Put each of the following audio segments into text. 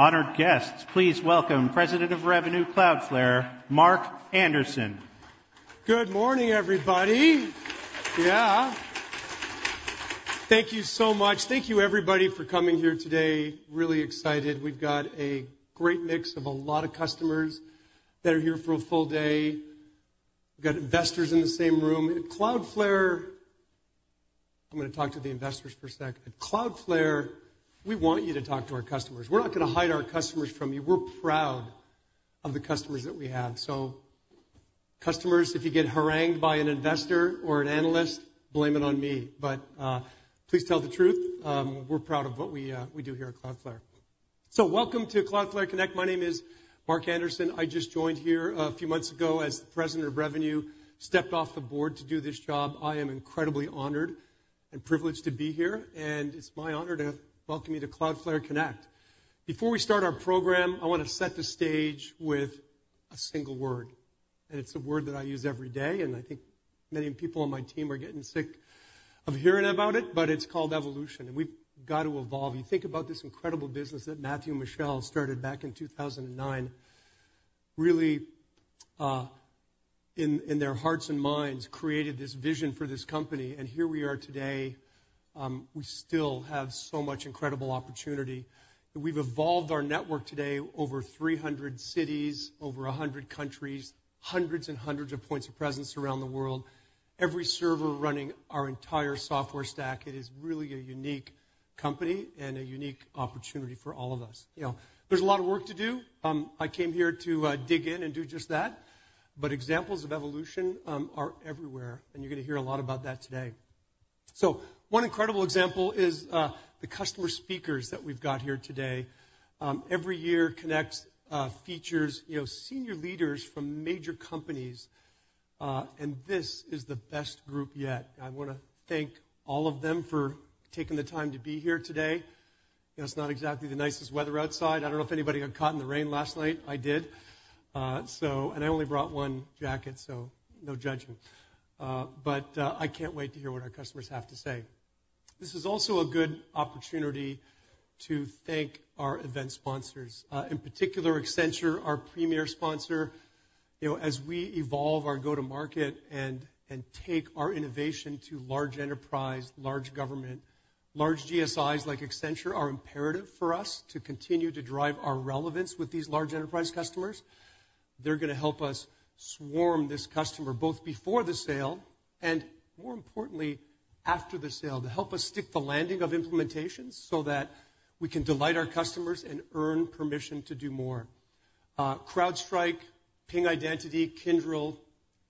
Honored guests, please welcome President of Revenue, Cloudflare, Mark Anderson. Good morning, everybody. Yeah. Thank you so much. Thank you, everybody, for coming here today. Really excited. We've got a great mix of a lot of customers that are here for a full day. We've got investors in the same room. At Cloudflare, I'm gonna talk to the investors for a sec. At Cloudflare, we want you to talk to our customers. We're not gonna hide our customers from you. We're proud of the customers that we have. So, customers, if you get harangued by an investor or an analyst, blame it on me, but please tell the truth. We're proud of what we do here at Cloudflare. So welcome to Cloudflare Connect. My name is Mark Anderson. I just joined here a few months ago as the President of Revenue, stepped off the board to do this job. I am incredibly honored and privileged to be here, and it's my honor to welcome you to Cloudflare Connect. Before we start our program, I wanna set the stage with a single word, and it's a word that I use every day, and I think many people on my team are getting sick of hearing about it, but it's called evolution, and we've got to evolve. You think about this incredible business that Matthew and Michelle started back in 2009. Really, in their hearts and minds, created this vision for this company, and here we are today, we still have so much incredible opportunity. We've evolved our network today, over 300 cities, over 100 countries, hundreds and hundreds of points of presence around the world. Every server running our entire software stack, it is really a unique company and a unique opportunity for all of us. You know, there's a lot of work to do. I came here to dig in and do just that, but examples of evolution are everywhere, and you're gonna hear a lot about that today. So one incredible example is the customer speakers that we've got here today. Every year, Connect features, you know, senior leaders from major companies, and this is the best group yet. I wanna thank all of them for taking the time to be here today. You know, it's not exactly thsue nicest weather outside. I don't know if anybody got caught in the rain last night. I did. And I only brought one jacket, so no judging. I can't wait to hear what our customers have to say. This is also a good opportunity to thank our event sponsors, in particular, Accenture, our premier sponsor. You know, as we evolve our go-to-market and take our innovation to large enterprise, large government, large GSIs, like Accenture, are imperative for us to continue to drive our relevance with these large enterprise customers. They're gonna help us swarm this customer, both before the sale and, more importantly, after the sale, to help us stick the landing of implementations so that we can delight our customers and earn permission to do more. CrowdStrike, Ping Identity, Kyndryl,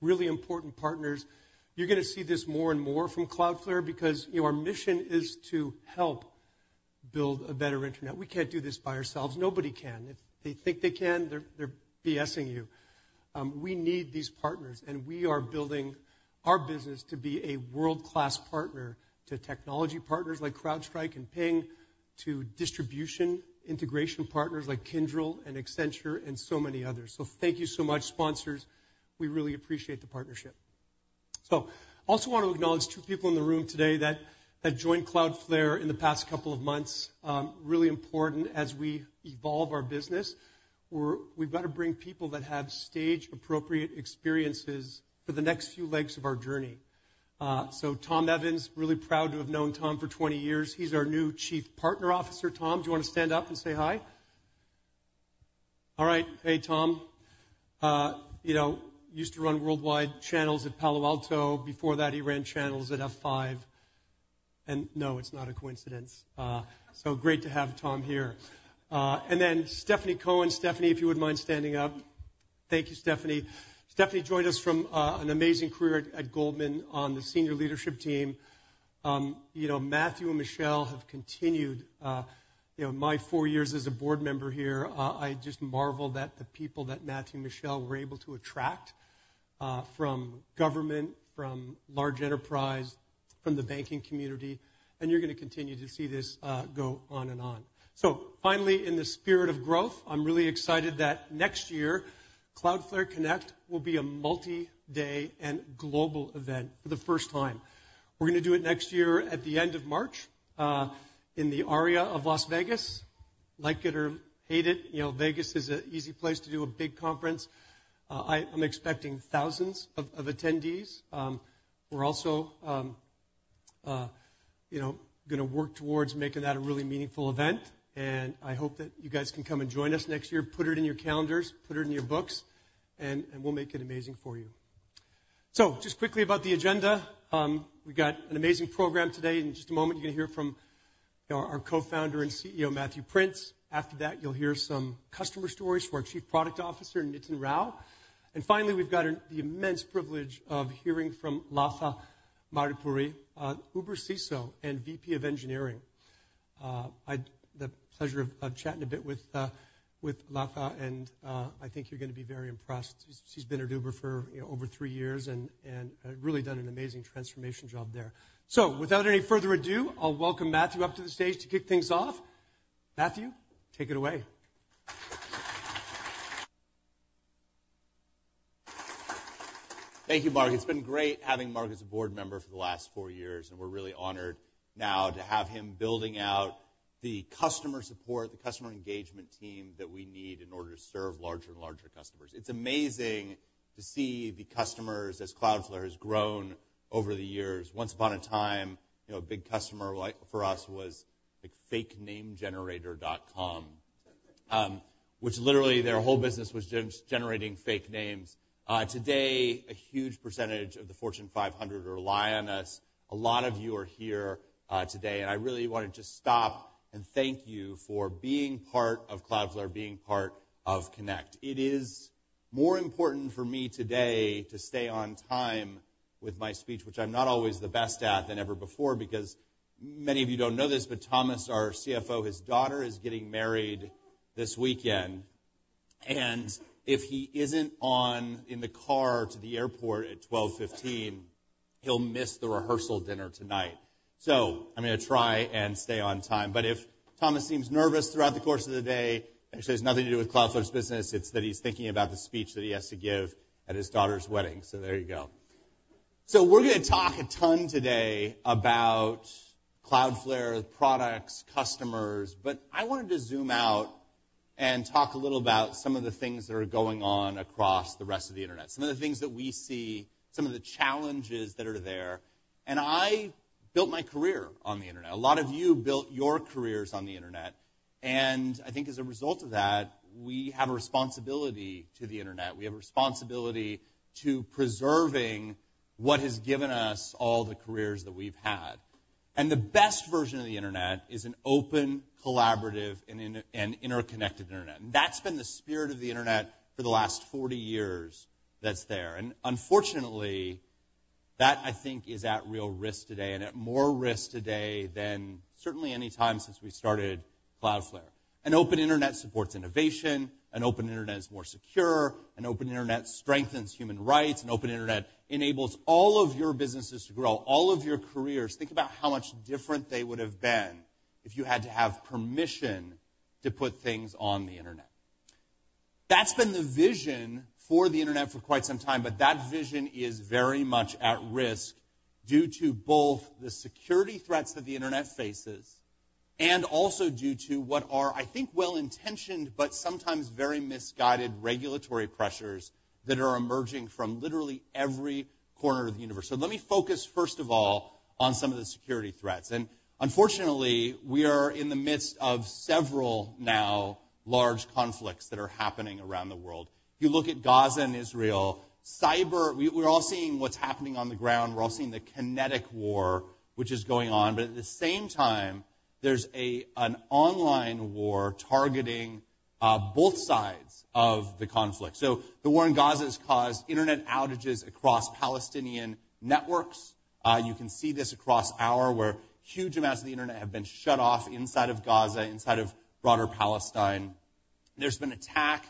really important partners. You're gonna see this more and more from Cloudflare because, you know, our mission is to help build a better internet. We can't do this by ourselves. Nobody can. If they think they can, they're BSing you. We need these partners, and we are building our business to be a world-class partner to technology partners like CrowdStrike and Ping, to distribution, integration partners like Kyndryl and Accenture, and so many others. Thank you so much, sponsors. We really appreciate the partnership. I also want to acknowledge two people in the room today that joined Cloudflare in the past couple of months. Really important as we evolve our business. We've got to bring people that have stage-appropriate experiences for the next few legs of our journey. So Tom Evans, really proud to have known Tom for 20 years. He's our new Chief Partner Officer. Tom, do you want to stand up and say hi? All right. Hey, Tom. You know, used to run worldwide channels at Palo Alto. Before that, he ran channels at F5. No, it's not a coincidence. So great to have Tom here. And then Stephanie Cohen. Stephanie, if you would mind standing up. Thank you, Stephanie. Stephanie joined us from an amazing career at Goldman on the senior leadership team. You know, Matthew and Michelle have continued. You know, my four years as a board member here, I just marvel that the people that Matthew and Michelle were able to attract from government, from large enterprise, from the banking community, and you're gonna continue to see this go on and on. So finally, in the spirit of growth, I'm really excited that next year, Cloudflare Connect will be a multi-day and global event for the first time. We're gonna do it next year at the end of March in the area of Las Vegas. Like it or hate it, you know, Vegas is an easy place to do a big conference. I'm expecting thousands of attendees. We're also, you know, gonna work towards making that a really meaningful event, and I hope that you guys can come and join us next year. Put it in your calendars, put it in your books, and we'll make it amazing for you. So just quickly about the agenda. We've got an amazing program today. In just a moment, you're gonna hear from our co-founder and CEO, Matthew Prince. After that, you'll hear some customer stories from our Chief Product Officer, Nitin Rao. Finally, we've got the immense privilege of hearing from Latha Maripuri, Uber CISO and VP of Engineering. I had the pleasure of chatting a bit with Latha, and I think you're gonna be very impressed. She's been at Uber for, you know, over three years and really done an amazing transformation job there. So without any further ado, I'll welcome Matthew up to the stage to kick things off. Matthew, take it away. Thank you, Mark. It's been great having Mark as a board member for the last four years, and we're really honored now to have him building out the customer support, the customer engagement team that we need in order to serve larger and larger customers. It's amazing to see the customers as Cloudflare has grown over the years. Once upon a time, you know, a big customer, like, for us was, like, FakeNameGenerator.com, which literally their whole business was just generating fake names. Today, a huge percentage of the Fortune 500 rely on us. A lot of you are here, today, and I really want to just stop and thank you for being part of Cloudflare, being part of Connect. It is more important for me today to stay on time with my speech, which I'm not always the best at, than ever before, because many of you don't know this, but Thomas, our CFO, his daughter is getting married this weekend, and if he isn't in the car to the airport at 12:15 P.M., he'll miss the rehearsal dinner tonight. So I'm gonna try and stay on time, but if Thomas seems nervous throughout the course of the day, actually, it has nothing to do with Cloudflare's business, it's that he's thinking about the speech that he has to give at his daughter's wedding. So there you go. So we're gonna talk a ton today about Cloudflare products, customers, but I wanted to zoom out and talk a little about some of the things that are going on across the rest of the internet. Some of the things that we see, some of the challenges that are there, and I built my career on the internet. A lot of you built your careers on the internet, and I think as a result of that, we have a responsibility to the internet. We have a responsibility to preserving what has given us all the careers that we've had. The best version of the internet is an open, collaborative, and an interconnected internet. That's been the spirit of the internet for the last 40 years that's there. Unfortunately, that, I think, is at real risk today, and at more risk today than certainly any time since we started Cloudflare. An open internet supports innovation, an open internet is more secure, an open internet strengthens human rights, an open internet enables all of your businesses to grow, all of your careers. Think about how much different they would have been if you had to have permission to put things on the internet. That's been the vision for the internet for quite some time, but that vision is very much at risk due to both the security threats that the internet faces and also due to what are, I think, well-intentioned, but sometimes very misguided regulatory pressures that are emerging from literally every corner of the universe. So let me focus, first of all, on some of the security threats. And unfortunately, we are in the midst of several now large conflicts that are happening around the world. If you look at Gaza and Israel, cyber. We're all seeing what's happening on the ground. We're all seeing the kinetic war, which is going on, but at the same time, there's an online war targeting both sides of the conflict. So the war in Gaza has caused internet outages across Palestinian networks. You can see this across our world. Huge amounts of the internet have been shut off inside of Gaza, inside of broader Palestine. There's been attack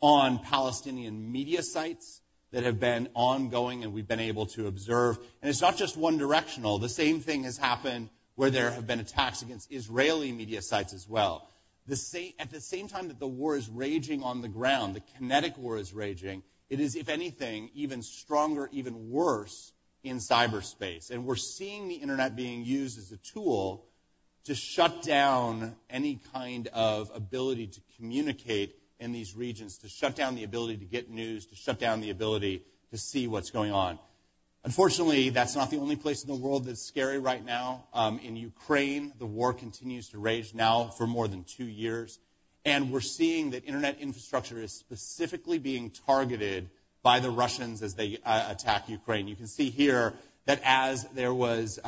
on Palestinian media sites that have been ongoing, and we've been able to observe. And it's not just one directional. The same thing has happened where there have been attacks against Israeli media sites as well. At the same time that the war is raging on the ground, the kinetic war is raging, it is, if anything, even stronger, even worse in cyberspace. And we're seeing the internet being used as a tool to shut down any kind of ability to communicate in these regions, to shut down the ability to get news, to shut down the ability to see what's going on. Unfortunately, that's not the only place in the world that's scary right now. In Ukraine, the war continues to rage now for more than two years, and we're seeing that internet infrastructure is specifically being targeted by the Russians as they attack Ukraine. You can see here that as there was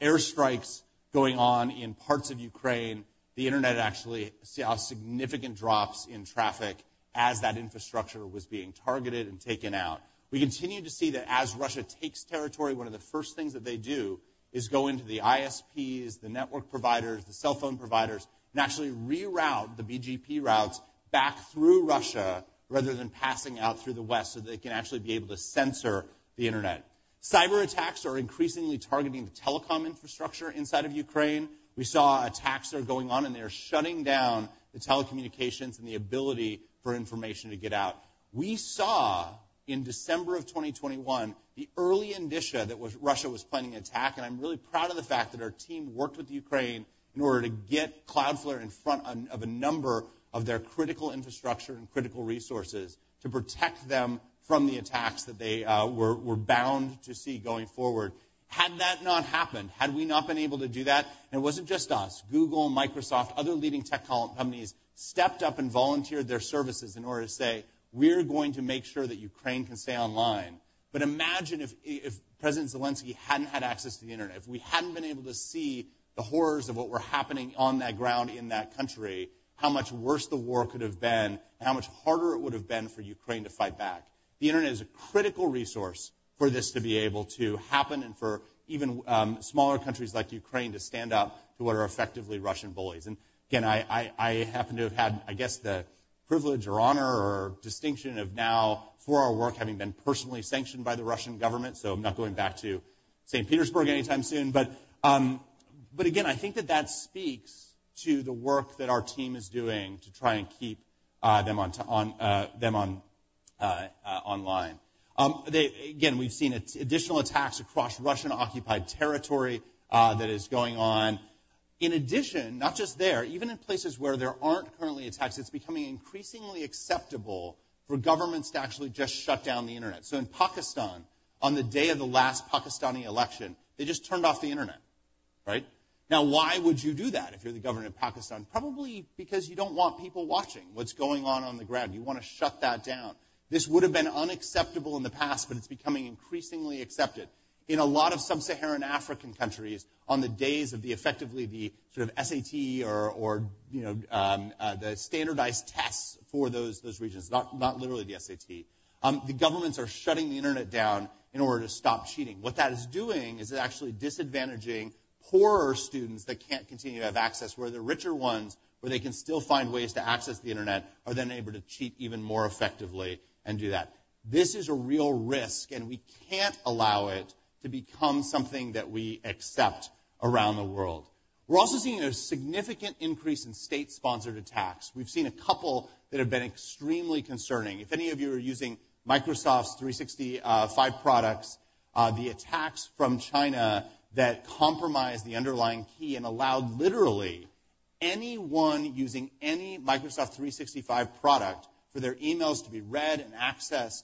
airstrikes going on in parts of Ukraine, the internet actually saw significant drops in traffic as that infrastructure was being targeted and taken out. We continue to see that as Russia takes territory, one of the first things that they do is go into the ISPs, the network providers, the cell phone providers, and actually reroute the BGP routes back through Russia rather than passing out through the West, so they can actually be able to censor the internet. Cyberattacks are increasingly targeting the telecom infrastructure inside of Ukraine. We saw attacks that are going on, and they're shutting down the telecommunications and the ability for information to get out. We saw in December of 2021, the early indicia that was—Russia was planning an attack, and I'm really proud of the fact that our team worked with Ukraine in order to get Cloudflare in front of a number of their critical infrastructure and critical resources to protect them from the attacks that they were, were bound to see going forward. Had that not happened, had we not been able to do that. And it wasn't just us. Google, Microsoft, other leading tech companies stepped up and volunteered their services in order to say, "We're going to make sure that Ukraine can stay online." But imagine if President Zelenskyy hadn't had access to the internet, if we hadn't been able to see the horrors of what were happening on that ground in that country, how much worse the war could have been, and how much harder it would have been for Ukraine to fight back. The internet is a critical resource for this to be able to happen and for even smaller countries like Ukraine to stand up to what are effectively Russian bullies. And again, I happen to have had, I guess, the privilege or honor or distinction of now for our work, having been personally sanctioned by the Russian government. So I'm not going back to St. St. Petersburg anytime soon, but again, I think that speaks to the work that our team is doing to try and keep them online. Again, we've seen additional attacks across Russian-occupied territory that is going on. In addition, not just there, even in places where there aren't currently attacks, it's becoming increasingly acceptable for governments to actually just shut down the internet. So in Pakistan, on the day of the last Pakistani election, they just turned off the internet, right? Now, why would you do that if you're the government of Pakistan? Probably because you don't want people watching what's going on on the ground. You want to shut that down. This would have been unacceptable in the past, but it's becoming increasingly accepted. In a lot of sub-Saharan African countries, on the days of the sort of SAT, you know, the standardized tests for those regions, not literally the SAT, the governments are shutting the internet down in order to stop cheating. What that is doing is it actually disadvantaging poorer students that can't continue to have access, where the richer ones, where they can still find ways to access the internet, are then able to cheat even more effectively and do that. This is a real risk, and we can't allow it to become something that we accept around the world. We're also seeing a significant increase in state-sponsored attacks. We've seen a couple that have been extremely concerning. If any of you are using Microsoft's 365 products, the attacks from China that compromised the underlying key and allowed literally anyone using any Microsoft 365 product for their emails to be read and accessed,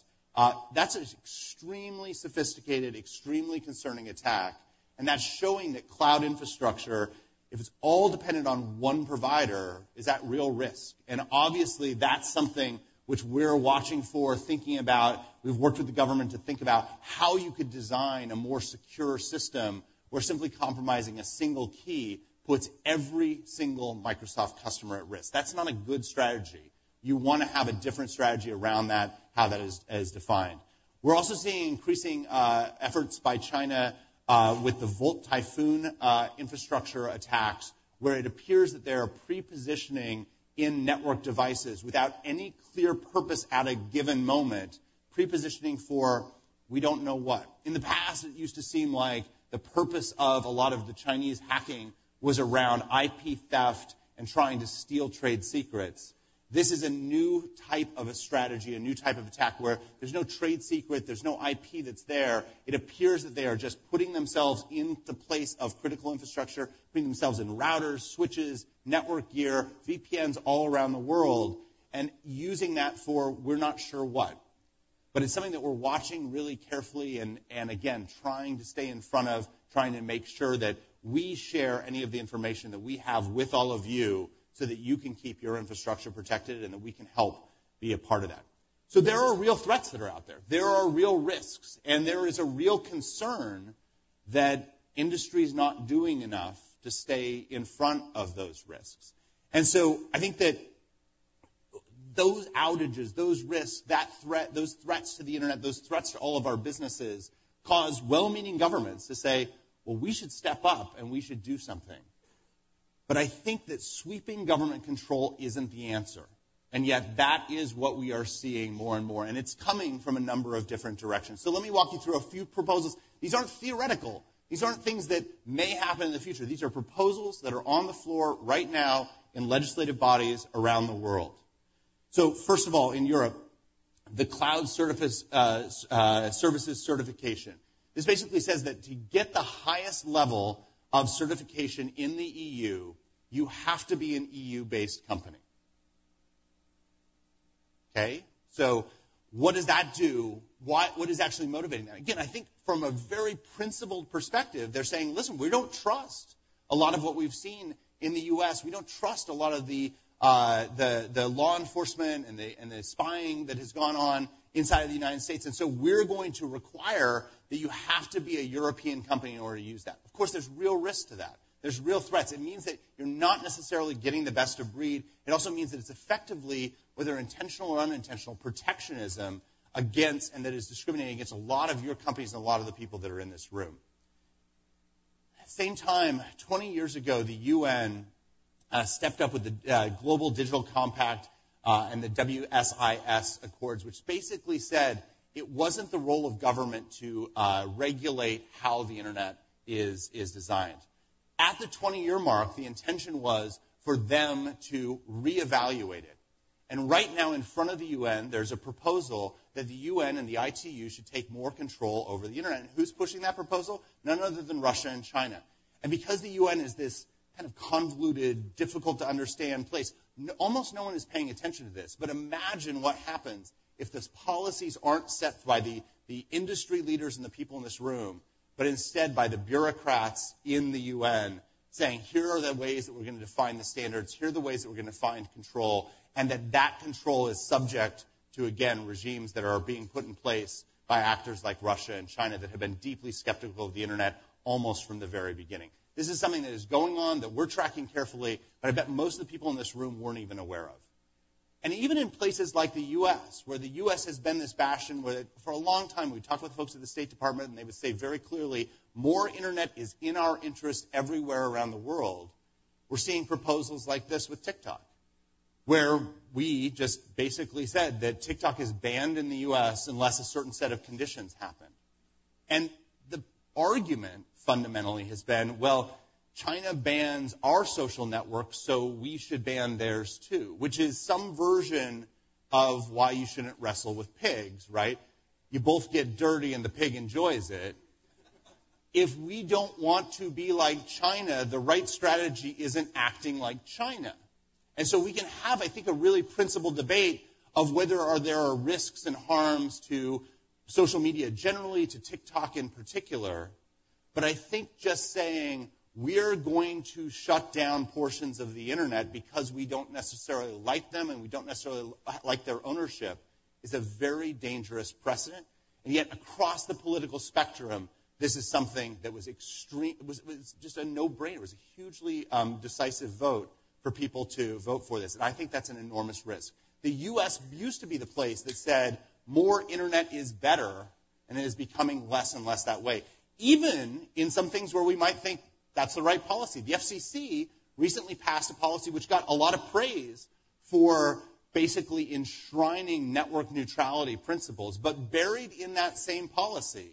that's an extremely sophisticated, extremely concerning attack, and that's showing that cloud infrastructure, if it's all dependent on one provider, is at real risk. And obviously, that's something which we're watching for, thinking about. We've worked with the government to think about how you could design a more secure system, where simply compromising a single key puts every single Microsoft customer at risk. That's not a good strategy. You want to have a different strategy around that, how that is, is defined. We're also seeing increasing efforts by China with the Volt Typhoon infrastructure attacks, where it appears that they are pre-positioning in network devices without any clear purpose at a given moment, pre-positioning for we don't know what. In the past, it used to seem like the purpose of a lot of the Chinese hacking was around IP theft and trying to steal trade secrets. This is a new type of a strategy, a new type of attack, where there's no trade secret, there's no IP that's there. It appears that they are just putting themselves in the place of critical infrastructure, putting themselves in routers, switches, network gear, VPNs all around the world, and using that for, we're not sure what. But it's something that we're watching really carefully and again, trying to stay in front of, trying to make sure that we share any of the information that we have with all of you, so that you can keep your infrastructure protected and that we can help be a part of that. So there are real threats that are out there. There are real risks, and there is a real concern that industry is not doing enough to stay in front of those risks. And so I think that those outages, those risks, that threat, those threats to the internet, those threats to all of our businesses, cause well-meaning governments to say, "Well, we should step up, and we should do something." But I think that sweeping government control isn't the answer. And yet that is what we are seeing more and more, and it's coming from a number of different directions. So let me walk you through a few proposals. These aren't theoretical. These aren't things that may happen in the future. These are proposals that are on the floor right now in legislative bodies around the world. So first of all, in Europe, the Cloud Certification Services Certification. This basically says that to get the highest level of certification in the E.U., you have to be an E.U.-based company. Okay, so what does that do? What, what is actually motivating that? Again, I think from a very principled perspective, they're saying: Listen, we don't trust a lot of what we've seen in the U.S. We don't trust a lot of the law enforcement and the spying that has gone on inside of the United States, and so we're going to require that you have to be a European company in order to use that. Of course, there's real risk to that. There's real threats. It means that you're not necessarily getting the best of breed. It also means that it's effectively, whether intentional or unintentional protectionism, against and that is discriminating against a lot of your companies and a lot of the people that are in this room. At the same time, 20 years ago, the UN stepped up with the Global Digital Compact and the WSIS accords, which basically said it wasn't the role of government to regulate how the internet is designed. At the 20-year mark, the intention was for them to reevaluate it. Right now, in front of the UN, there's a proposal that the UN and the ITU should take more control over the internet. Who's pushing that proposal? None other than Russia and China. Because the UN is this kind of convoluted, difficult-to-understand place, almost no one is paying attention to this. Imagine what happens if those policies aren't set by the, the industry leaders and the people in this room, but instead by the bureaucrats in the UN saying, "Here are the ways that we're going to define the standards, here are the ways that we're going to find control," and that that control is subject to, again, regimes that are being put in place by actors like Russia and China that have been deeply skeptical of the internet almost from the very beginning. This is something that is going on, that we're tracking carefully, but I bet most of the people in this room weren't even aware of. And even in places like the U.S., where the U.S. has been this bastion, where for a long time, we talked with folks at the State Department, and they would say very clearly, "More internet is in our interest everywhere around the world," we're seeing proposals like this with TikTok where we just basically said that TikTok is banned in the U.S. unless a certain set of conditions happen. And the argument fundamentally has been, well, China bans our social networks, so we should ban theirs, too, which is some version of why you shouldn't wrestle with pigs, right? You both get dirty, and the pig enjoys it. If we don't want to be like China, the right strategy isn't acting like China. So we can have, I think, a really principled debate of whether there are risks and harms to social media generally, to TikTok in particular. But I think just saying we're going to shut down portions of the internet because we don't necessarily like them and we don't necessarily like their ownership is a very dangerous precedent. And yet, across the political spectrum, this is something that was extreme. It was just a no-brainer. It was a hugely decisive vote for people to vote for this, and I think that's an enormous risk. The U.S. used to be the place that said, more internet is better, and it is becoming less and less that way, even in some things where we might think that's the right policy. The FCC recently passed a policy which got a lot of praise for basically enshrining network neutrality principles, but buried in that same policy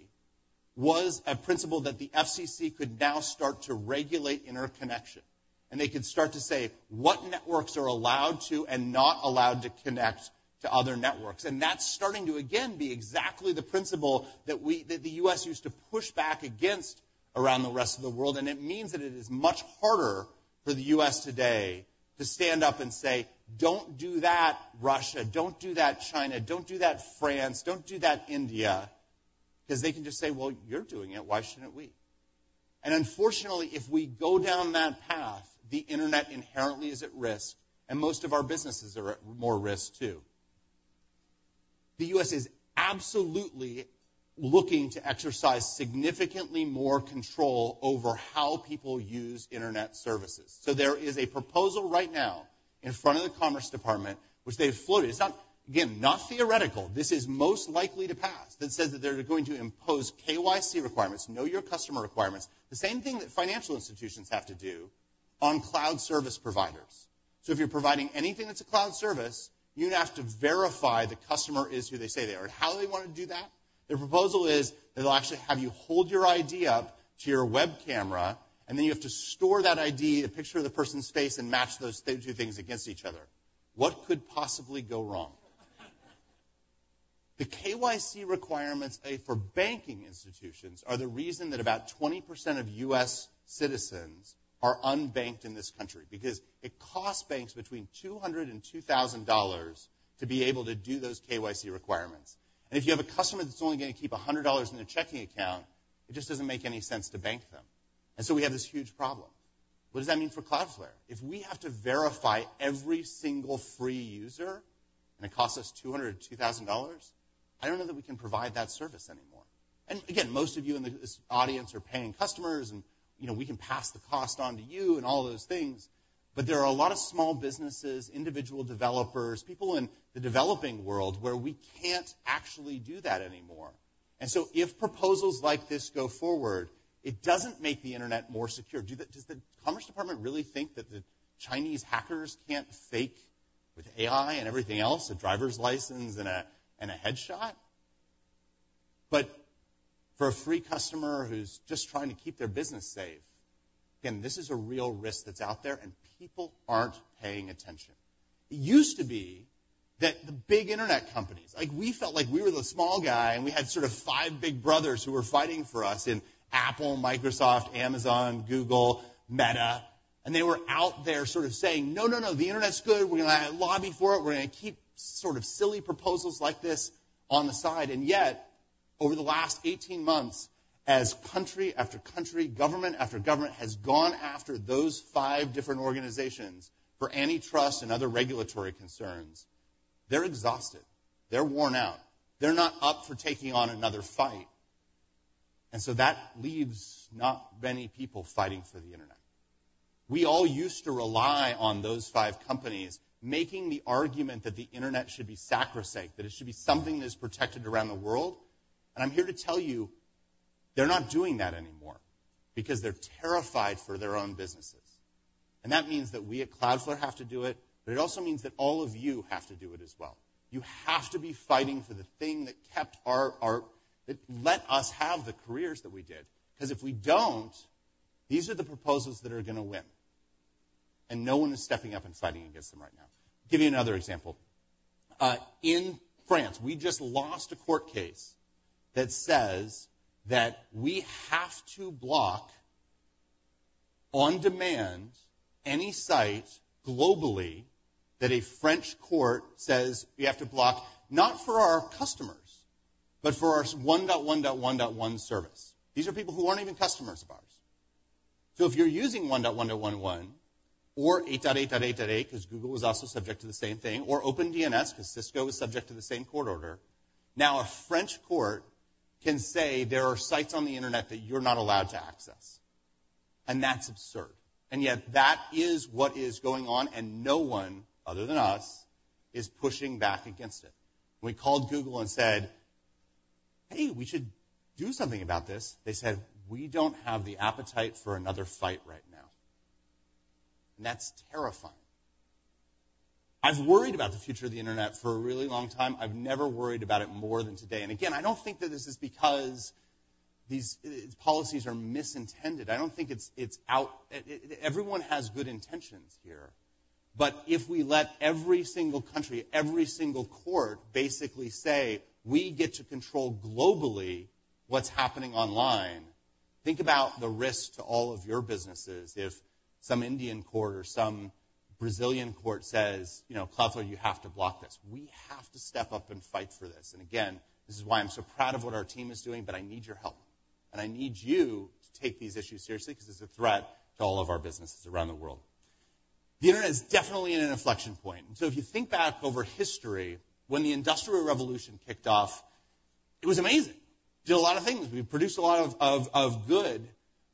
was a principle that the FCC could now start to regulate interconnection, and they could start to say what networks are allowed to and not allowed to connect to other networks. And that's starting to, again, be exactly the principle that the US used to push back against around the rest of the world, and it means that it is much harder for the US today to stand up and say, "Don't do that, Russia. Don't do that, China. Don't do that, France. Don't do that, India," because they can just say, "Well, you're doing it, why shouldn't we?" And unfortunately, if we go down that path, the internet inherently is at risk, and most of our businesses are at more risk, too. The U.S. is absolutely looking to exercise significantly more control over how people use internet services. So there is a proposal right now in front of the Commerce Department, which they've floated. It's not. Again, not theoretical. This is most likely to pass. That says that they're going to impose KYC requirements, Know Your Customer requirements, the same thing that financial institutions have to do on cloud service providers. So if you're providing anything that's a cloud service, you're gonna have to verify the customer is who they say they are. And how they want to do that? Their proposal is they'll actually have you hold your ID up to your web camera, and then you have to store that ID, a picture of the person's face, and match those two things against each other. What could possibly go wrong? The KYC requirements for banking institutions are the reason that about 20% of U.S. citizens are unbanked in this country, because it costs banks between $200 and $2,000 to be able to do those KYC requirements. If you have a customer that's only going to keep $100 in a checking account, it just doesn't make any sense to bank them. So we have this huge problem. What does that mean for Cloudflare? If we have to verify every single free user, and it costs us $200-$2,000, I don't know that we can provide that service anymore. And again, most of you in this audience are paying customers, and, you know, we can pass the cost on to you and all those things, but there are a lot of small businesses, individual developers, people in the developing world, where we can't actually do that anymore. And so if proposals like this go forward, it doesn't make the internet more secure. Does the Commerce Department really think that the Chinese hackers can't fake with AI and everything else, a driver's license and a, and a headshot? But for a free customer who's just trying to keep their business safe, again, this is a real risk that's out there, and people aren't paying attention. It used to be that the big internet companies, like, we felt like we were the small guy, and we had sort of 5 big brothers who were fighting for us in Apple, Microsoft, Amazon, Google, Meta, and they were out there sort of saying, "No, no, no, the internet's good. We're gonna lobby for it. We're gonna keep sort of silly proposals like this on the side." And yet, over the last 18 months, as country after country, government after government, has gone after those five different organizations for antitrust and other regulatory concerns, they're exhausted. They're worn out. They're not up for taking on another fight. And so that leaves not many people fighting for the internet. We all used to rely on those five companies, making the argument that the internet should be sacrosanct, that it should be something that is protected around the world. I'm here to tell you, they're not doing that anymore because they're terrified for their own businesses. That means that we at Cloudflare have to do it, but it also means that all of you have to do it as well. You have to be fighting for the thing that kept our that let us have the careers that we did, because if we don't, these are the proposals that are gonna win, and no one is stepping up and fighting against them right now. I'll give you another example. In France, we just lost a court case that says that we have to block on demand any site globally that a French court says we have to block, not for our customers, but for our 1.1.1.1 service. These are people who aren't even customers of ours. So if you're using 1.1.1.1 or 8.8.8.8, 'cause Google was also subject to the same thing, or OpenDNS, 'cause Cisco is subject to the same court order, now, a French court can say there are sites on the internet that you're not allowed to access. And that's absurd. And yet that is what is going on, and no one, other than us, is pushing back against it. We called Google and said, "Hey, we should do something about this." They said, "We don't have the appetite for another fight right now." And that's terrifying. I've worried about the future of the internet for a really long time. I've never worried about it more than today. And again, I don't think that this is because these policies are misintended. I don't think it's—Everyone has good intentions here. But if we let every single country, every single court, basically say, "We get to control globally what's happening online," think about the risk to all of your businesses if some Indian court or some Brazilian court says, you know, "Cloudflare, you have to block this." We have to step up and fight for this. And again, this is why I'm so proud of what our team is doing, but I need your help, and I need you to take these issues seriously, because it's a threat to all of our businesses around the world. The internet is definitely in an inflection point. And so if you think back over history, when the Industrial Revolution kicked off, it was amazing. Did a lot of things. We produced a lot of good,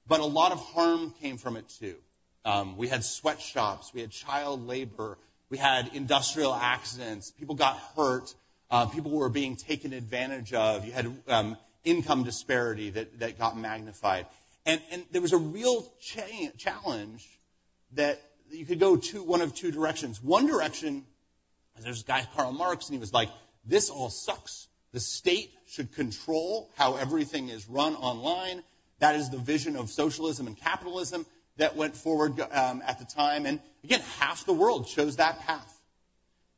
but a lot of harm came from it, too. We had sweatshops, we had child labor, we had industrial accidents. People got hurt, people were being taken advantage of. You had income disparity that got magnified. And there was a real challenge that you could go one of two directions. One direction, there's this guy, Karl Marx, and he was like: "This all sucks. The state should control how everything is run online." That is the vision of socialism and capitalism that went forward, at the time, and again, half the world chose that path.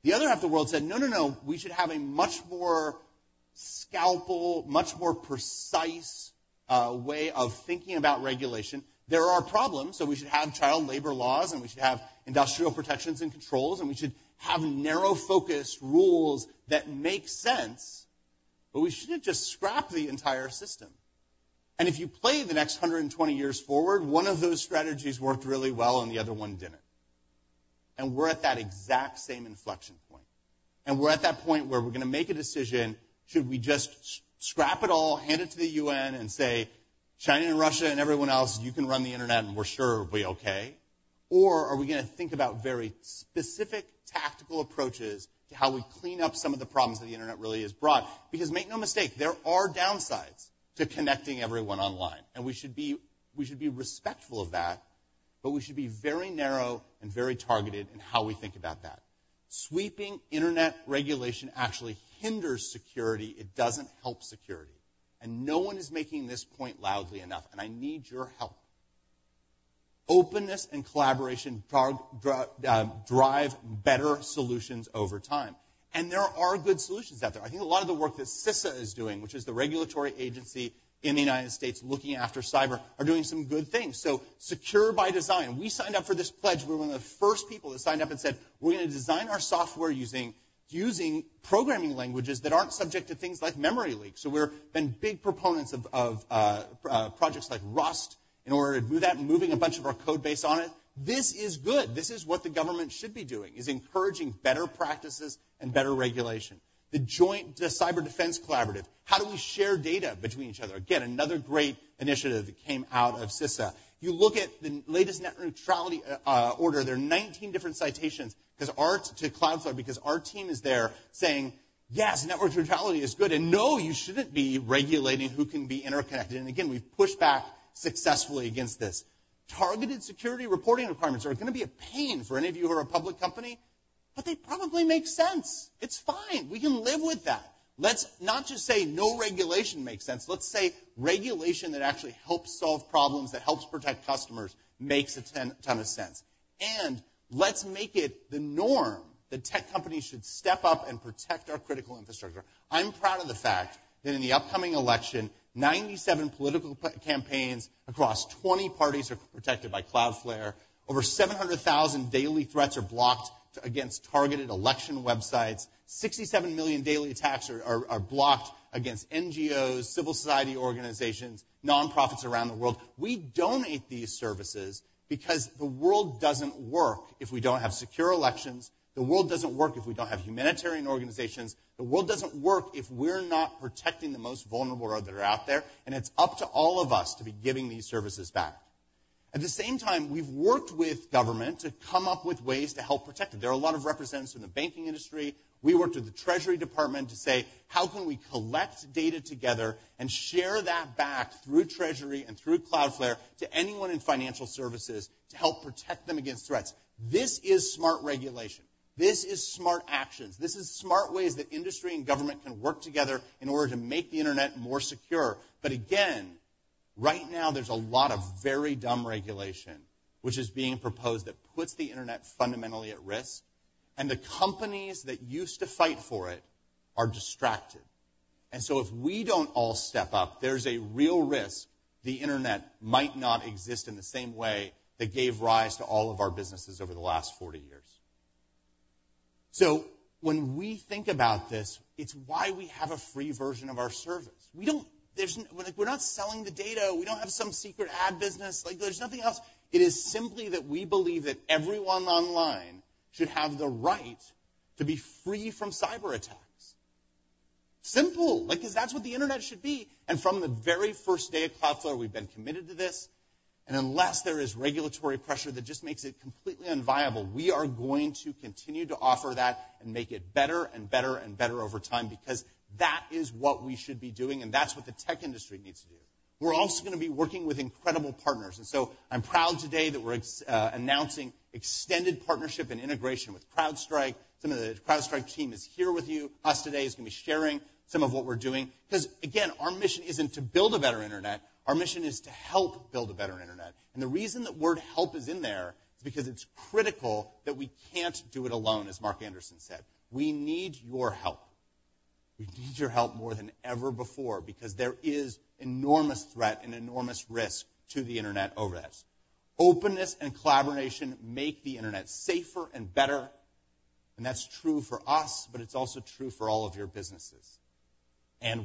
The other half of the world said, "No, no, no, we should have a much more scalpel, much more precise way of thinking about regulation. There are problems, so we should have child labor laws, and we should have industrial protections and controls, and we should have narrow-focused rules that make sense, but we shouldn't just scrap the entire system. And if you play the next 120 years forward, one of those strategies worked really well, and the other one didn't. And we're at that exact same inflection point, and we're at that point where we're gonna make a decision. Should we just scrap it all, hand it to the UN and say, "China and Russia and everyone else, you can run the internet, and we're sure it'll be okay?" Or are we gonna think about very specific tactical approaches to how we clean up some of the problems that the internet really has brought? Because make no mistake, there are downsides to connecting everyone online, and we should be respectful of that, but we should be very narrow and very targeted in how we think about that. Sweeping internet regulation actually hinders security. It doesn't help security, and no one is making this point loudly enough, and I need your help. Openness and collaboration drive better solutions over time, and there are good solutions out there. I think a lot of the work that CISA is doing, which is the regulatory agency in the United States looking after cyber, are doing some good things. So Secure by Design. We signed up for this pledge. We were one of the first people that signed up and said, "We're gonna design our software using, using programming languages that aren't subject to things like memory leaks." So we're been big proponents of, of, projects like Rust in order to do that, moving a bunch of our code base on it. This is good. This is what the government should be doing, is encouraging better practices and better regulation. The Joint Cyber Defense Collaborative. How do we share data between each other? Again, another great initiative that came out of CISA. You look at the latest net neutrality order, there are 19 different citations, because our-- to Cloudflare, because our team is there saying, "Yes, network neutrality is good, and, no, you shouldn't be regulating who can be interconnected." And again, we've pushed back successfully against this. Targeted security reporting requirements are gonna be a pain for any of you who are a public company, but they probably make sense. It's fine. We can live with that. Let's not just say no regulation makes sense. Let's say regulation that actually helps solve problems, that helps protect customers, makes a ton, ton of sense. And let's make it the norm that tech companies should step up and protect our critical infrastructure. I'm proud of the fact that in the upcoming election, 97 political campaigns across 20 parties are protected by Cloudflare. Over 700,000 daily threats are blocked against targeted election websites. 67 million daily attacks are blocked against NGOs, civil society organizations, nonprofits around the world. We donate these services because the world doesn't work if we don't have secure elections, the world doesn't work if we don't have humanitarian organizations, the world doesn't work if we're not protecting the most vulnerable that are out there, and it's up to all of us to be giving these services back. At the same time, we've worked with government to come up with ways to help protect it. There are a lot of representatives from the banking industry. We worked with the Treasury Department to say: How can we collect data together and share that back through Treasury and through Cloudflare to anyone in financial services to help protect them against threats? This is smart regulation. This is smart actions. This is smart ways that industry and government can work together in order to make the internet more secure. But again, right now, there's a lot of very dumb regulation which is being proposed that puts the internet fundamentally at risk, and the companies that used to fight for it are distracted. So if we don't all step up, there's a real risk the internet might not exist in the same way that gave rise to all of our businesses over the last 40 years. So when we think about this, it's why we have a free version of our service. We're not selling the data. We don't have some secret ad business, like, there's nothing else. It is simply that we believe that everyone online should have the right to be free from cyberattacks. Simple. Like, 'cause that's what the internet should be, and from the very first day at Cloudflare, we've been committed to this. Unless there is regulatory pressure that just makes it completely unviable, we are going to continue to offer that and make it better and better and better over time, because that is what we should be doing, and that's what the tech industry needs to do. We're also gonna be working with incredible partners, and so I'm proud today that we're announcing extended partnership and integration with CrowdStrike. Some of the CrowdStrike team is here with us today, is gonna be sharing some of what we're doing, because, again, our mission isn't to build a better internet, our mission is to help build a better internet. And the reason the word help is in there is because it's critical that we can't do it alone, as Mark Anderson said. We need your help. We need your help more than ever before, because there is enormous threat and enormous risk to the internet over this. Openness and collaboration make the internet safer and better, and that's true for us, but it's also true for all of your businesses.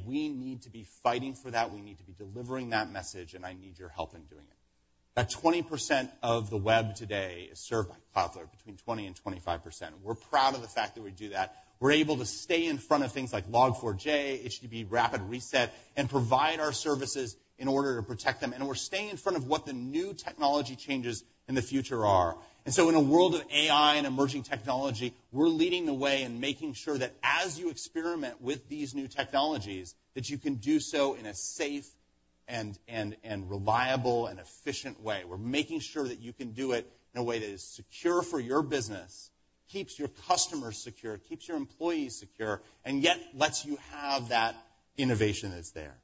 We need to be fighting for that. We need to be delivering that message, and I need your help in doing it. About 20% of the web today is served by Cloudflare, between 20% and 25%. We're proud of the fact that we do that. We're able to stay in front of things like Log4j, HTTP Rapid Reset, and provide our services in order to protect them. We're staying in front of what the new technology changes in the future are. And so in a world of AI and emerging technology, we're leading the way in making sure that as you experiment with these new technologies, that you can do so in a safe and reliable and efficient way. We're making sure that you can do it in a way that is secure for your business, keeps your customers secure, keeps your employees secure, and yet lets you have that innovation that's there.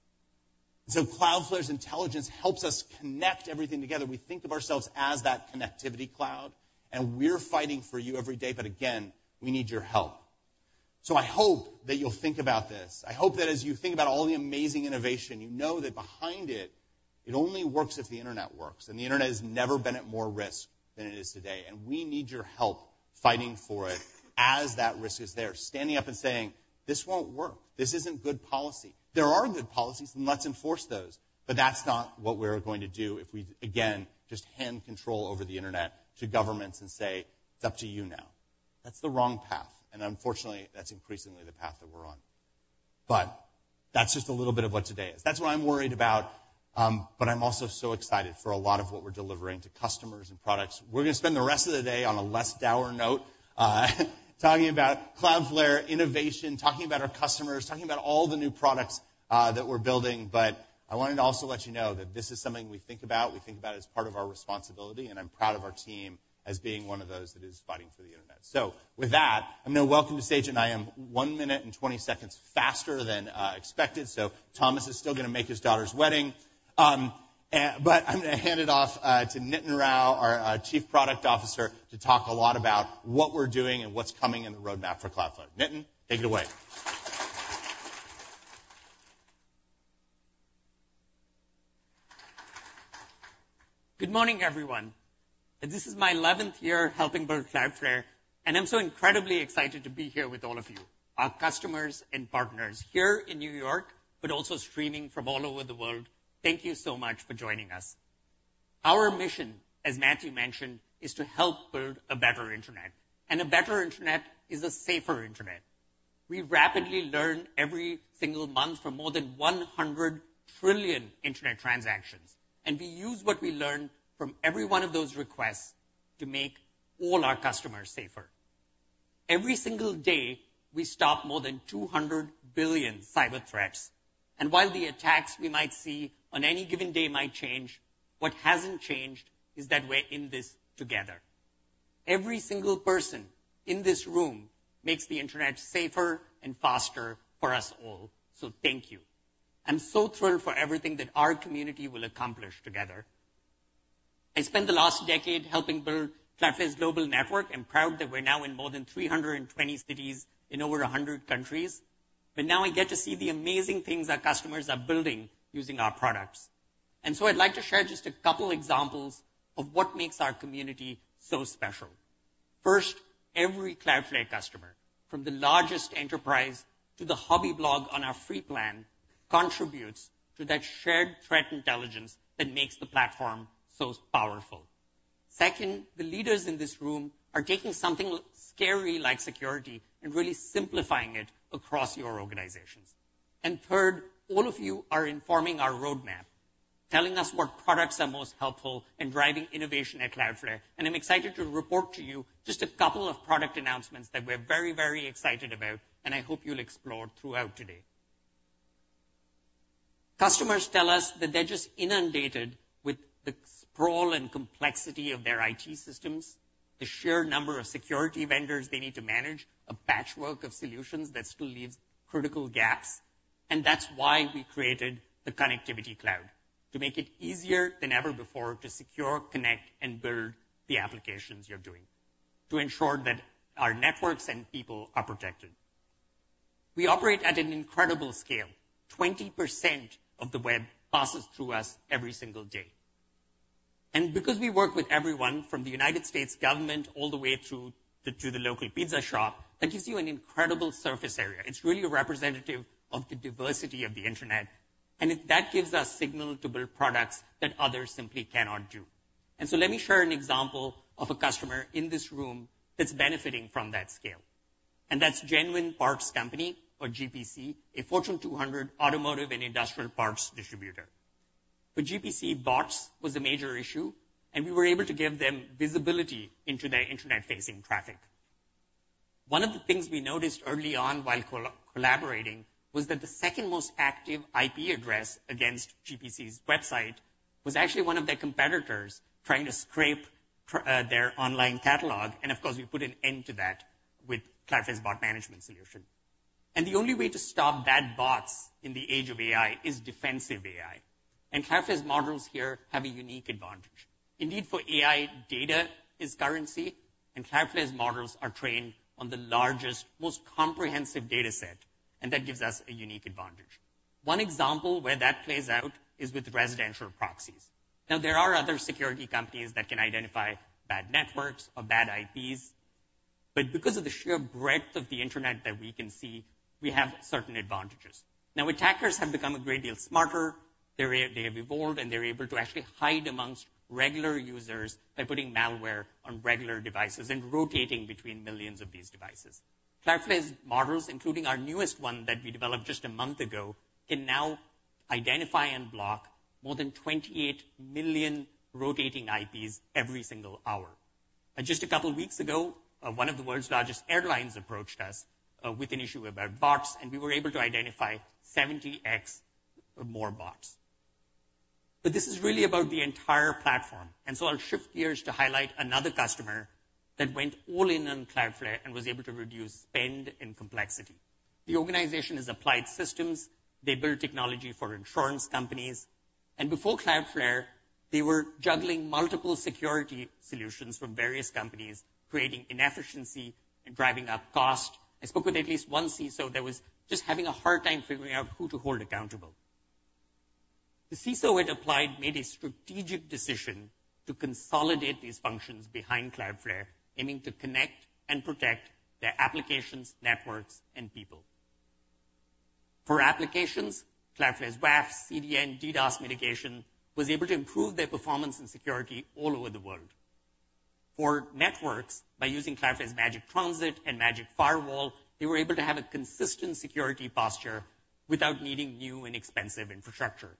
So Cloudflare's intelligence helps us connect everything together. We think of ourselves as that Connectivity Cloud, and we're fighting for you every day, but again, we need your help. So I hope that you'll think about this. I hope that as you think about all the amazing innovation, you know that behind it, it only works if the internet works, and the internet has never been at more risk than it is today. And we need your help fighting for it as that risk is there, standing up and saying, "This won't work. This isn't good policy." There are good policies, and let's enforce those, but that's not what we're going to do if we, again, just hand control over the internet to governments and say, "It's up to you now." That's the wrong path, and unfortunately, that's increasingly the path that we're on. But that's just a little bit of what today is. That's what I'm worried about, but I'm also so excited for a lot of what we're delivering to customers and products. We're gonna spend the rest of the day on a less dour note, talking about Cloudflare innovation, talking about our customers, talking about all the new products that we're building. But I wanted to also let you know that this is something we think about, we think about as part of our responsibility, and I'm proud of our team as being one of those that is fighting for the internet. So with that, I'm going to welcome to stage, and I am 1 minute and 20 seconds faster than expected, so Thomas is still gonna make his daughter's wedding. But I'm gonna hand it off to Nitin Rao, our Chief Product Officer, to talk a lot about what we're doing and what's coming in the roadmap for Cloudflare. Nitin, take it away. Good morning, everyone. This is my eleventh year helping build Cloudflare, and I'm so incredibly excited to be here with all of you, our customers and partners here in New York, but also streaming from all over the world. Thank you so much for joining us. Our mission, as Matthew mentioned, is to help build a better internet, and a better internet is a safer internet. We rapidly learn every single month from more than 100 trillion internet transactions, and we use what we learn from every one of those requests to make all our customers safer. Every single day, we stop more than 200 billion cyber threats, and while the attacks we might see on any given day might change, what hasn't changed is that we're in this together. Every single person in this room makes the internet safer and faster for us all, so thank you. I'm so thrilled for everything that our community will accomplish together. I spent the last decade helping build Cloudflare's global network. I'm proud that we're now in more than 320 cities in over 100 countries. But now I get to see the amazing things our customers are building using our products. And so I'd like to share just a couple examples of what makes our community so special. First, every Cloudflare customer, from the largest enterprise to the hobby blog on our free plan, contributes to that shared threat intelligence that makes the platform so powerful. Second, the leaders in this room are taking something scary, like security, and really simplifying it across your organizations. And third, all of you are informing our roadmap, telling us what products are most helpful in driving innovation at Cloudflare. I'm excited to report to you just a couple of product announcements that we're very, very excited about, and I hope you'll explore throughout today. Customers tell us that they're just inundated with the sprawl and complexity of their IT systems, the sheer number of security vendors they need to manage, a patchwork of solutions that still leaves critical gaps. That's why we created the Connectivity Cloud, to make it easier than ever before to secure, connect, and build the applications you're doing, to ensure that our networks and people are protected. We operate at an incredible scale. 20% of the web passes through us every single day. Because we work with everyone, from the United States government all the way through to the local pizza shop, that gives you an incredible surface area. It's really representative of the diversity of the internet, and it, that gives us signal to build products that others simply cannot do. And so let me share an example of a customer in this room that's benefiting from that scale. And that's Genuine Parts Company or GPC, a Fortune 200 automotive and industrial parts distributor. For GPC, bots was a major issue, and we were able to give them visibility into their internet-facing traffic. One of the things we noticed early on while collaborating was that the second most active IP address against GPC's website was actually one of their competitors trying to scrape their online catalog, and of course, we put an end to that with Cloudflare's Bot Management solution. And the only way to stop bad bots in the age of AI is Defensive AI, and Cloudflare's models here have a unique advantage. Indeed, for AI, data is currency, and Cloudflare's models are trained on the largest, most comprehensive dataset, and that gives us a unique advantage. One example where that plays out is with residential proxies. Now, there are other security companies that can identify bad networks or bad IPs, but because of the sheer breadth of the internet that we can see, we have certain advantages. Now, attackers have become a great deal smarter. They have evolved, and they're able to actually hide amongst regular users by putting malware on regular devices and rotating between millions of these devices. Cloudflare's models, including our newest one that we developed just a month ago, can now identify and block more than 28 million rotating IPs every single hour. Just a couple of weeks ago, one of the world's largest airlines approached us with an issue about bots, and we were able to identify 70x or more bots. But this is really about the entire platform, and so I'll shift gears to highlight another customer that went all in on Cloudflare and was able to reduce spend and complexity. The organization is Applied Systems. They build technology for insurance companies, and before Cloudflare, they were juggling multiple security solutions from various companies, creating inefficiency and driving up cost. I spoke with at least one CISO that was just having a hard time figuring out who to hold accountable. The CISO at Applied made a strategic decision to consolidate these functions behind Cloudflare, aiming to connect and protect their applications, networks, and people. For applications, Cloudflare's WAF, CDN, DDoS mitigation was able to improve their performance and security all over the world. For networks, by using Cloudflare's Magic Transit and Magic Firewall, they were able to have a consistent security posture without needing new and expensive infrastructure.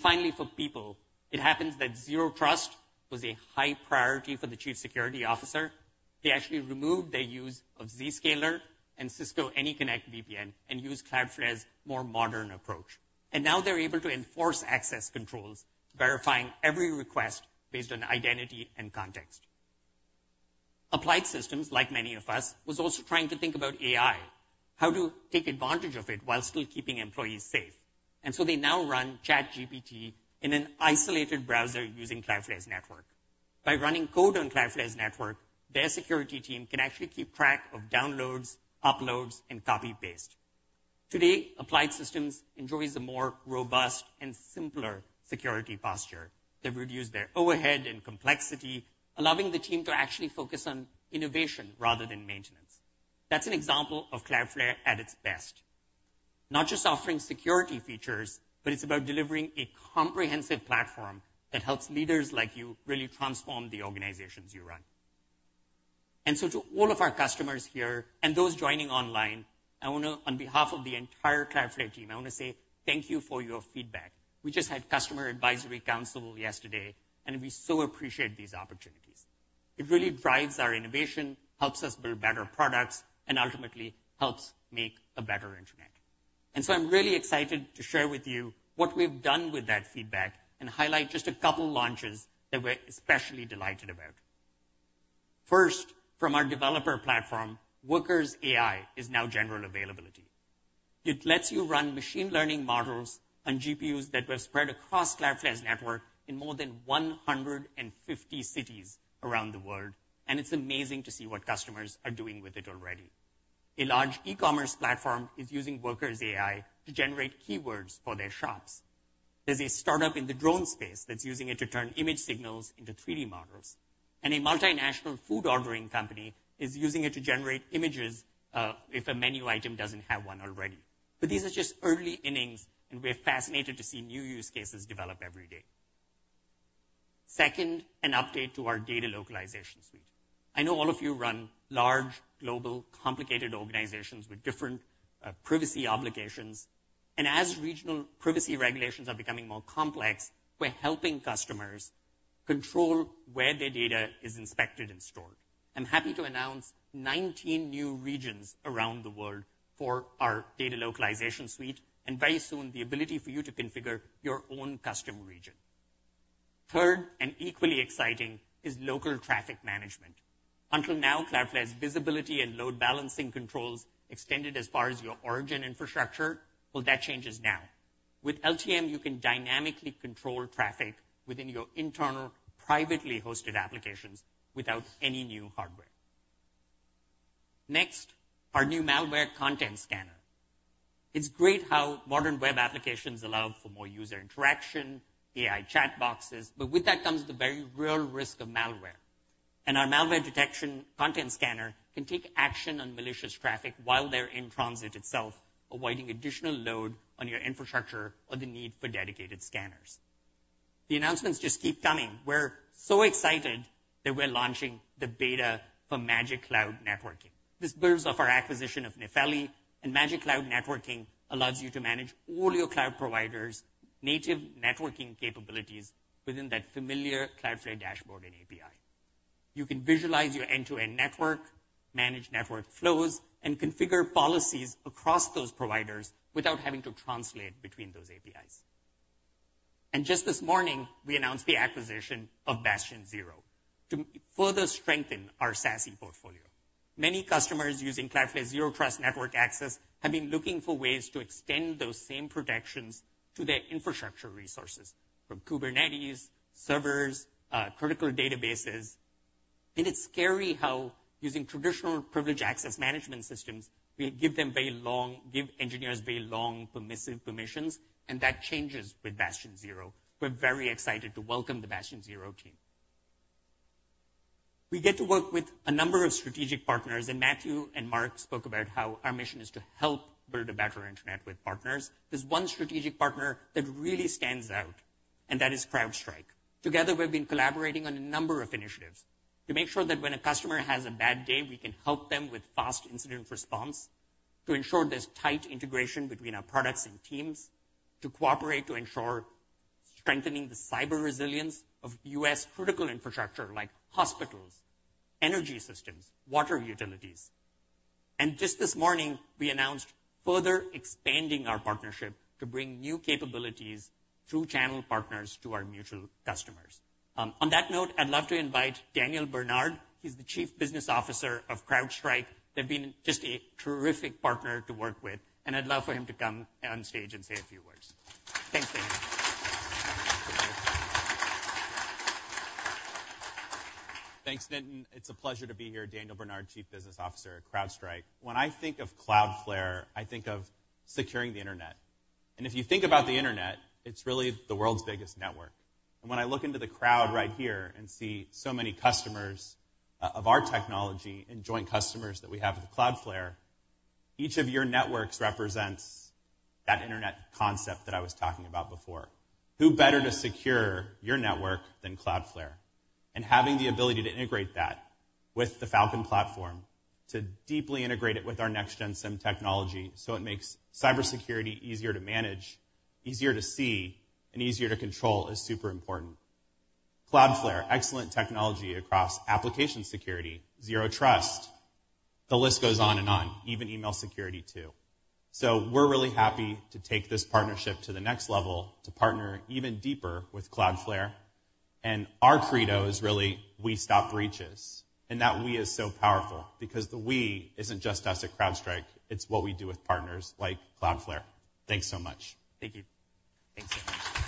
Finally, for people, it happens that zero trust was a high priority for the chief security officer. They actually removed their use of Zscaler and Cisco AnyConnect VPN and used Cloudflare's more modern approach. Now they're able to enforce access controls, verifying every request based on identity and context. Applied Systems, like many of us, was also trying to think about AI, how to take advantage of it while still keeping employees safe. So they now run ChatGPT in an isolated browser using Cloudflare's network. By running code on Cloudflare's network, their security team can actually keep track of downloads, uploads, and copy-paste. Today, Applied Systems enjoys a more robust and simpler security posture. They've reduced their overhead and complexity, allowing the team to actually focus on innovation rather than maintenance. That's an example of Cloudflare at its best, not just offering security features, but it's about delivering a comprehensive platform that helps leaders like you really transform the organizations you run. And so to all of our customers here and those joining online, I want to. On behalf of the entire Cloudflare team, I want to say thank you for your feedback. We just had Customer Advisory Council yesterday, and we so appreciate these opportunities. It really drives our innovation, helps us build better products, and ultimately, helps make a better internet. And so I'm really excited to share with you what we've done with that feedback and highlight just a couple launches that we're especially delighted about. First, from our developer platform, Workers AI is now general availability. It lets you run machine learning models on GPUs that were spread across Cloudflare's network in more than 150 cities around the world, and it's amazing to see what customers are doing with it already. A large e-commerce platform is using Workers AI to generate keywords for their shops. There's a startup in the drone space that's using it to turn image signals into 3D models, and a multinational food ordering company is using it to generate images, if a menu item doesn't have one already. But these are just early innings, and we're fascinated to see new use cases develop every day. Second, an update to our Data Localization Suite. I know all of you run large, global, complicated organizations with different, privacy obligations, and as regional privacy regulations are becoming more complex, we're helping customers control where their data is inspected and stored. I'm happy to announce 19 new regions around the world for our Data Localization Suite, and very soon, the ability for you to configure your own custom region. Third, and equally exciting, is Local Traffic Management. Until now, Cloudflare's visibility and load balancing controls extended as far as your origin infrastructure. Well, that changes now. With LTM, you can dynamically control traffic within your internal, privately hosted applications without any new hardware. Next, our new malware content scanner. It's great how modern web applications allow for more user interaction, AI chat boxes, but with that comes the very real risk of malware. And our malware detection content scanner can take action on malicious traffic while they're in transit itself, avoiding additional load on your infrastructure or the need for dedicated scanners. The announcements just keep coming. We're so excited that we're launching the beta for Magic Cloud Networking. This builds off our acquisition of Nefeli, and Magic Cloud Networking allows you to manage all your cloud providers' native networking capabilities within that familiar Cloudflare dashboard and API. You can visualize your end-to-end network, manage network flows, and configure policies across those providers without having to translate between those APIs. And just this morning, we announced the acquisition of BastionZero to further strengthen our SASE portfolio. Many customers using Cloudflare Zero Trust network access have been looking for ways to extend those same protections to their infrastructure resources, from Kubernetes, servers, critical databases. And it's scary how using traditional privileged access management systems, we give engineers very long, permissive permissions, and that changes with BastionZero. We're very excited to welcome the BastionZero team. We get to work with a number of strategic partners, and Matthew and Mark spoke about how our mission is to help build a better internet with partners. There's one strategic partner that really stands out, and that is CrowdStrike. Together, we've been collaborating on a number of initiatives to make sure that when a customer has a bad day, we can help them with fast incident response, to ensure there's tight integration between our products and teams, to cooperate to ensure strengthening the cyber resilience of U.S. critical infrastructure like hospitals, energy systems, water utilities. Just this morning, we announced further expanding our partnership to bring new capabilities through channel partners to our mutual customers. On that note, I'd love to invite Daniel Bernard. He's the Chief Business Officer of CrowdStrike. They've been just a terrific partner to work with, and I'd love for him to come on stage and say a few words. Thanks, Daniel. Thanks, Nitin. It's a pleasure to be here. Daniel Bernard, Chief Business Officer at CrowdStrike. When I think of Cloudflare, I think of securing the internet. If you think about the internet, it's really the world's biggest network. When I look into the crowd right here and see so many customers of our technology and joint customers that we have with Cloudflare, each of your networks represents that internet concept that I was talking about before. Who better to secure your network than Cloudflare? Having the ability to integrate that with the Falcon platform, to deeply integrate it with our next-gen SIEM technology so it makes cybersecurity easier to manage, easier to see, and easier to control, is super important. Cloudflare, excellent technology across application security, Zero Trust, the list goes on and on. Even email security, too. We're really happy to take this partnership to the next level, to partner even deeper with Cloudflare. Our credo is really, we stop breaches, and that we is so powerful because the we isn't just us at CrowdStrike, it's what we do with partners like Cloudflare. Thanks so much. Thank you. Thanks so much.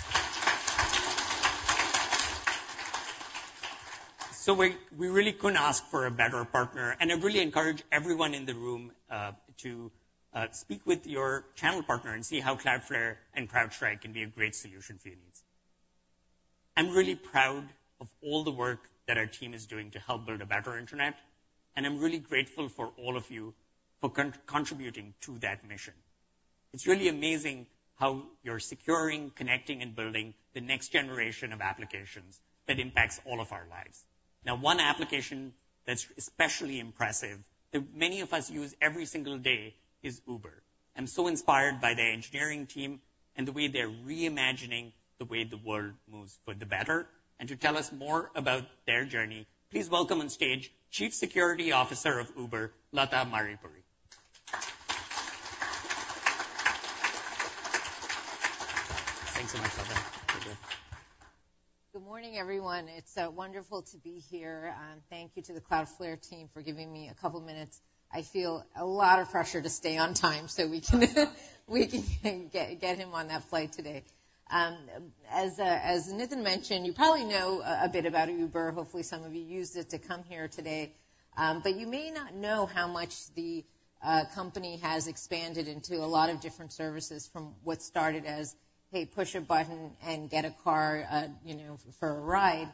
So we, we really couldn't ask for a better partner, and I really encourage everyone in the room to speak with your channel partner and see how Cloudflare and CrowdStrike can be a great solution for your needs. I'm really proud of all the work that our team is doing to help build a better internet, and I'm really grateful for all of you for contributing to that mission. It's really amazing how you're securing, connecting, and building the next generation of applications that impacts all of our lives. Now, one application that's especially impressive, that many of us use every single day, is Uber. I'm so inspired by their engineering team and the way they're reimagining the way the world moves for the better. To tell us more about their journey, please welcome on stage Chief Security Officer of Uber, Latha Maripuri. Thanks so much, Latha. Good morning, everyone. It's wonderful to be here. Thank you to the Cloudflare team for giving me a couple minutes. I feel a lot of pressure to stay on time so we can get him on that flight today. As Nitin mentioned, you probably know a bit about Uber. Hopefully, some of you used it to come here today. But you may not know how much the company has expanded into a lot of different services from what started as, hey, push a button and get a car, you know, for a ride.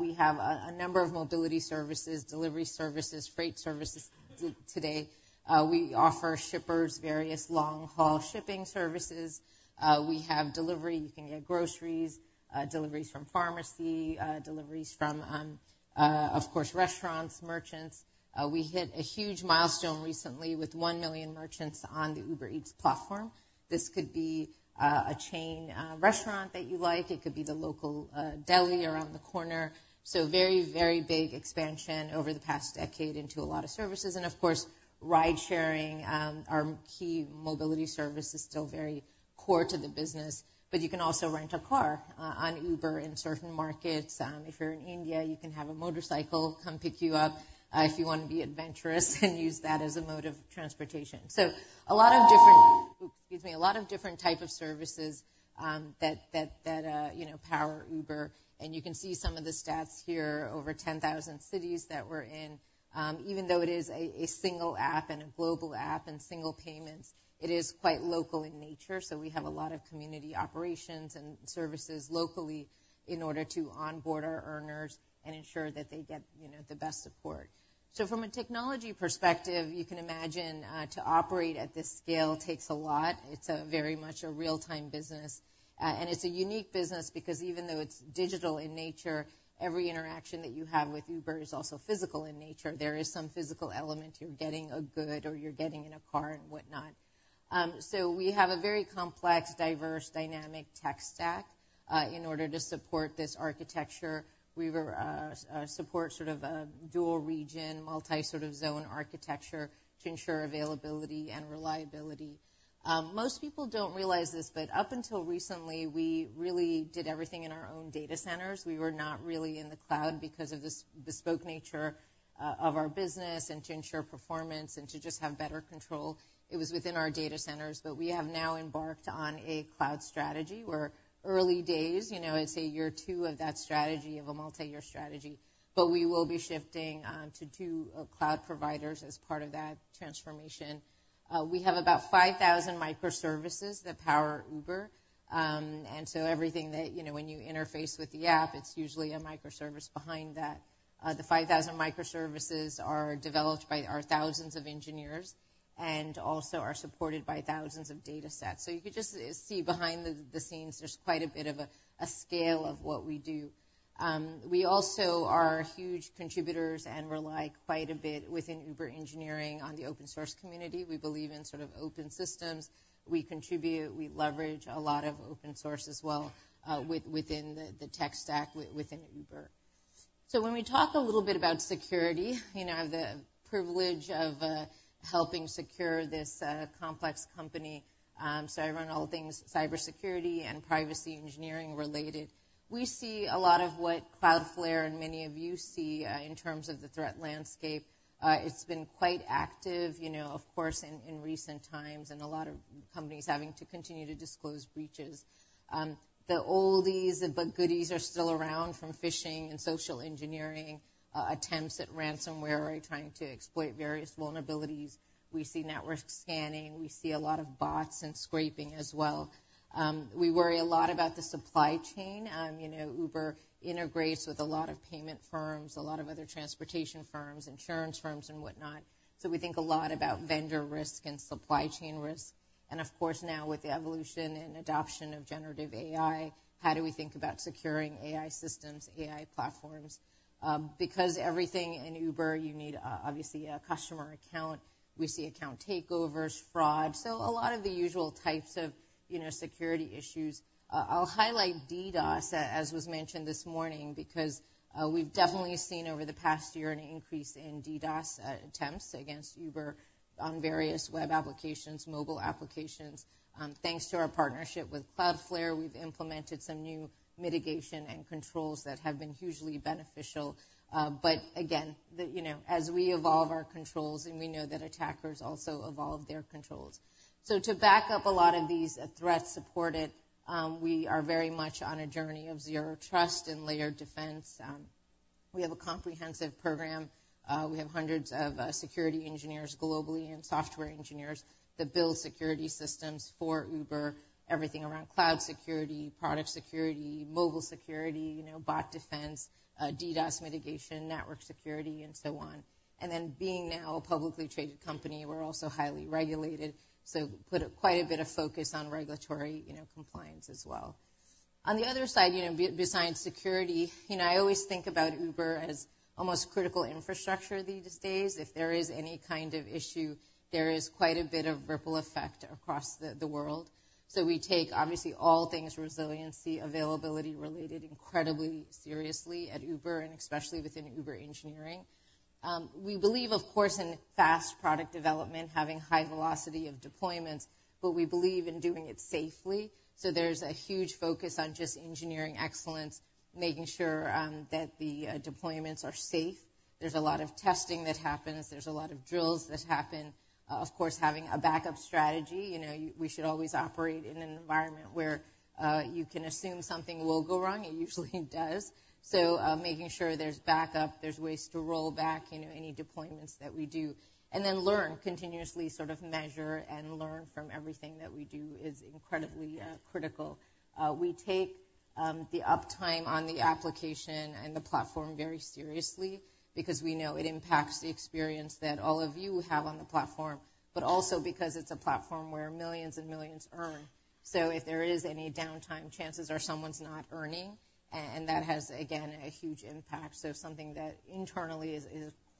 We have a number of mobility services, delivery services, freight services today. We offer shippers various long-haul shipping services. We have delivery. You can get groceries, deliveries from pharmacy, deliveries from, of course, restaurants, merchants. We hit a huge milestone recently with 1 million merchants on the Uber Eats platform. This could be a chain restaurant that you like. It could be the local deli around the corner. So very, very big expansion over the past decade into a lot of services and, of course, ride-sharing, our key mobility service, is still very core to the business. But you can also rent a car on Uber in certain markets. If you're in India, you can have a motorcycle come pick you up if you want to be adventurous and use that as a mode of transportation. So a lot of different. Oops, excuse me. A lot of different type of services that you know power Uber, and you can see some of the stats here, over 10,000 cities that we're in. Even though it is a single app and a global app and single payments, it is quite local in nature, so we have a lot of community operations and services locally in order to onboard our earners and ensure that they get, you know, the best support. So from a technology perspective, you can imagine to operate at this scale takes a lot. It's a very much a real-time business. And it's a unique business because even though it's digital in nature, every interaction that you have with Uber is also physical in nature. There is some physical element. You're getting a good, or you're getting in a car and whatnot. So we have a very complex, diverse, dynamic tech stack in order to support this architecture. We support sort of a dual region, multi sort of zone architecture to ensure availability and reliability. Most people don't realize this, but up until recently, we really did everything in our own data centers. We were not really in the cloud because of the bespoke nature of our business and to ensure performance and to just have better control, it was within our data centers. But we have now embarked on a cloud strategy. We're early days, you know, it's year two of that strategy, of a multi-year strategy, but we will be shifting to two cloud providers as part of that transformation. We have about 5,000 microservices that power Uber, and so everything that you know, when you interface with the app, it's usually a microservice behind that. The 5,000 microservices are developed by our thousands of engineers, and also are supported by thousands of data sets. So you could just see behind the scenes. There's quite a bit of a scale of what we do. We also are huge contributors, and rely quite a bit within Uber engineering on the open source community. We believe in sort of open systems. We contribute. We leverage a lot of open source as well, within the tech stack, within Uber. So when we talk a little bit about security, you know, the privilege of helping secure this complex company. So I run all things cybersecurity and privacy engineering related. We see a lot of what Cloudflare and many of you see, in terms of the threat landscape. It's been quite active, you know, of course, in recent times, and a lot of companies having to continue to disclose breaches. The oldies, but goodies, are still around from phishing and social engineering, attempts at ransomware are trying to exploit various vulnerabilities. We see network scanning, we see a lot of bots and scraping as well. We worry a lot about the supply chain. You know, Uber integrates with a lot of payment firms, a lot of other transportation firms, insurance firms, and whatnot. So we think a lot about vendor risk and supply chain risk, and of course, now with the evolution and adoption of generative AI, how do we think about securing AI systems, AI platforms? Because everything in Uber, you need, obviously, a customer account. We see account takeovers, fraud, so a lot of the usual types of, you know, security issues. I'll highlight DDoS, as was mentioned this morning, because, we've definitely seen over the past year an increase in DDoS, attempts against Uber on various web applications, mobile applications. Thanks to our partnership with Cloudflare, we've implemented some new mitigation and controls that have been hugely beneficial. But again, the you know, as we evolve our controls, and we know that attackers also evolve their controls. So to back up a lot of these threats supported, we are very much on a journey of zero trust and layered defense. We have a comprehensive program. We have hundreds of security engineers globally and software engineers that build security systems for Uber, everything around cloud security, product security, mobile security, you know, bot defense, DDoS mitigation, network security, and so on. And then being now a publicly traded company, we're also highly regulated, so put quite a bit of focus on regulatory, you know, compliance as well. On the other side, you know, besides security, you know, I always think about Uber as almost critical infrastructure these days. If there is any kind of issue, there is quite a bit of ripple effect across the world. So we take, obviously, all things resiliency, availability related, incredibly seriously at Uber, and especially within Uber engineering. We believe, of course, in fast product development, having high velocity of deployments, but we believe in doing it safely. So there's a huge focus on just engineering excellence, making sure that the deployments are safe. There's a lot of testing that happens. There's a lot of drills that happen. Of course, having a backup strategy, you know, we should always operate in an environment where you can assume something will go wrong. It usually does. So, making sure there's backup, there's ways to roll back, you know, any deployments that we do. And then learn, continuously sort of measure and learn from everything that we do is incredibly critical. We take the uptime on the application and the platform very seriously because we know it impacts the experience that all of you have on the platform, but also because it's a platform where millions and millions earn. So if there is any downtime, chances are someone's not earning, and that has, again, a huge impact. So something that internally is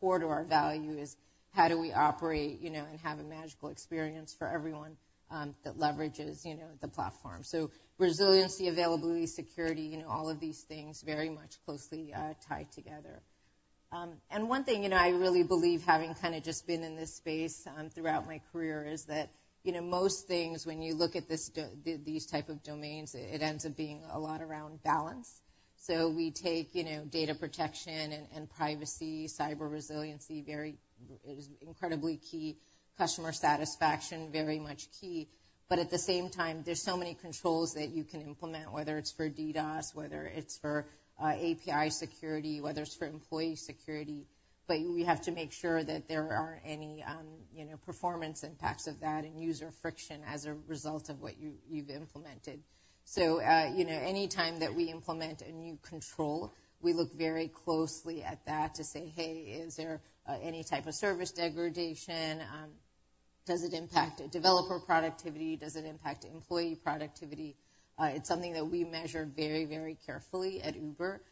core to our value is how do we operate, you know, and have a magical experience for everyone that leverages, you know, the platform. So resiliency, availability, security, you know, all of these things very much closely tied together. And one thing, you know, I really believe, having kind of just been in this space throughout my career, is that, you know, most things, when you look at these type of domains, it ends up being a lot around balance. So we take, you know, data protection and privacy, cyber resiliency very it is incredibly key. Customer satisfaction, very much key. But at the same time, there's so many controls that you can implement, whether it's for DDoS, whether it's for API security, whether it's for employee security, but we have to make sure that there aren't any, you know, performance impacts of that and user friction as a result of what you've implemented. So, you know, any time that we implement a new control, we look very closely at that to say, "Hey, is there any type of service degradation? Does it impact developer productivity? Does it impact employee productivity?" It's something that we measure very, very carefully at Uber,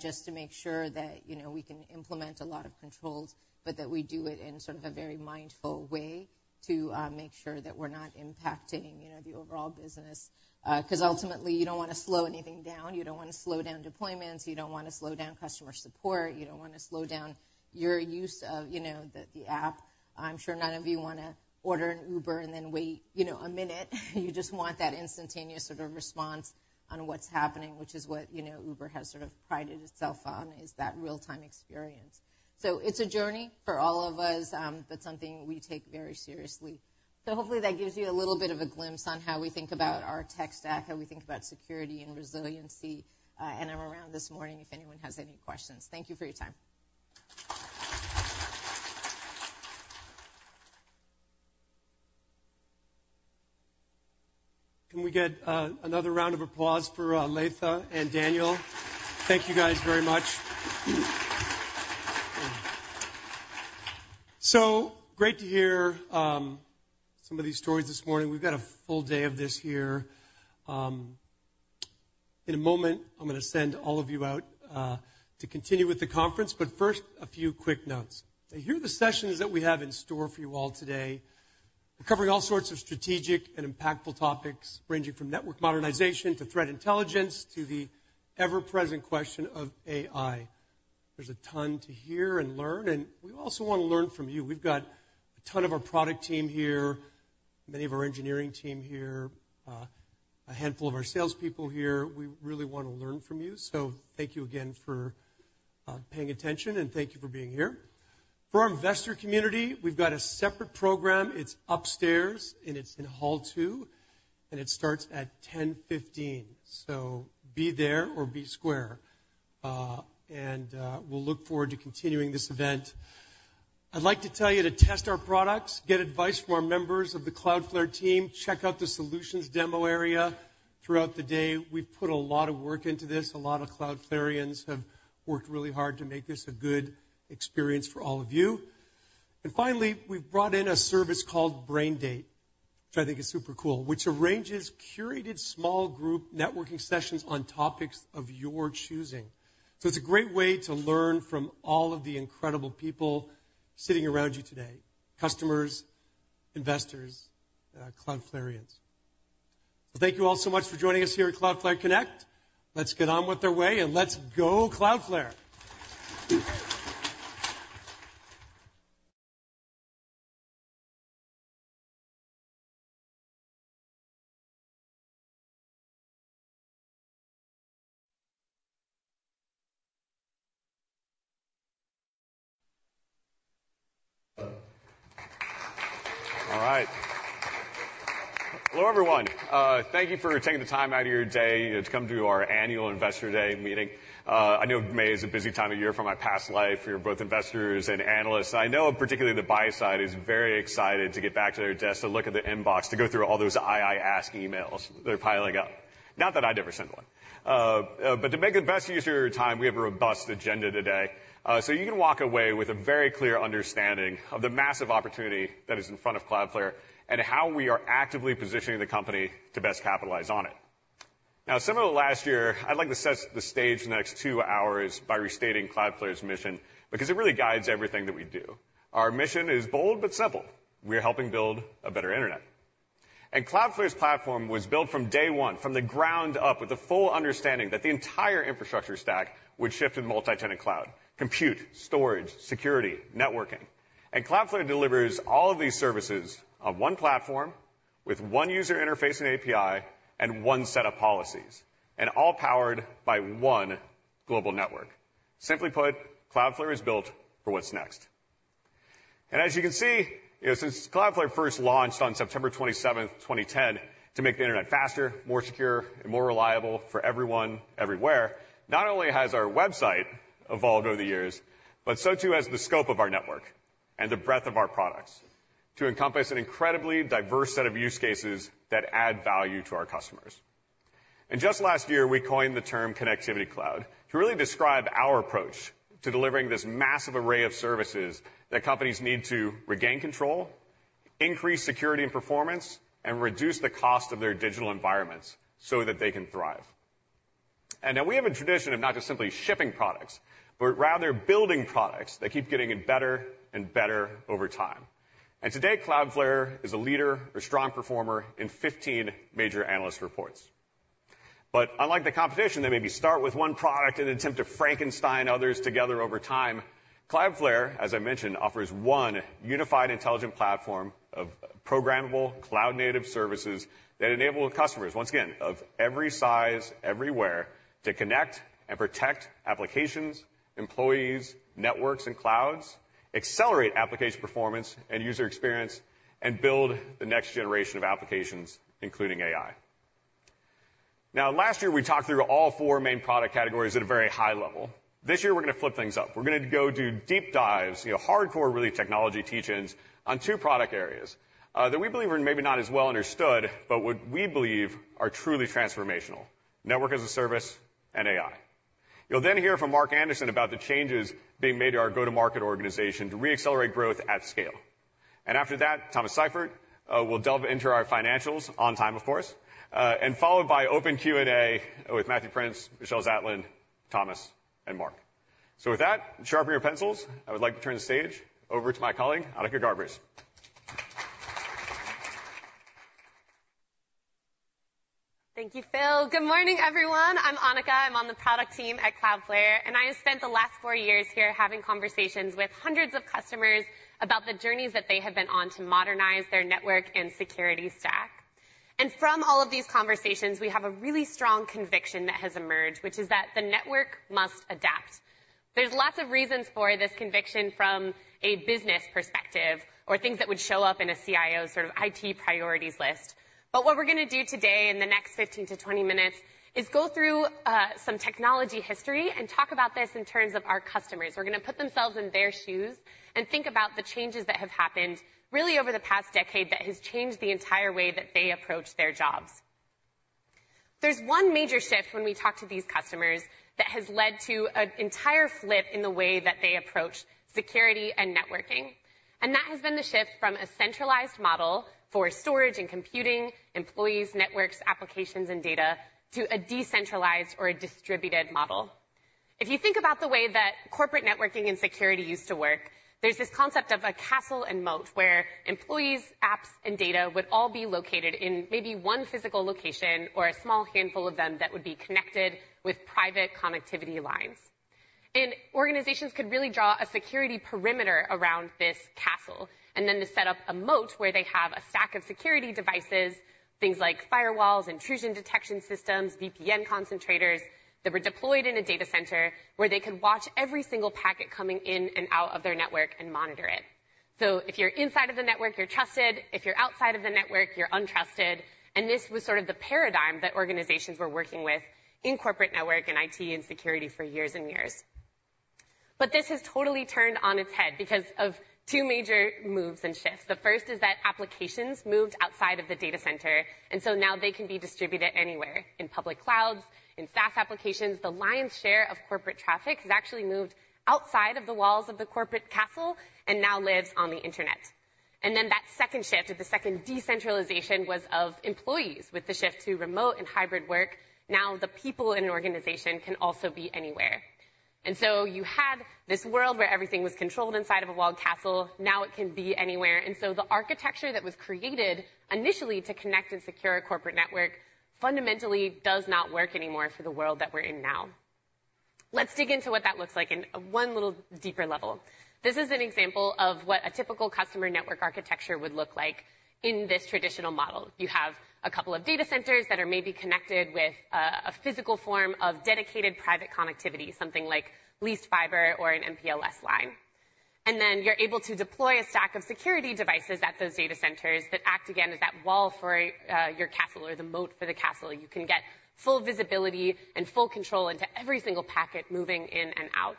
just to make sure that, you know, we can implement a lot of controls, but that we do it in sort of a very mindful way to make sure that we're not impacting, you know, the overall business. 'Cause ultimately, you don't wanna slow anything down. You don't wanna slow down deployments, you don't wanna slow down customer support, you don't wanna slow down your use of, you know, the app. I'm sure none of you wanna order an Uber and then wait, you know, a minute. You just want that instantaneous sort of response on what's happening, which is what, you know, Uber has sort of prided itself on, is that real-time experience. So it's a journey for all of us. That's something we take very seriously. So hopefully, that gives you a little bit of a glimpse on how we think about our tech stack, how we think about security and resiliency, and I'm around this morning if anyone has any questions. Thank you for your time. Can we get another round of applause for Latha and Daniel? Thank you, guys, very much. So great to hear some of these stories this morning. We've got a full day of this here. In a moment, I'm gonna send all of you out to continue with the conference, but first, a few quick notes. Now, here are the sessions that we have in store for you all today. We're covering all sorts of strategic and impactful topics, ranging from network modernization to threat intelligence, to the ever-present question of AI. There's a ton to hear and learn, and we also wanna learn from you. We've got a ton of our product team here, many of our engineering team here, a handful of our salespeople here. We really wanna learn from you, so thank you again for paying attention, and thank you for being here. For our investor community, we've got a separate program. It's upstairs, and it's in Hall Two, and it starts at 10:15 A.M., so be there or be square. We'll look forward to continuing this event. I'd like to tell you to test our products, get advice from our members of the Cloudflare team, check out the solutions demo area throughout the day. We've put a lot of work into this. A lot of Cloudflareans have worked really hard to make this a good experience for all of you. And finally, we've brought in a service called Braindate, which I think is super cool, which arranges curated small group networking sessions on topics of your choosing. So it's a great way to learn from all of the incredible people sitting around you today, customers, investors, Cloudflareans. Thank you all so much for joining us here at Cloudflare Connect. Let's get on with our way, and let's go, Cloudflare! All right. Hello, everyone. Thank you for taking the time out of your day, you know, to come to our annual Investor Day meeting. I know May is a busy time of year from my past life for both investors and analysts. I know particularly the buy side is very excited to get back to their desk to look at their inbox, to go through all those II ask emails that are piling up. Not that I'd ever send one. But to make the best use of your time, we have a robust agenda today, so you can walk away with a very clear understanding of the massive opportunity that is in front of Cloudflare and how we are actively positioning the company to best capitalize on it. Now, similar to last year, I'd like to set the stage for the next two hours by restating Cloudflare's mission, because it really guides everything that we do. Our mission is bold but simple: We are helping build a better internet. Cloudflare's platform was built from day one, from the ground up, with the full understanding that the entire infrastructure stack would shift to the multi-tenant cloud, compute, storage, security, networking. Cloudflare delivers all of these services on one platform with one user interface and API and one set of policies, and all powered by one global network. Simply put, Cloudflare is built for what's next. As you can see, you know, since Cloudflare first launched on September 27th, 2010, to make the internet faster, more secure, and more reliable for everyone, everywhere, not only has our website evolved over the years, but so too has the scope of our network and the breadth of our products to encompass an incredibly diverse set of use cases that add value to our customers. Just last year, we coined the term Connectivity Cloud to really describe our approach to delivering this massive array of services that companies need to regain control, increase security and performance, and reduce the cost of their digital environments so that they can thrive. Now we have a tradition of not just simply shipping products, but rather building products that keep getting better and better over time. Today, Cloudflare is a leader or strong performer in 15 major analyst reports. But unlike the competition, they maybe start with one product and attempt to Frankenstein others together over time. Cloudflare, as I mentioned, offers one unified intelligent platform of programmable cloud-native services that enable customers, once again, of every size, everywhere, to connect and protect applications, employees, networks, and clouds, accelerate application performance and user experience, and build the next generation of applications, including AI. Now, last year, we talked through all four main product categories at a very high level. This year, we're gonna flip things up. We're gonna go do deep dives, you know, hardcore, really, technology teach-ins on two product areas that we believe are maybe not as well understood, but what we believe are truly transformational: Network as a Service and AI. You'll then hear from Mark Anderson about the changes being made to our go-to-market organization to reaccelerate growth at scale. After that, Thomas Seifert will delve into our financials on time, of course. And followed by open Q&A with Matthew Prince, Michelle Zatlyn, Thomas, and Mark. With that, sharpen your pencils. I would like to turn the stage over to my colleague, Annika Garbers. Thank you, Phil. Good morning, everyone. I'm Annika. I'm on the product team at Cloudflare, and I have spent the last four years here having conversations with hundreds of customers about the journeys that they have been on to modernize their network and security stack. And from all of these conversations, we have a really strong conviction that has emerged, which is that the network must adapt. There's lots of reasons for this conviction from a business perspective or things that would show up in a CIO's sort of IT priorities list. But what we're gonna do today in the next 15-20 minutes is go through some technology history and talk about this in terms of our customers. We're gonna put themselves in their shoes and think about the changes that have happened really over the past decade that has changed the entire way that they approach their jobs. There's one major shift when we talk to these customers that has led to an entire flip in the way that they approach security and networking, and that has been the shift from a centralized model for storage and computing, employees, networks, applications, and data, to a decentralized or a distributed model. If you think about the way that corporate networking and security used to work, there's this concept of a castle and moat, where employees, apps, and data would all be located in maybe one physical location or a small handful of them that would be connected with private connectivity lines. And organizations could really draw a security perimeter around this castle, and then to set up a moat where they have a stack of security devices, things like firewalls, intrusion detection systems, VPN concentrators, that were deployed in a data center where they could watch every single packet coming in and out of their network and monitor it. So if you're inside of the network, you're trusted. If you're outside of the network, you're untrusted. And this was sort of the paradigm that organizations were working with in corporate network and IT and security for years and years. But this has totally turned on its head because of two major moves and shifts. The first is that applications moved outside of the data center, and so now they can be distributed anywhere, in public clouds, in SaaS applications. The lion's share of corporate traffic has actually moved outside of the walls of the corporate castle and now lives on the Internet. Then that second shift, or the second decentralization, was of employees. With the shift to remote and hybrid work, now the people in an organization can also be anywhere. So you had this world where everything was controlled inside of a walled castle, now it can be anywhere. So the architecture that was created initially to connect and secure a corporate network, fundamentally does not work anymore for the world that we're in now. Let's dig into what that looks like in one little deeper level. This is an example of what a typical customer network architecture would look like in this traditional model. You have a couple of data centers that are maybe connected with a physical form of dedicated private connectivity, something like leased fiber or an MPLS line. And then you're able to deploy a stack of security devices at those data centers that act again, as that wall for your castle or the moat for the castle. You can get full visibility and full control into every single packet moving in and out.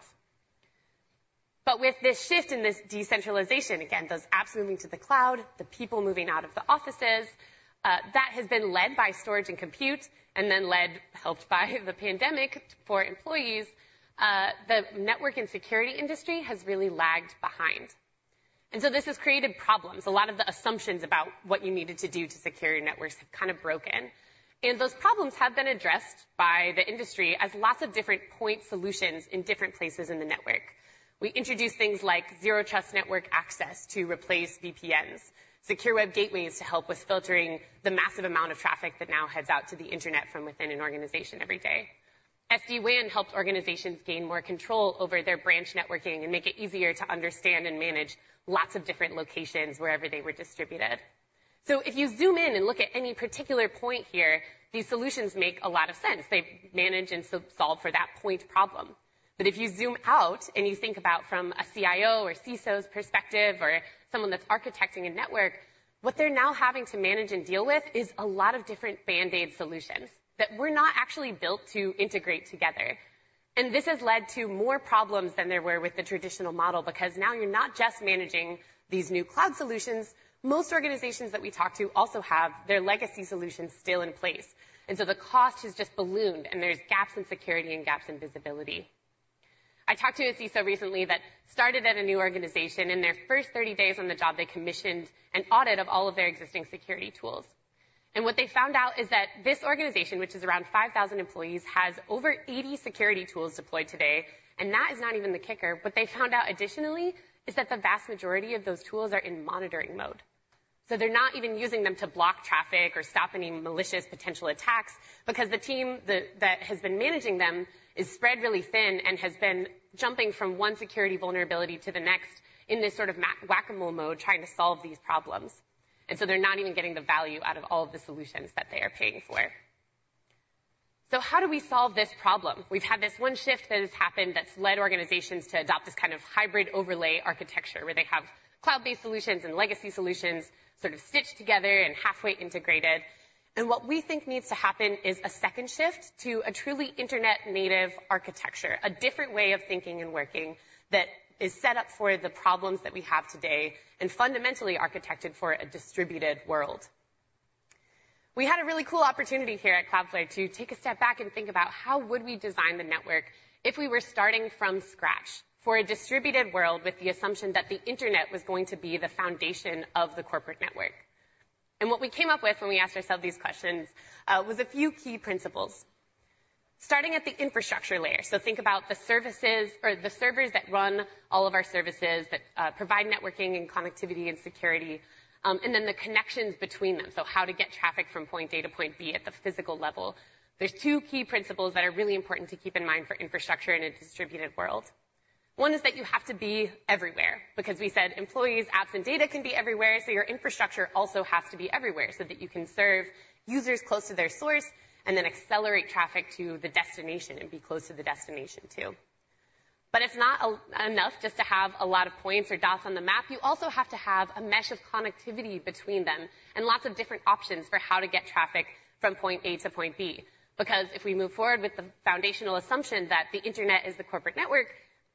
But with this shift in this decentralization, again, those apps moving to the cloud, the people moving out of the offices, that has been led by storage and compute, and then led, helped by the pandemic for employees, the network and security industry has really lagged behind. And so this has created problems. A lot of the assumptions about what you needed to do to secure your networks have kind of broken, and those problems have been addressed by the industry as lots of different point solutions in different places in the network. We introduce things like Zero Trust network access to replace VPNs, secure web gateways to help with filtering the massive amount of traffic that now heads out to the Internet from within an organization every day. SD-WAN helped organizations gain more control over their branch networking and make it easier to understand and manage lots of different locations wherever they were distributed. So if you zoom in and look at any particular point here, these solutions make a lot of sense. They manage and solve for that point problem. But if you zoom out and you think about from a CIO or CISO's perspective or someone that's architecting a network, what they're now having to manage and deal with is a lot of different band-aid solutions that were not actually built to integrate together. This has led to more problems than there were with the traditional model, because now you're not just managing these new cloud solutions, most organizations that we talk to also have their legacy solutions still in place, and so the cost has just ballooned, and there's gaps in security and gaps in visibility. I talked to a CISO recently that started at a new organization. In their first 30 days on the job, they commissioned an audit of all of their existing security tools. And what they found out is that this organization, which is around 5,000 employees, has over 80 security tools deployed today, and that is not even the kicker. What they found out additionally, is that the vast majority of those tools are in monitoring mode. So they're not even using them to block traffic or stop any malicious potential attacks, because the team that has been managing them is spread really thin and has been jumping from one security vulnerability to the next in this sort of Whack-A-Mole mode, trying to solve these problems. And so they're not even getting the value out of all of the solutions that they are paying for. So how do we solve this problem? We've had this one shift that has happened that's led organizations to adopt this kind of hybrid overlay architecture, where they have cloud-based solutions and legacy solutions sort of stitched together and halfway integrated. What we think needs to happen is a second shift to a truly Internet-native architecture, a different way of thinking and working that is set up for the problems that we have today and fundamentally architected for a distributed world. We had a really cool opportunity here at Cloudflare to take a step back and think about how would we design the network if we were starting from scratch for a distributed world, with the assumption that the internet was going to be the foundation of the corporate network. What we came up with when we asked ourselves these questions was a few key principles. Starting at the infrastructure layer, so think about the services or the servers that run all of our services, that provide networking and connectivity and security, and then the connections between them. So how to get traffic from point A to point B at the physical level. There's two key principles that are really important to keep in mind for infrastructure in a distributed world. One is that you have to be everywhere, because we said employees, apps, and data can be everywhere, so your infrastructure also has to be everywhere, so that you can serve users close to their source and then accelerate traffic to the destination and be close to the destination, too. But it's not enough just to have a lot of points or dots on the map. You also have to have a mesh of connectivity between them, and lots of different options for how to get traffic from point A to point B, because if we move forward with the foundational assumption that the internet is the corporate network,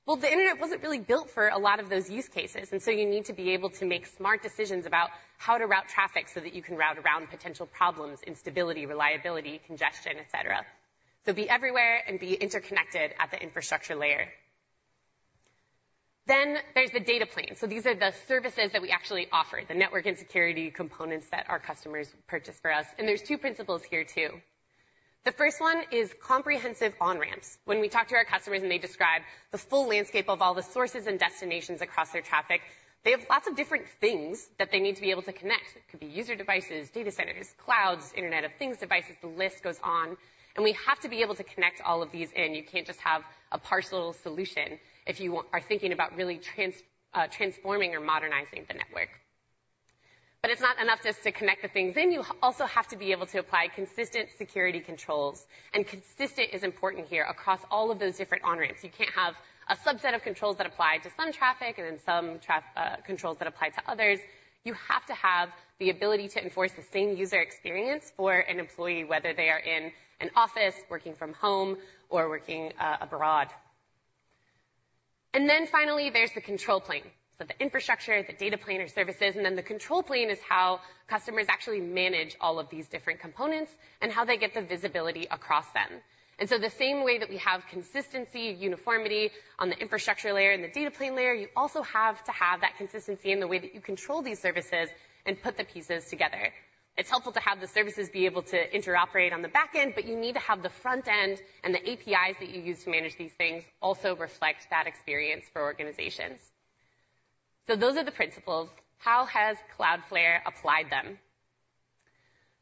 well, the internet wasn't really built for a lot of those use cases. And so you need to be able to make smart decisions about how to route traffic so that you can route around potential problems, instability, reliability, congestion, et cetera. So be everywhere and be interconnected at the infrastructure layer. Then there's the data plane. So these are the services that we actually offer, the network and security components that our customers purchase for us, and there's two principles here, too. The first one is comprehensive on-ramps. When we talk to our customers, and they describe the full landscape of all the sources and destinations across their traffic, they have lots of different things that they need to be able to connect. It could be user devices, data centers, clouds, Internet of Things devices, the list goes on, and we have to be able to connect all of these in. You can't just have a partial solution if you are thinking about really transforming or modernizing the network. But it's not enough just to connect the things in. You also have to be able to apply consistent security controls, and consistent is important here across all of those different on-ramps. You can't have a subset of controls that apply to some traffic and then some controls that apply to others. You have to have the ability to enforce the same user experience for an employee, whether they are in an office, working from home, or working abroad. And then finally, there's the control plane. So the infrastructure, the data plane or services, and then the control plane is how customers actually manage all of these different components and how they get the visibility across them. And so the same way that we have consistency, uniformity on the infrastructure layer and the data plane layer, you also have to have that consistency in the way that you control these services and put the pieces together. It's helpful to have the services be able to interoperate on the back end, but you need to have the front end and the APIs that you use to manage these things also reflect that experience for organizations. So those are the principles. How has Cloudflare applied them?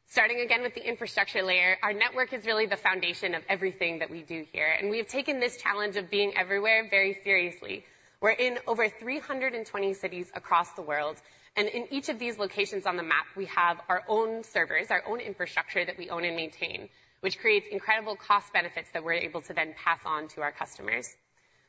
Starting again with the infrastructure layer, our network is really the foundation of everything that we do here, and we have taken this challenge of being everywhere very seriously. We're in over 320 cities across the world, and in each of these locations on the map, we have our own servers, our own infrastructure that we own and maintain, which creates incredible cost benefits that we're able to then pass on to our customers.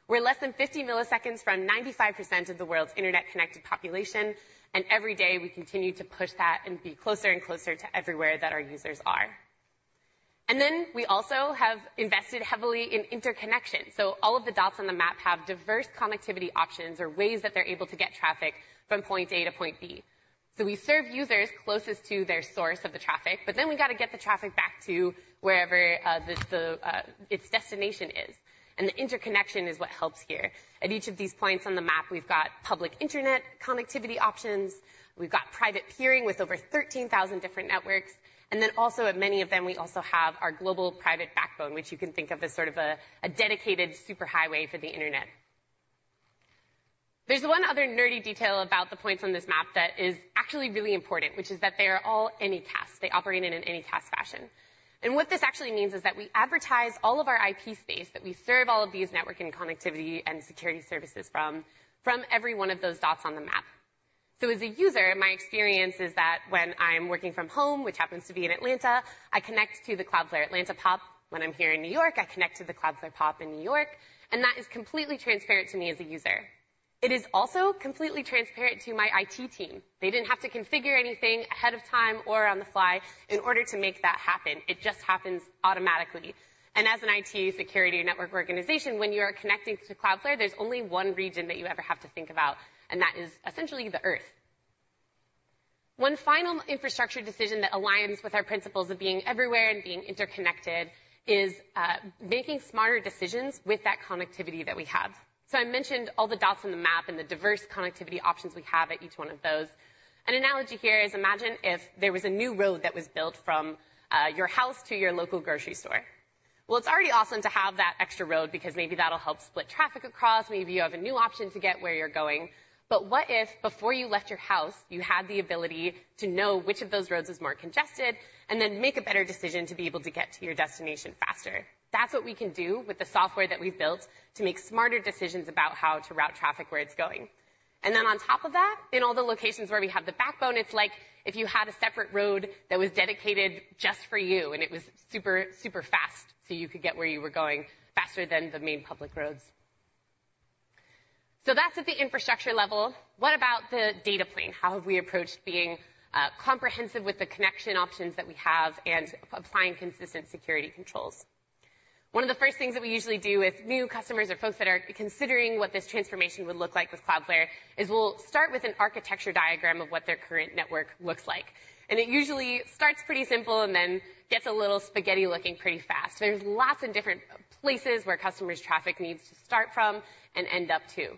We're less than 50 milliseconds from 95% of the world's internet-connected population, and every day, we continue to push that and be closer and closer to everywhere that our users are. And then we also have invested heavily in interconnection. So all of the dots on the map have diverse connectivity options or ways that they're able to get traffic from point A to point B. So we serve users closest to their source of the traffic, but then we got to get the traffic back to wherever its destination is, and the interconnection is what helps here. At each of these points on the map, we've got public internet connectivity options. We've got private peering with over 13,000 different networks, and then also at many of them, we also have our global private backbone, which you can think of as sort of a dedicated superhighway for the internet. There's one other nerdy detail about the points on this map that is actually really important, which is that they are all Anycast. They operate in an Anycast fashion. What this actually means is that we advertise all of our IP space, that we serve all of these network and connectivity and security services from every one of those dots on the map. As a user, my experience is that when I'm working from home, which happens to be in Atlanta, I connect to the Cloudflare Atlanta POP. When I'm here in New York, I connect to the Cloudflare POP in New York, and that is completely transparent to me as a user. It is also completely transparent to my IT team. They didn't have to configure anything ahead of time or on the fly in order to make that happen. It just happens automatically. As an IT security network organization, when you are connecting to Cloudflare, there's only one region that you ever have to think about, and that is essentially the Earth. One final infrastructure decision that aligns with our principles of being everywhere and being interconnected is making smarter decisions with that connectivity that we have. So I mentioned all the dots on the map and the diverse connectivity options we have at each one of those. An analogy here is imagine if there was a new road that was built from your house to your local grocery store. Well, it's already awesome to have that extra road, because maybe that'll help split traffic across. Maybe you have a new option to get where you're going. But what if, before you left your house, you had the ability to know which of those roads was more congested and then make a better decision to be able to get to your destination faster? That's what we can do with the software that we've built to make smarter decisions about how to route traffic where it's going. And then on top of that, in all the locations where we have the backbone, it's like if you had a separate road that was dedicated just for you, and it was super, super fast, so you could get where you were going faster than the main public roads. So that's at the infrastructure level. What about the data plane? How have we approached being comprehensive with the connection options that we have and applying consistent security controls? One of the first things that we usually do with new customers or folks that are considering what this transformation would look like with Cloudflare, is we'll start with an architecture diagram of what their current network looks like. And it usually starts pretty simple and then gets a little spaghetti looking pretty fast. There's lots of different places where customers' traffic needs to start from and end up to.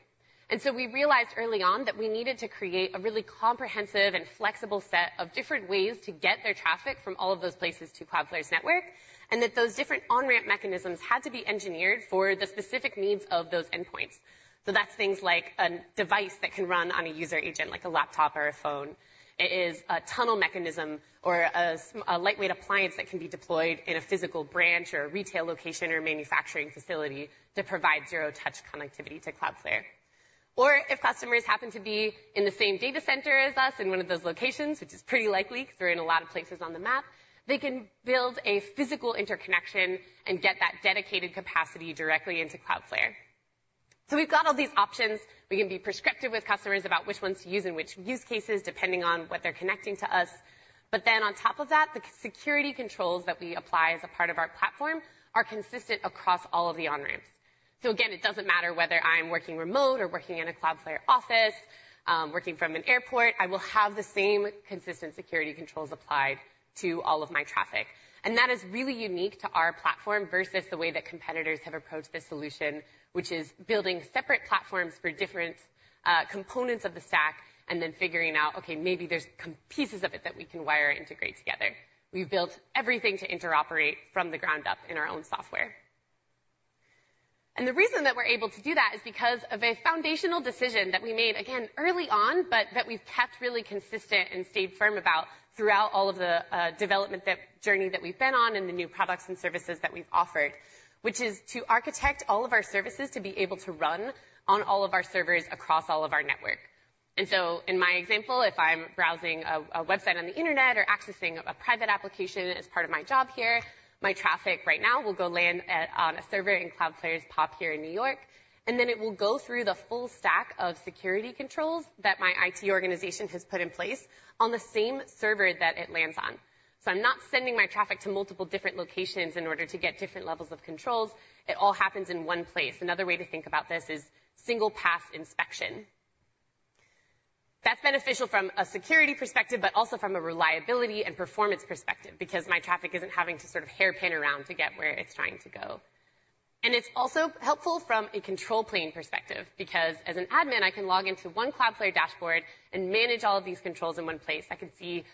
And so we realized early on that we needed to create a really comprehensive and flexible set of different ways to get their traffic from all of those places to Cloudflare's network, and that those different on-ramp mechanisms had to be engineered for the specific needs of those endpoints. So that's things like a device that can run on a user agent, like a laptop or a phone. It is a tunnel mechanism or a lightweight appliance that can be deployed in a physical branch or a retail location or manufacturing facility to provide zero-touch connectivity to Cloudflare. Or if customers happen to be in the same data center as us in one of those locations, which is pretty likely, because we're in a lot of places on the map, they can build a physical interconnection and get that dedicated capacity directly into Cloudflare. So we've got all these options. We can be prescriptive with customers about which ones to use and which use cases, depending on what they're connecting to us. But then on top of that, the security controls that we apply as a part of our platform are consistent across all of the on-ramps. So again, it doesn't matter whether I'm working remote or working in a Cloudflare office, working from an airport, I will have the same consistent security controls applied to all of my traffic. That is really unique to our platform versus the way that competitors have approached this solution, which is building separate platforms for different components of the stack and then figuring out, okay, maybe there's common pieces of it that we can wire and integrate together. We've built everything to interoperate from the ground up in our own software. The reason that we're able to do that is because of a foundational decision that we made, again, early on, but that we've kept really consistent and stayed firm about throughout all of the development that journey that we've been on and the new products and services that we've offered, which is to architect all of our services to be able to run on all of our servers across all of our network. And so in my example, if I'm browsing a website on the internet or accessing a private application as part of my job here, my traffic right now will go land on a server in Cloudflare's pop here in New York, and then it will go through the full stack of security controls that my IT organization has put in place on the same server that it lands on. So I'm not sending my traffic to multiple different locations in order to get different levels of controls. It all happens in one place. Another way to think about this is single path inspection. That's beneficial from a security perspective, but also from a reliability and performance perspective, because my traffic isn't having to sort of hairpin around to get where it's trying to go. It's also helpful from a control plane perspective, because as an admin, I can log into one Cloudflare dashboard and manage all of these controls in one place. I can see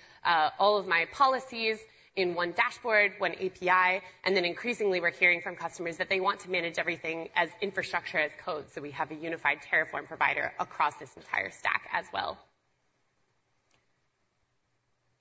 all of my policies in one dashboard, one API, and then increasingly, we're hearing from customers that they want to manage everything as infrastructure as code. We have a unified Terraform provider across this entire stack as well.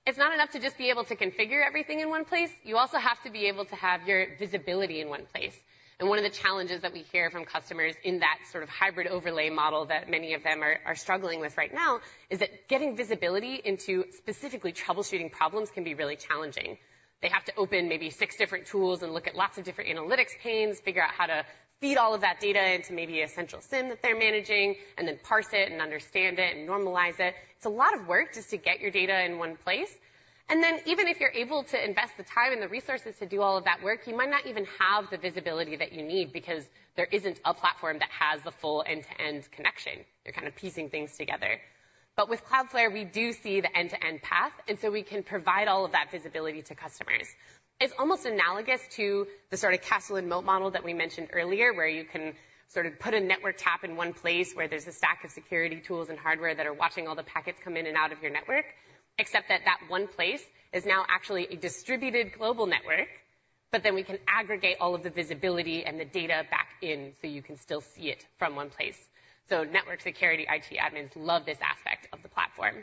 It's not enough to just be able to configure everything in one place. You also have to be able to have your visibility in one place. One of the challenges that we hear from customers in that sort of hybrid overlay model that many of them are struggling with right now is that getting visibility into specifically troubleshooting problems can be really challenging. They have to open maybe six different tools and look at lots of different analytics panes, figure out how to feed all of that data into maybe a central SIEM that they're managing, and then parse it and understand it and normalize it. It's a lot of work just to get your data in one place, and then even if you're able to invest the time and the resources to do all of that work, you might not even have the visibility that you need because there isn't a platform that has the full end-to-end connection. You're kind of piecing things together. But with Cloudflare, we do see the end-to-end path, and so we can provide all of that visibility to customers. It's almost analogous to the sort of castle and moat model that we mentioned earlier, where you can sort of put a network tap in one place where there's a stack of security tools and hardware that are watching all the packets come in and out of your network, except that that one place is now actually a distributed global network, but then we can aggregate all of the visibility and the data back in, so you can still see it from one place. Network security, IT admins love this aspect of the platform.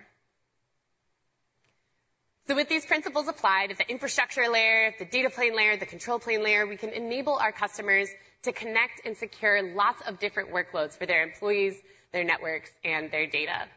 With these principles applied at the infrastructure layer, the data plane layer, the control plane layer, we can enable our customers to connect and secure lots of different workloads for their employees, their networks, and their data.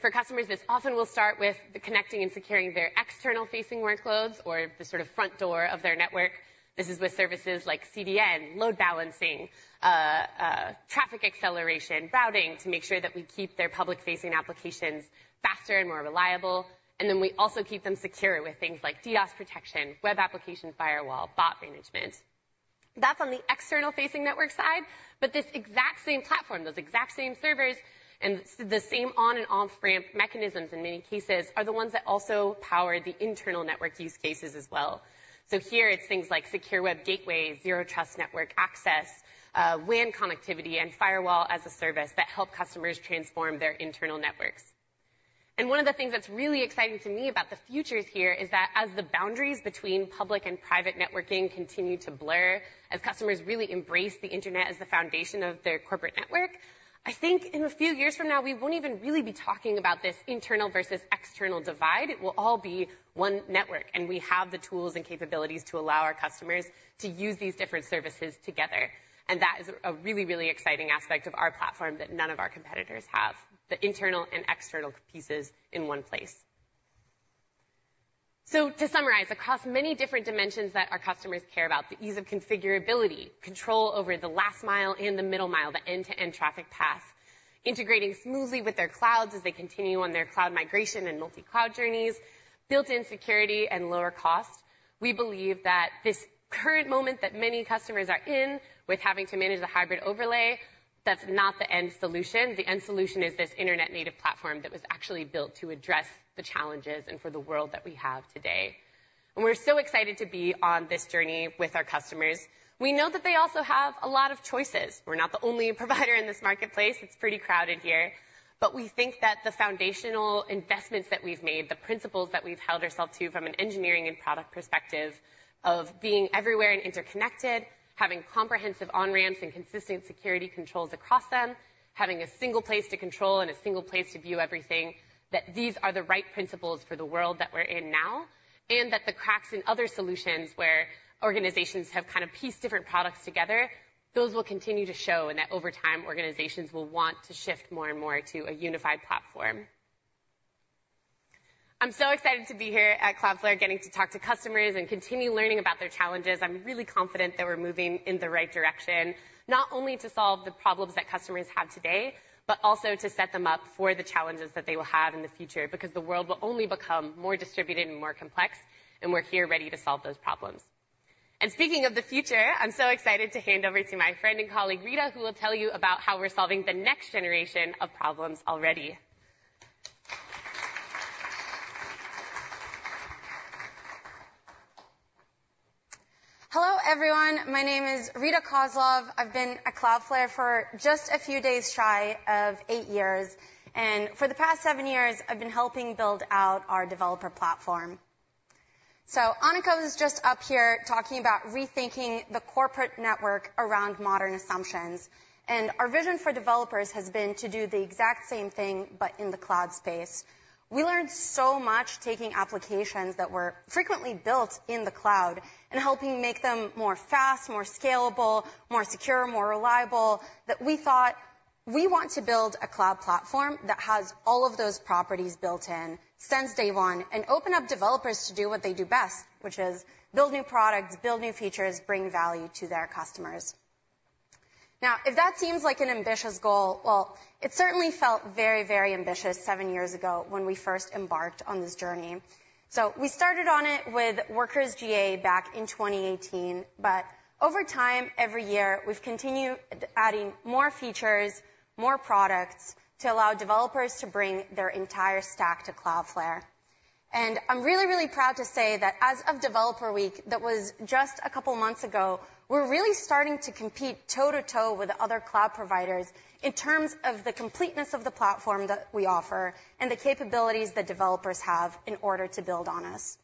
For customers, this often will start with the connecting and securing their external-facing workloads or the sort of front door of their network. This is with services like CDN, load balancing, traffic acceleration, routing, to make sure that we keep their public-facing applications faster and more reliable. Then we also keep them secure with things like DDoS protection, web application firewall, Bot Management. That's on the external-facing network side, but this exact same platform, those exact same servers, and the same on and off-ramp mechanisms in many cases, are the ones that also power the internal network use cases as well. Here it's things like secure web gateway, zero trust network access, WAN connectivity, and firewall-as-a-service that help customers transform their internal networks. One of the things that's really exciting to me about the future here is that as the boundaries between public and private networking continue to blur, as customers really embrace the internet as the foundation of their corporate network, I think in a few years from now, we won't even really be talking about this internal versus external divide. It will all be one network, and we have the tools and capabilities to allow our customers to use these different services together. And that is a really, really exciting aspect of our platform that none of our competitors have, the internal and external pieces in one place. So to summarize, across many different dimensions that our customers care about, the ease of configurability, control over the last mile and the middle mile, the end-to-end traffic path. Integrating smoothly with their clouds as they continue on their cloud migration and multi-cloud journeys, built-in security, and lower cost. We believe that this current moment that many customers are in, with having to manage the hybrid overlay, that's not the end solution. The end solution is this internet-native platform that was actually built to address the challenges and for the world that we have today. And we're so excited to be on this journey with our customers. We know that they also have a lot of choices. We're not the only provider in this marketplace. It's pretty crowded here. We think that the foundational investments that we've made, the principles that we've held ourselves to from an engineering and product perspective, of being everywhere and interconnected, having comprehensive on-ramps and consistent security controls across them, having a single place to control and a single place to view everything, that these are the right principles for the world that we're in now, and that the cracks in other solutions, where organizations have kind of pieced different products together, those will continue to show, and that over time, organizations will want to shift more and more to a unified platform. I'm so excited to be here at Cloudflare, getting to talk to customers and continue learning about their challenges. I'm really confident that we're moving in the right direction, not only to solve the problems that customers have today, but also to set them up for the challenges that they will have in the future, because the world will only become more distributed and more complex, and we're here ready to solve those problems. Speaking of the future, I'm so excited to hand over to my friend and colleague, Rita, who will tell you about how we're solving the next generation of problems already. Hello, everyone. My name is Rita Kozlov. I've been at Cloudflare for just a few days shy of eight years, and for the past seven years, I've been helping build out our developer platform. So Annika was just up here talking about rethinking the corporate network around modern assumptions, and our vision for developers has been to do the exact same thing, but in the cloud space. We learned so much taking applications that were frequently built in the cloud and helping make them more fast, more scalable, more secure, more reliable, that we thought, we want to build a cloud platform that has all of those properties built in since day one, and open up developers to do what they do best, which is build new products, build new features, bring value to their customers. Now, if that seems like an ambitious goal, well, it certainly felt very, very ambitious seven years ago when we first embarked on this journey. So we started on it with Workers GA back in 2018, but over time, every year, we've continued adding more features, more products, to allow developers to bring their entire stack to Cloudflare. And I'm really, really proud to say that as of Developer Week, that was just a couple months ago, we're really starting to compete toe-to-toe with other cloud providers in terms of the completeness of the platform that we offer and the capabilities that developers have in order to build on us.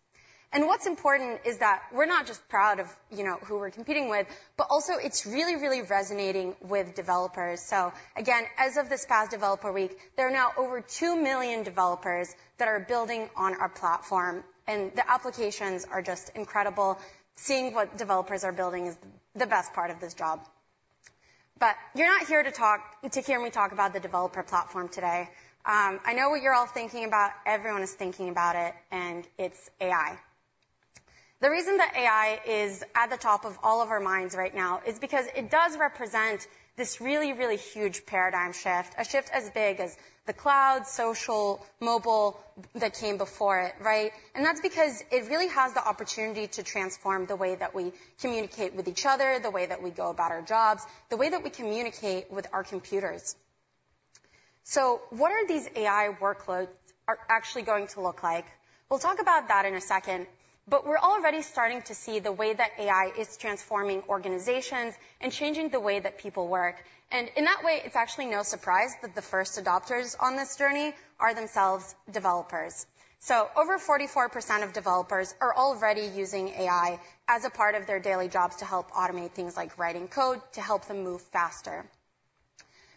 And what's important is that we're not just proud of, you know, who we're competing with, but also it's really, really resonating with developers. So again, as of this past Developer Week, there are now over 2 million developers that are building on our platform, and the applications are just incredible. Seeing what developers are building is the best part of this job. But you're not here to talk, to hear me talk about the developer platform today. I know what you're all thinking about. Everyone is thinking about it, and it's AI. The reason that AI is at the top of all of our minds right now is because it does represent this really, really huge paradigm shift, a shift as big as the cloud, social, mobile that came before it, right? And that's because it really has the opportunity to transform the way that we communicate with each other, the way that we go about our jobs, the way that we communicate with our computers. So what are these AI workloads actually going to look like? We'll talk about that in a second, but we're already starting to see the way that AI is transforming organizations and changing the way that people work. And in that way, it's actually no surprise that the first adopters on this journey are themselves developers. So over 44% of developers are already using AI as a part of their daily jobs to help automate things like writing code to help them move faster.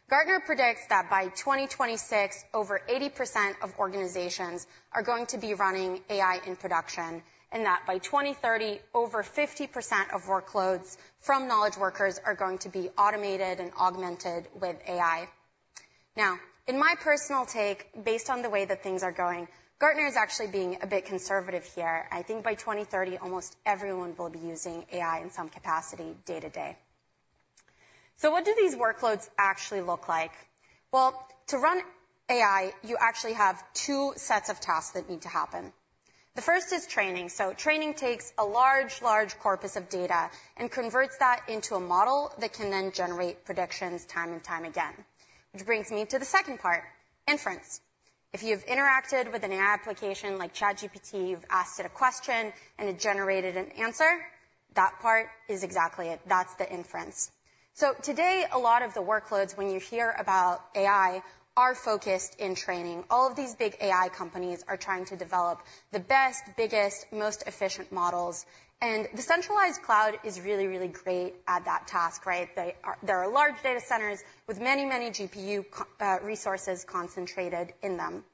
Gartner predicts that by 2026, over 80% of organizations are going to be running AI in production, and that by 2030, over 50% of workloads from knowledge workers are going to be automated and augmented with AI. Now, in my personal take, based on the way that things are going, Gartner is actually being a bit conservative here. I think by 2030, almost everyone will be using AI in some capacity day-to-day. So what do these workloads actually look like? Well, to run AI, you actually have two sets of tasks that need to happen. The first is training. So training takes a large, large corpus of data and converts that into a model that can then generate predictions time and time again, which brings me to the second part, inference. If you've interacted with an AI application like ChatGPT, you've asked it a question, and it generated an answer, that part is exactly it. That's the inference. So today, a lot of the workloads, when you hear about AI, are focused in training. All of these big AI companies are trying to develop the best, biggest, most efficient models, and the centralized cloud is really, really great at that task, right? There are large data centers with many, many GPU compute resources concentrated in them.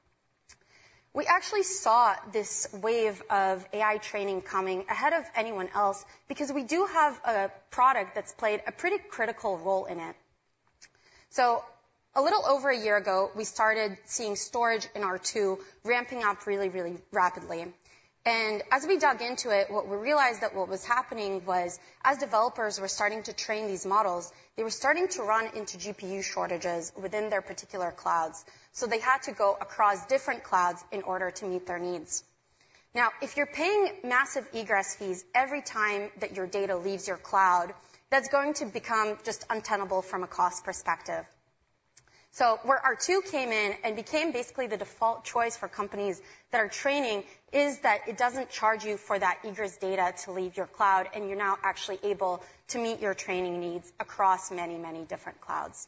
We actually saw this wave of AI training coming ahead of anyone else because we do have a product that's played a pretty critical role in it. So a little over a year ago, we started seeing storage in R2 ramping up really, really rapidly. And as we dug into it, what we realized that what was happening was, as developers were starting to train these models, they were starting to run into GPU shortages within their particular clouds, so they had to go across different clouds in order to meet their needs. Now, if you're paying massive egress fees every time that your data leaves your cloud, that's going to become just untenable from a cost perspective. So where R2 came in and became basically the default choice for companies that are training, is that it doesn't charge you for that egress data to leave your cloud, and you're now actually able to meet your training needs across many, many different clouds.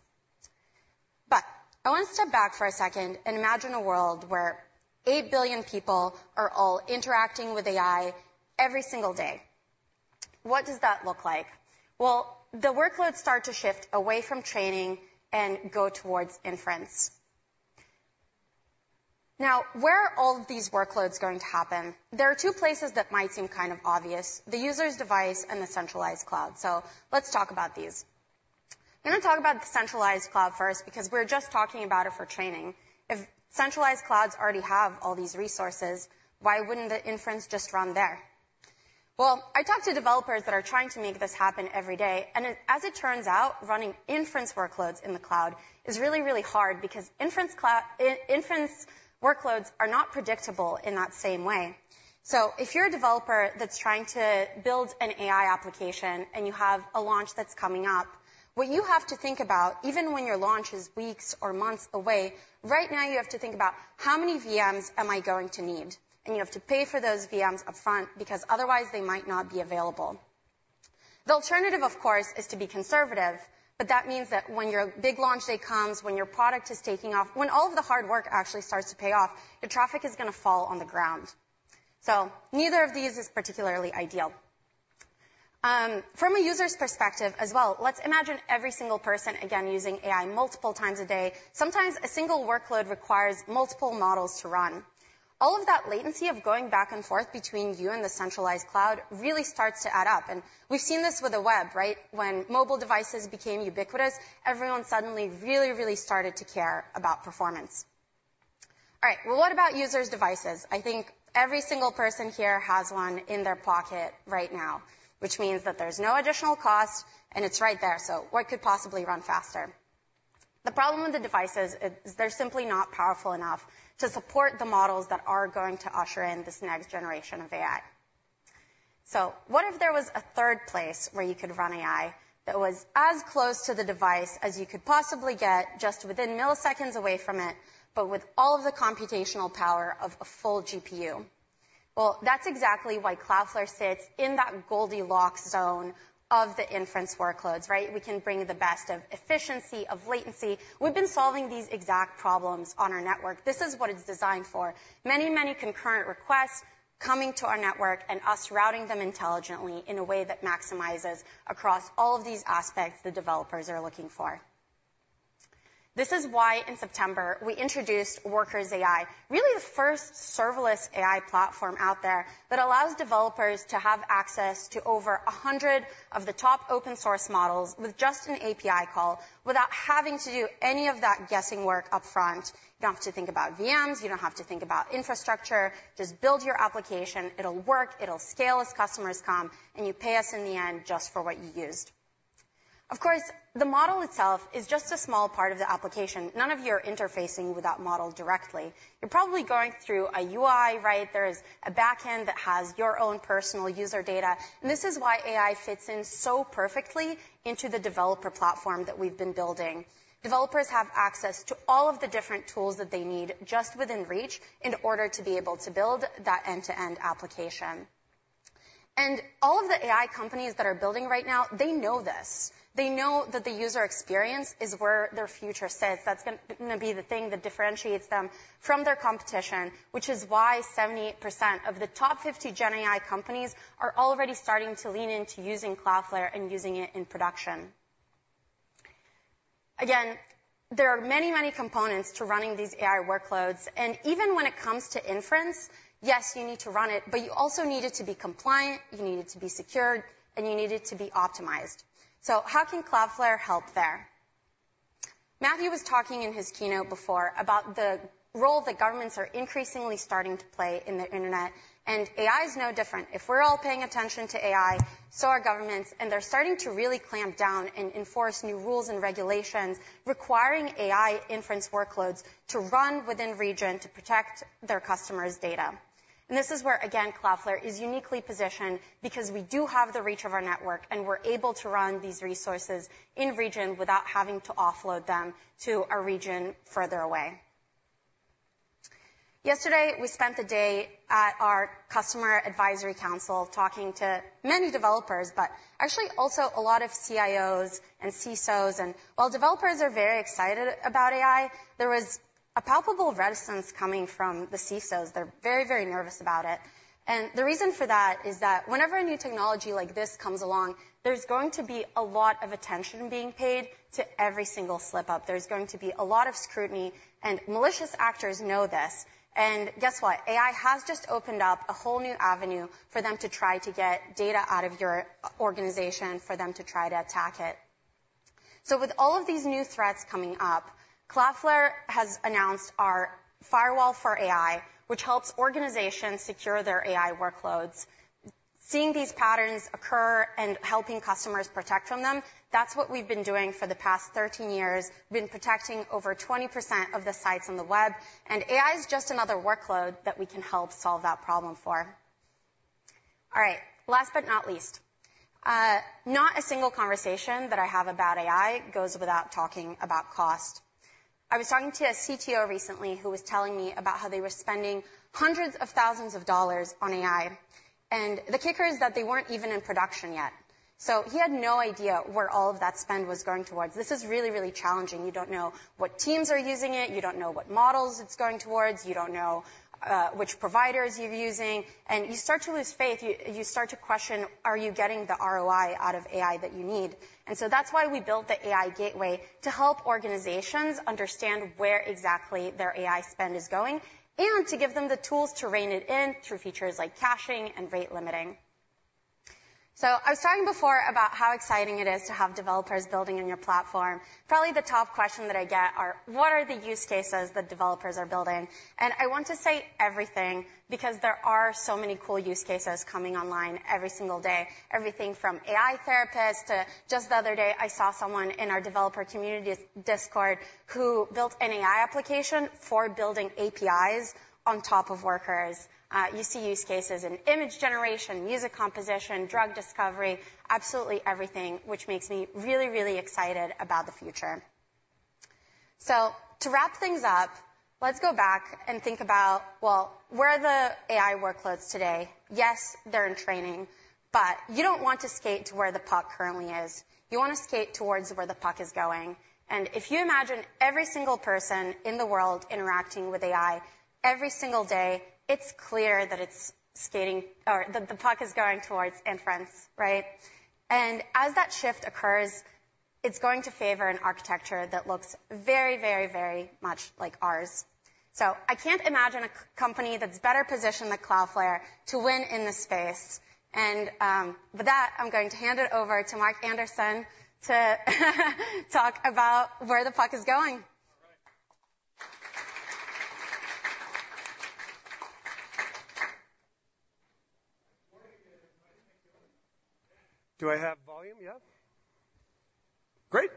But I want to step back for a second and imagine a world where 8 billion people are all interacting with AI every single day. What does that look like? Well, the workloads start to shift away from training and go towards inference. Now, where are all of these workloads going to happen? There are two places that might seem kind of obvious: the user's device and the centralized cloud. So let's talk about these. I'm going to talk about the centralized cloud first, because we're just talking about it for training. If centralized clouds already have all these resources, why wouldn't the inference just run there? Well, I talk to developers that are trying to make this happen every day, and as it turns out, running inference workloads in the cloud is really, really hard because inference workloads are not predictable in that same way. So if you're a developer that's trying to build an AI application, and you have a launch that's coming up, what you have to think about, even when your launch is weeks or months away, right now, you have to think about how many VMs am I going to need? And you have to pay for those VMs upfront, because otherwise they might not be available. The alternative, of course, is to be conservative, but that means that when your big launch day comes, when your product is taking off, when all of the hard work actually starts to pay off, your traffic is gonna fall on the ground. So neither of these is particularly ideal. From a user's perspective as well, let's imagine every single person, again, using AI multiple times a day. Sometimes a single workload requires multiple models to run. All of that latency of going back and forth between you and the centralized cloud really starts to add up. And we've seen this with the web, right? When mobile devices became ubiquitous, everyone suddenly really, really started to care about performance. All right, well, what about users' devices? I think every single person here has one in their pocket right now, which means that there's no additional cost, and it's right there, so what could possibly run faster? The problem with the devices is they're simply not powerful enough to support the models that are going to usher in this next generation of AI. So what if there was a third place where you could run AI that was as close to the device as you could possibly get, just within milliseconds away from it, but with all of the computational power of a full GPU? Well, that's exactly why Cloudflare sits in that Goldilocks zone of the inference workloads, right? We can bring the best of efficiency, of latency. We've been solving these exact problems on our network. This is what it's designed for. Many, many concurrent requests coming to our network and us routing them intelligently in a way that maximizes across all of these aspects the developers are looking for. This is why in September, we introduced Workers AI, really the first serverless AI platform out there that allows developers to have access to over 100 of the top open source models with just an API call, without having to do any of that guessing work upfront. You don't have to think about VMs. You don't have to think about infrastructure. Just build your application, it'll work, it'll scale as customers come, and you pay us in the end just for what you used. Of course, the model itself is just a small part of the application. None of you are interfacing with that model directly. You're probably going through a UI, right? There is a back end that has your own personal user data, and this is why AI fits in so perfectly into the developer platform that we've been building. Developers have access to all of the different tools that they need just within reach, in order to be able to build that end-to-end application. All of the AI companies that are building right now, they know this. They know that the user experience is where their future sits. That's gonna, gonna be the thing that differentiates them from their competition, which is why 78% of the top 50 GenAI companies are already starting to lean into using Cloudflare and using it in production. Again, there are many, many components to running these AI workloads, and even when it comes to inference, yes, you need to run it, but you also need it to be compliant, you need it to be secured, and you need it to be optimized. So how can Cloudflare help there? Matthew was talking in his keynote before about the role that governments are increasingly starting to play in the internet, and AI is no different. If we're all paying attention to AI, so are governments, and they're starting to really clamp down and enforce new rules and regulations, requiring AI inference workloads to run within region to protect their customers' data. This is where, again, Cloudflare is uniquely positioned because we do have the reach of our network, and we're able to run these resources in region without having to offload them to a region further away. Yesterday, we spent the day at our Customer Advisory Council talking to many developers, but actually also a lot of CIOs and CSOs, and while developers are very excited about AI, there was a palpable reticence coming from the CSOs. They're very, very nervous about it. And the reason for that is that whenever a new technology like this comes along, there's going to be a lot of attention being paid to every single slipup. There's going to be a lot of scrutiny, and malicious actors know this. And guess what? AI has just opened up a whole new avenue for them to try to get data out of your organization, for them to try to attack it. So with all of these new threats coming up, Cloudflare has announced our Firewall for AI, which helps organizations secure their AI workloads. Seeing these patterns occur and helping customers protect from them, that's what we've been doing for the past 13 years. We've been protecting over 20% of the sites on the web, and AI is just another workload that we can help solve that problem for. All right, last but not least, not a single conversation that I have about AI goes without talking about cost. I was talking to a CTO recently who was telling me about how they were spending hundreds of thousands of dollars on AI, and the kicker is that they weren't even in production yet. So he had no idea where all of that spend was going towards. This is really, really challenging. You don't know what teams are using it, you don't know what models it's going towards, you don't know which providers you're using, and you start to lose faith. You start to question, are you getting the ROI out of AI that you need? And so that's why we built the AI Gateway, to help organizations understand where exactly their AI spend is going, and to give them the tools to rein it in through features like caching and rate limiting. So I was talking before about how exciting it is to have developers building in your platform. Probably the top question that I get are: What are the use cases that developers are building? And I want to say everything, because there are so many cool use cases coming online every single day, everything from AI therapist to just the other day, I saw someone in our developer community Discord, who built an AI application for building APIs on top of Workers. You see use cases in image generation, music composition, drug discovery, absolutely everything, which makes me really, really excited about the future. So to wrap things up, let's go back and think about, well, where are the AI workloads today? Yes, they're in training, but you don't want to skate to where the puck currently is. You want to skate towards where the puck is going. And if you imagine every single person in the world interacting with AI every single day, it's clear that it's skating or that the puck is going towards inference, right? And as that shift occurs, it's going to favor an architecture that looks very, very, very much like ours. So I can't imagine a company that's better positioned than Cloudflare to win in this space. With that, I'm going to hand it over to Mark Anderson to talk about where the puck is going. All right. Do I have volume? Yeah. Great.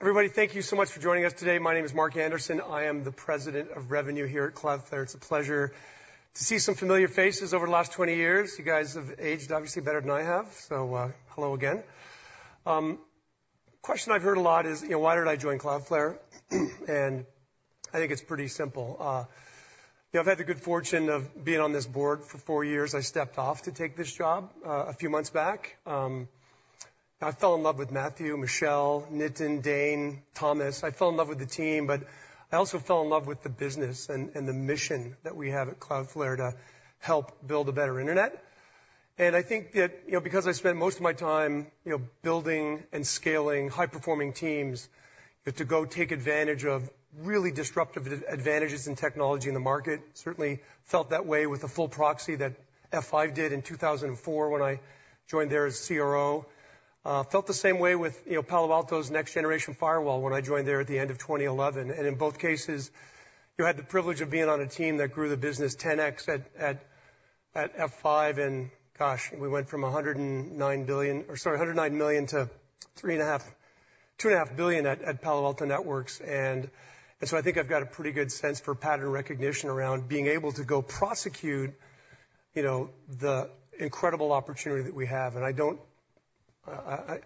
Everybody, thank you so much for joining us today. My name is Mark Anderson. I am the President of Revenue here at Cloudflare. It's a pleasure to see some familiar faces over the last 20 years. You guys have aged, obviously, better than I have, so, hello again. Question I've heard a lot is, you know, why did I join Cloudflare? And I think it's pretty simple. You know, I've had the good fortune of being on this board for four years. I stepped off to take this job, a few months back. I fell in love with Matthew, Michelle, Nitin, Dane, Thomas. I fell in love with the team, but I also fell in love with the business and, and the mission that we have at Cloudflare to help build a better internet. And I think that, you know, because I spent most of my time, you know, building and scaling high-performing teams, that to go take advantage of really disruptive advantages in technology in the market, certainly felt that way with the full proxy that F5 did in 2004, when I joined there as CRO. Felt the same way with, you know, Palo Alto's next generation firewall when I joined there at the end of 2011. And in both cases, you had the privilege of being on a team that grew the business 10x at F5, and gosh, we went from $109 million to $2.5 billion at Palo Alto Networks. I think I've got a pretty good sense for pattern recognition around being able to go prosecute, you know, the incredible opportunity that we have. I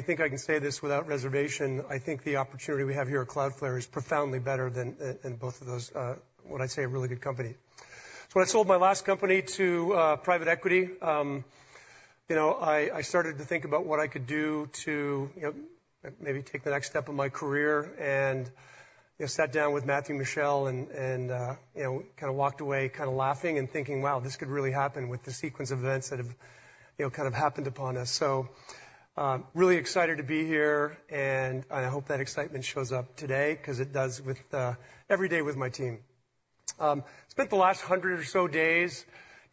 think I can say this without reservation. I think the opportunity we have here at Cloudflare is profoundly better than both of those, what I'd say, a really good company. So when I sold my last company to private equity, you know, I started to think about what I could do to, you know, maybe take the next step of my career, and, you know, sat down with Matthew, Michelle, and, you know, kind of walked away kind of laughing and thinking, "Wow, this could really happen with the sequence of events that have, you know, kind of happened upon us." So, really excited to be here, and I hope that excitement shows up today 'cause it does with every day with my team. Spent the last 100 or so days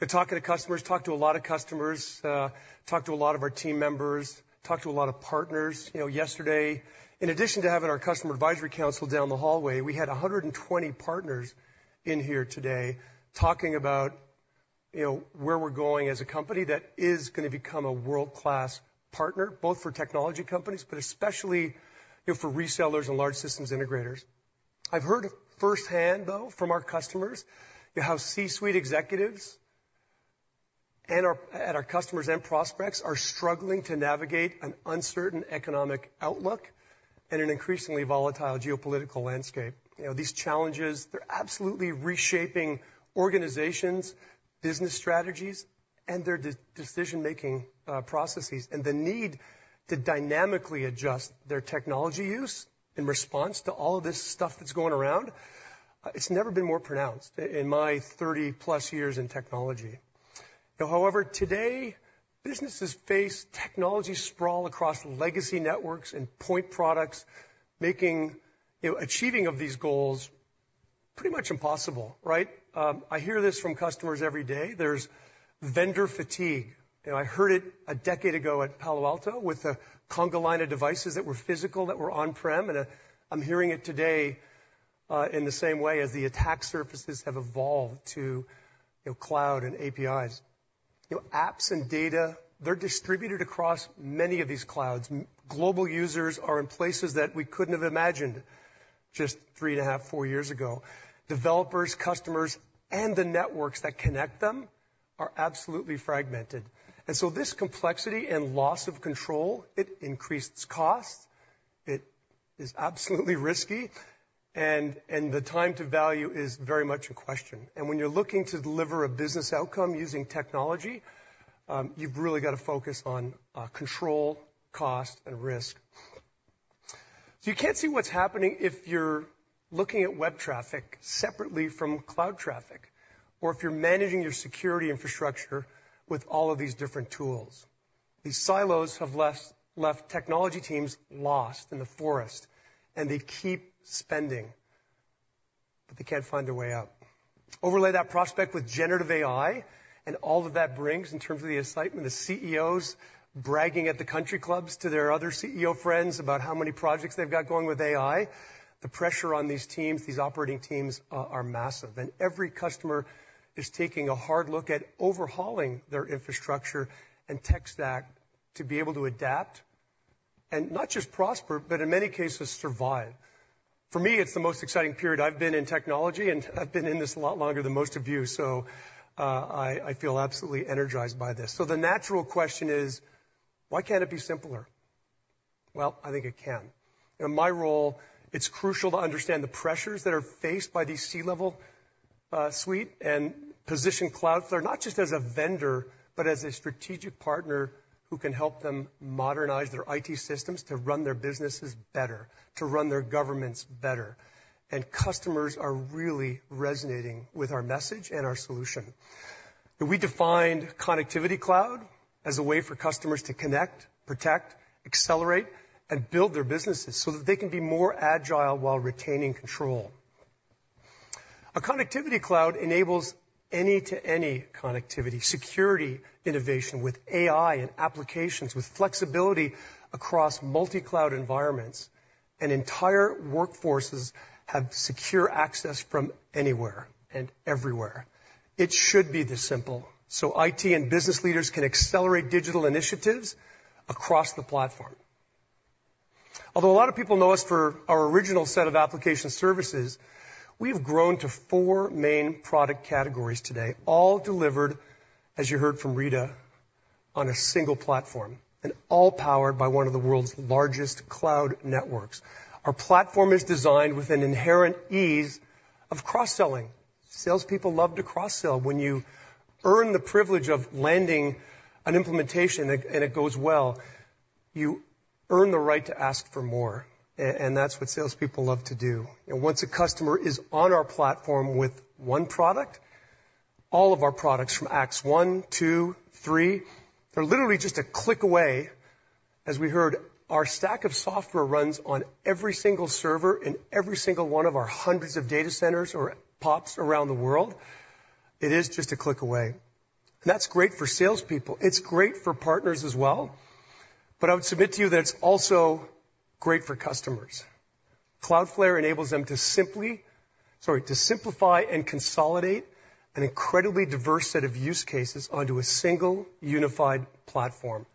talking to customers, talked to a lot of customers, talked to a lot of our team members, talked to a lot of partners. You know, yesterday, in addition to having our Customer Advisory Council down the hallway, we had 120 partners in here today talking about, you know, where we're going as a company that is gonna become a world-class partner, both for technology companies, but especially, you know, for resellers and large systems integrators. I've heard firsthand, though, from our customers, how C-suite executives and at our customers and prospects are struggling to navigate an uncertain economic outlook and an increasingly volatile geopolitical landscape. You know, these challenges, they're absolutely reshaping organizations, business strategies, and their decision-making processes, and the need to dynamically adjust their technology use in response to all of this stuff that's going around, it's never been more pronounced in my 30+ years in technology. Now, however, today, businesses face technology sprawl across legacy networks and point products, making, you know, achieving of these goals pretty much impossible, right? I hear this from customers every day. There's vendor fatigue. You know, I heard it a decade ago at Palo Alto with the conga line of devices that were physical, that were on-prem, and, I'm hearing it today in the same way as the attack surfaces have evolved to, you know, cloud and APIs. You know, apps and data, they're distributed across many of these clouds. Global users are in places that we couldn't have imagined just three and a half, four years ago. Developers, customers, and the networks that connect them are absolutely fragmented. And so this complexity and loss of control, it increases cost, it is absolutely risky, and, and the time to value is very much in question. When you're looking to deliver a business outcome using technology, you've really got to focus on control, cost, and risk. You can't see what's happening if you're looking at web traffic separately from cloud traffic, or if you're managing your security infrastructure with all of these different tools. These silos have left technology teams lost in the forest, and they keep spending, but they can't find a way out. Overlay that prospect with Generative AI and all that that brings in terms of the excitement, the CEOs bragging at the country clubs to their other CEO friends about how many projects they've got going with AI, the pressure on these teams, these operating teams, are massive. Every customer is taking a hard look at overhauling their infrastructure and tech stack to be able to adapt, and not just prosper, but in many cases survive. For me, it's the most exciting period I've been in technology, and I've been in this a lot longer than most of you, so, I feel absolutely energized by this. So the natural question is: Why can't it be simpler? Well, I think it can. In my role, it's crucial to understand the pressures that are faced by these C-level suite, and position Cloudflare not just as a vendor, but as a strategic partner who can help them modernize their IT systems to run their businesses better, to run their governments better. Customers are really resonating with our message and our solution. We defined Connectivity Cloud as a way for customers to connect, protect, accelerate, and build their businesses so that they can be more agile while retaining control. A Connectivity Cloud enables any to any connectivity, security, innovation with AI and applications, with flexibility across multi-cloud environments, and entire workforces have secure access from anywhere and everywhere. It should be this simple, so IT and business leaders can accelerate digital initiatives across the platform. Although a lot of people know us for our original set of application services, we've grown to four main product categories today, all delivered, as you heard from Rita, on a single platform, and all powered by one of the world's largest cloud networks. Our platform is designed with an inherent ease of cross-selling. Salespeople love to cross-sell. When you earn the privilege of landing an implementation and it goes well, you earn the right to ask for more. That's what salespeople love to do. Once a customer is on our platform with one product, all of our products, from Acts one, two, three, they're literally just a click away. As we heard, our stack of software runs on every single server in every single one of our hundreds of data centers or POPs around the world. It is just a click away. And that's great for salespeople. It's great for partners as well. But I would submit to you that it's also great for customers. Cloudflare enables them to simply sorry, to simplify and consolidate an incredibly diverse set of use cases onto a single, unified platform,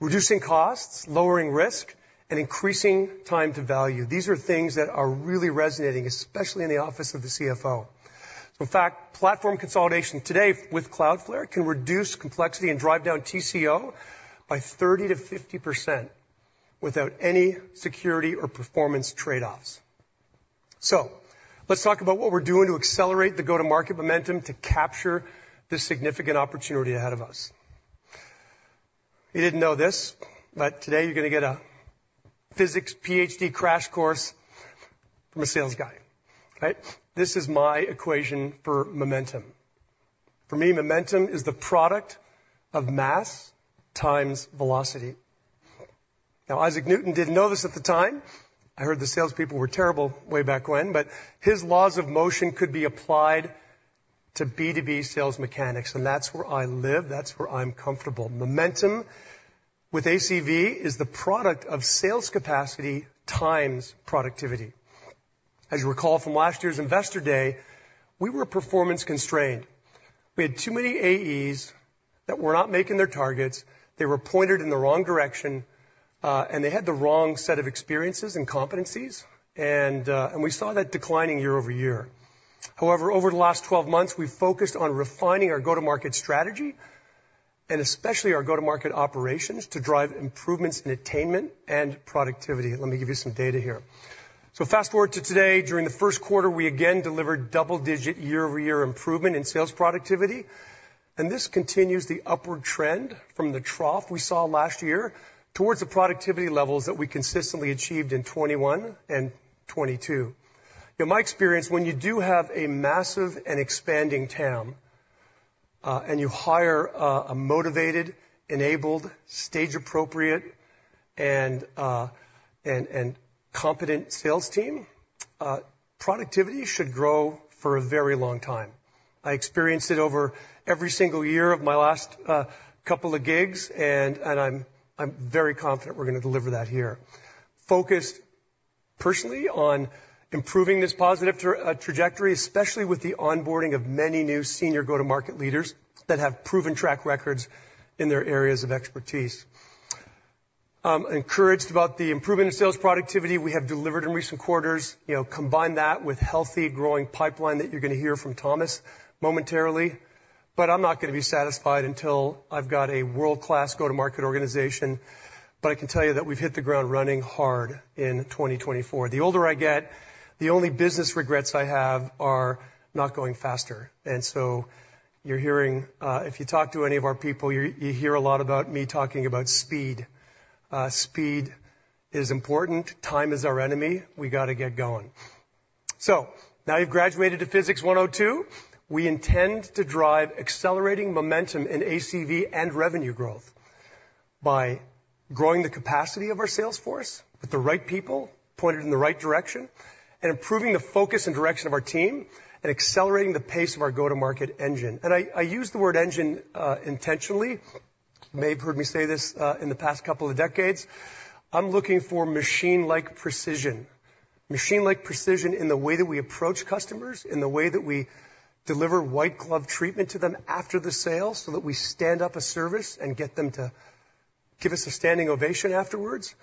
reducing costs, lowering risk, and increasing time to value. These are things that are really resonating, especially in the office of the CFO. In fact, platform consolidation today with Cloudflare can reduce complexity and drive down TCO by 30%-50% without any security or performance trade-offs. So let's talk about what we're doing to accelerate the go-to-market momentum to capture this significant opportunity ahead of us. You didn't know this, but today you're gonna get a physics PhD crash course from a sales guy, right? This is my equation for momentum. For me, momentum is the product of mass times velocity. Now, Isaac Newton didn't know this at the time. I heard the salespeople were terrible way back when, but his laws of motion could be applied to B2B sales mechanics, and that's where I live, that's where I'm comfortable. Momentum with ACV is the product of sales capacity times productivity. As you recall from last year's Investor Day, we were performance-constrained. We had too many AEs that were not making their targets. They were pointed in the wrong direction, and they had the wrong set of experiences and competencies. And we saw that declining year-over-year. However, over the last 12 months, we've focused on refining our go-to-market strategy, and especially our go-to-market operations, to drive improvements in attainment and productivity. Let me give you some data here. So fast-forward to today. During the first quarter, we again delivered double-digit year-over-year improvement in sales productivity, and this continues the upward trend from the trough we saw last year towards the productivity levels that we consistently achieved in 2021 and 2022. In my experience, when you do have a massive and expanding TAM, and you hire a motivated, enabled, stage-appropriate, and competent sales team, productivity should grow for a very long time. I experienced it over every single year of my last couple of gigs, and I'm very confident we're gonna deliver that here. Focused personally on improving this positive trajectory, especially with the onboarding of many new senior go-to-market leaders that have proven track records in their areas of expertise. Encouraged about the improvement in sales productivity we have delivered in recent quarters. You know, combine that with healthy, growing pipeline that you're gonna hear from Thomas momentarily, but I'm not gonna be satisfied until I've got a world-class go-to-market organization. But I can tell you that we've hit the ground running hard in 2024. The older I get, the only business regrets I have are not going faster, and so you're hearing. If you talk to any of our people, you, you hear a lot about me talking about speed. Speed is important. Time is our enemy. We gotta get going. So now you've graduated to Physics 102. We intend to drive accelerating momentum in ACV and revenue growth by growing the capacity of our sales force with the right people pointed in the right direction, and improving the focus and direction of our team, and accelerating the pace of our go-to-market engine. And I, I use the word engine intentionally. You may have heard me say this in the past couple of decades. I'm looking for machine-like precision. Machine-like precision in the way that we approach customers, in the way that we deliver white glove treatment to them after the sale, so that we stand up a service and get them to give us a standing ovation afterwards.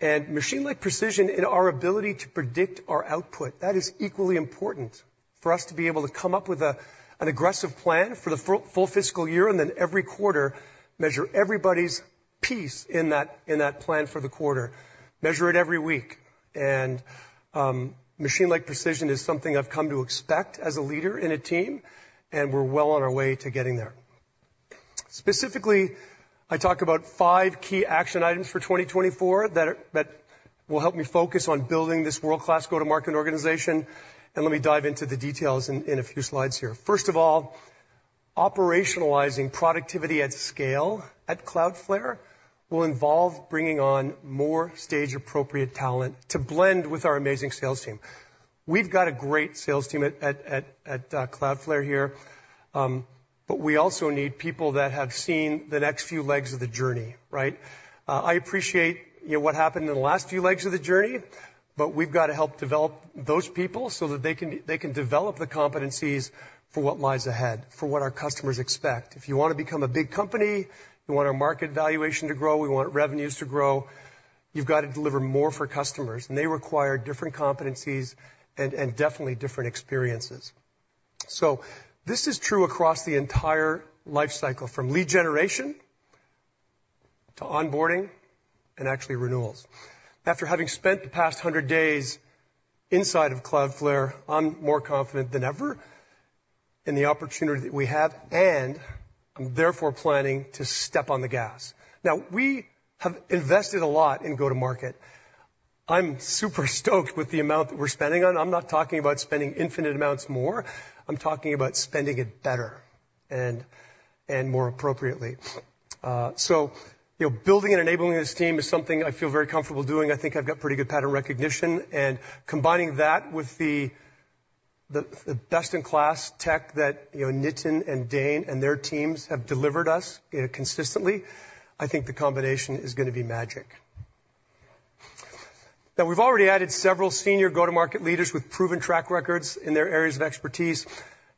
Machine-like precision in our ability to predict our output. That is equally important for us to be able to come up with an aggressive plan for the full fiscal year, and then every quarter, measure everybody's piece in that plan for the quarter. Measure it every week. Machine-like precision is something I've come to expect as a leader in a team, and we're well on our way to getting there. Specifically, I talk about five key action items for 2024 that will help me focus on building this world-class go-to-market organization, and let me dive into the details in a few slides here. First of all, operationalizing productivity at scale at Cloudflare will involve bringing on more stage-appropriate talent to blend with our amazing sales team. We've got a great sales team at Cloudflare here, but we also need people that have seen the next few legs of the journey, right? I appreciate, you know, what happened in the last few legs of the journey, but we've got to help develop those people so that they can develop the competencies for what lies ahead, for what our customers expect. If you wanna become a big company, we want our market valuation to grow, we want revenues to grow, you've got to deliver more for customers, and they require different competencies and definitely different experiences. So this is true across the entire life cycle, from lead generation to onboarding and actually renewals. After having spent the past 100 days inside of Cloudflare, I'm more confident than ever in the opportunity that we have, and I'm therefore planning to step on the gas. Now, we have invested a lot in go-to-market. I'm super stoked with the amount that we're spending on it. I'm not talking about spending infinite amounts more. I'm talking about spending it better and more appropriately. So, you know, building and enabling this team is something I feel very comfortable doing. I think I've got pretty good pattern recognition, and combining that with the best-in-class tech that, you know, Nitin and Dane and their teams have delivered us, you know, consistently, I think the combination is gonna be magic. Now, we've already added several senior go-to-market leaders with proven track records in their areas of expertise.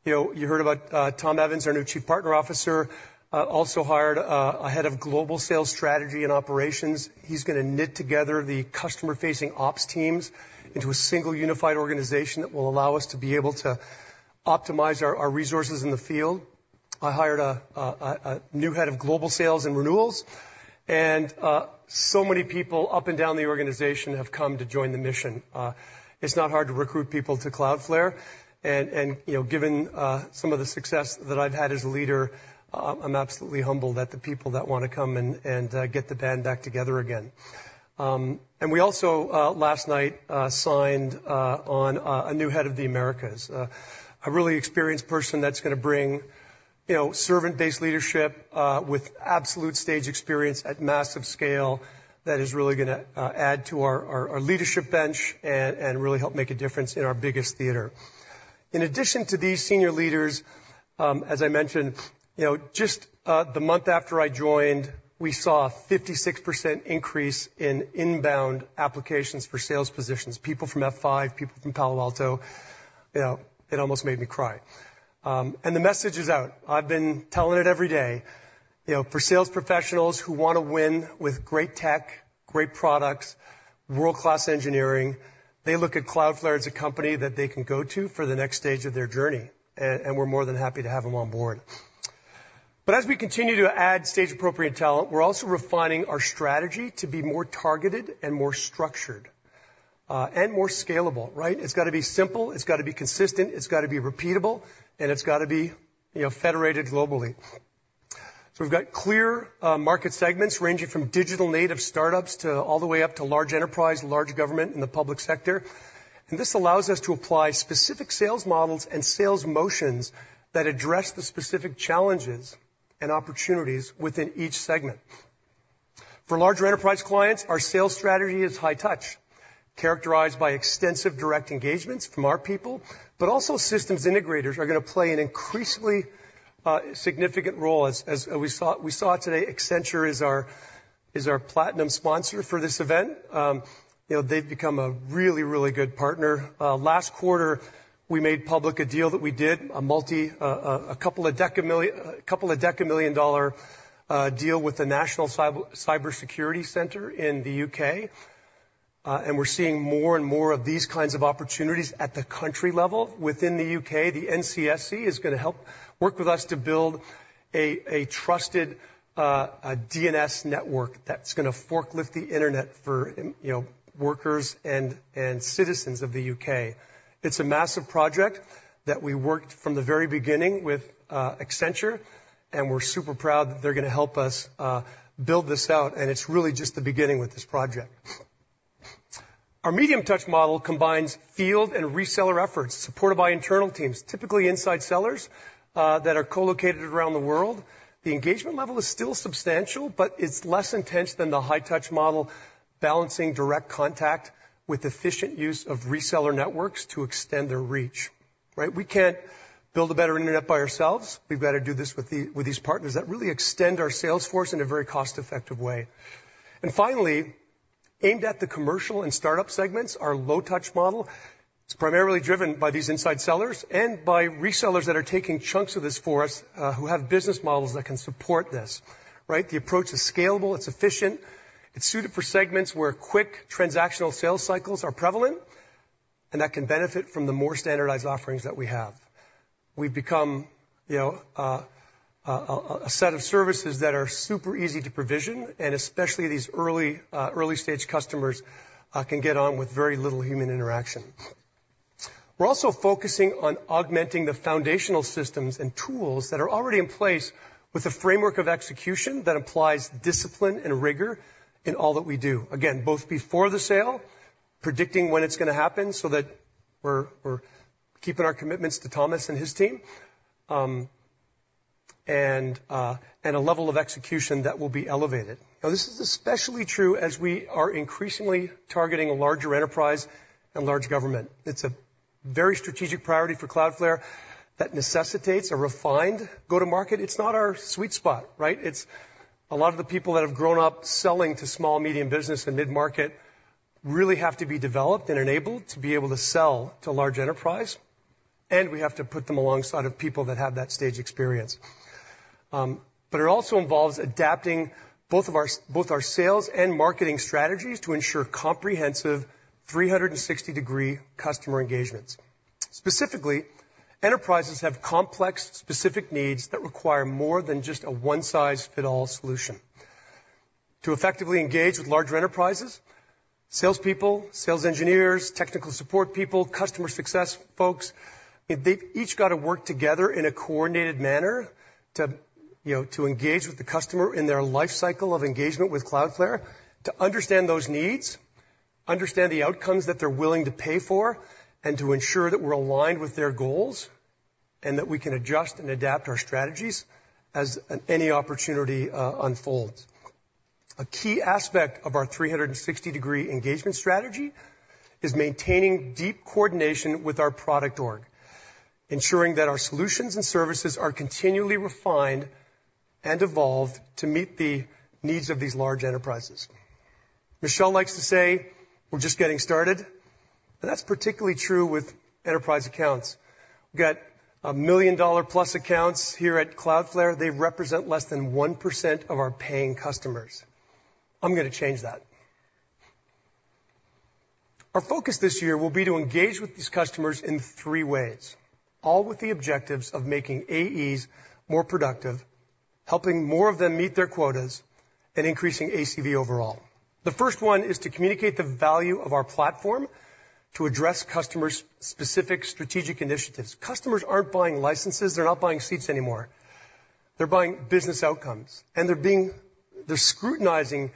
You know, you heard about Tom Evans, our new Chief Partner Officer, also hired a new head of global sales strategy and operations. He's gonna knit together the customer-facing ops teams into a single, unified organization that will allow us to be able to optimize our resources in the field. I hired a new head of global sales and renewals, and so many people up and down the organization have come to join the mission. It's not hard to recruit people to Cloudflare, and you know, given some of the success that I've had as a leader, I'm absolutely humbled at the people that wanna come and get the band back together again. And we also last night signed on a new head of the Americas, a really experienced person that's gonna bring, you know, servant-based leadership with absolute stage experience at massive scale that is really gonna add to our leadership bench and really help make a difference in our biggest theater. In addition to these senior leaders, as I mentioned, you know, just the month after I joined, we saw a 56% increase in inbound applications for sales positions, people from F5, people from Palo Alto. You know, it almost made me cry. And the message is out. I've been telling it every day. You know, for sales professionals who want to win with great tech, great products, world-class engineering, they look at Cloudflare as a company that they can go to for the next stage of their journey, and we're more than happy to have them on board. But as we continue to add stage-appropriate talent, we're also refining our strategy to be more targeted and more structured, and more scalable, right? It's gotta be simple, it's gotta be consistent, it's gotta be repeatable, and it's gotta be, you know, federated globally. So we've got clear market segments, ranging from digital-native startups to all the way up to large enterprise, large government in the public sector, and this allows us to apply specific sales models and sales motions that address the specific challenges and opportunities within each segment. For larger enterprise clients, our sales strategy is high touch, characterized by extensive direct engagements from our people, but also systems integrators are going to play an increasingly significant role. As we saw today, Accenture is our platinum sponsor for this event. You know, they've become a really, really good partner. Last quarter, we made public a deal that we did, a multi-decamillion-dollar deal with the National Cyber Security Centre in the U.K. And we're seeing more and more of these kinds of opportunities at the country level within the U.K. The NCSC is gonna help work with us to build a trusted DNS network that's gonna fortify the internet for, you know, workers and citizens of the U.K. It's a massive project that we worked from the very beginning with Accenture, and we're super proud that they're gonna help us build this out, and it's really just the beginning with this project. Our medium touch model combines field and reseller efforts, supported by internal teams, typically inside sellers that are co-located around the world. The engagement level is still substantial, but it's less intense than the high touch model, balancing direct contact with efficient use of reseller networks to extend their reach, right? We can't build a better internet by ourselves. We've got to do this with the- with these partners that really extend our sales force in a very cost-effective way. Finally, aimed at the commercial and startup segments, our low touch model is primarily driven by these inside sellers and by resellers that are taking chunks of this for us, who have business models that can support this, right? The approach is scalable, it's efficient, it's suited for segments where quick transactional sales cycles are prevalent, and that can benefit from the more standardized offerings that we have. We've become, you know, a set of services that are super easy to provision, and especially these early-stage customers can get on with very little human interaction. We're also focusing on augmenting the foundational systems and tools that are already in place with a framework of execution that applies discipline and rigor in all that we do. Again, both before the sale, predicting when it's gonna happen so that we're keeping our commitments to Thomas and his team, and a level of execution that will be elevated. Now, this is especially true as we are increasingly targeting a larger enterprise and large government. It's a very strategic priority for Cloudflare that necessitates a refined go-to-market. It's not our sweet spot, right? It's a lot of the people that have grown up selling to small, medium business and mid-market really have to be developed and enabled to be able to sell to large enterprise, and we have to put them alongside of people that have that stage experience. But it also involves adapting both our sales and marketing strategies to ensure comprehensive 360-degree customer engagements. Specifically, enterprises have complex, specific needs that require more than just a one-size-fits-all solution. To effectively engage with larger enterprises, salespeople, sales engineers, technical support people, customer success folks, they've each got to work together in a coordinated manner to, you know, to engage with the customer in their life cycle of engagement with Cloudflare, to understand those needs, understand the outcomes that they're willing to pay for, and to ensure that we're aligned with their goals, and that we can adjust and adapt our strategies as any opportunity unfolds. A key aspect of our 360-degree engagement strategy is maintaining deep coordination with our product org, ensuring that our solutions and services are continually refined and evolved to meet the needs of these large enterprises. Michelle likes to say, "We're just getting started," and that's particularly true with enterprise accounts. We've got million-dollar plus accounts here at Cloudflare. They represent less than 1% of our paying customers. I'm gonna change that. Our focus this year will be to engage with these customers in 3 ways, all with the objectives of making AEs more productive, helping more of them meet their quotas, and increasing ACV overall. The first one is to communicate the value of our platform to address customers' specific strategic initiatives. Customers aren't buying licenses, they're not buying seats anymore. They're buying business outcomes, and they're scrutinizing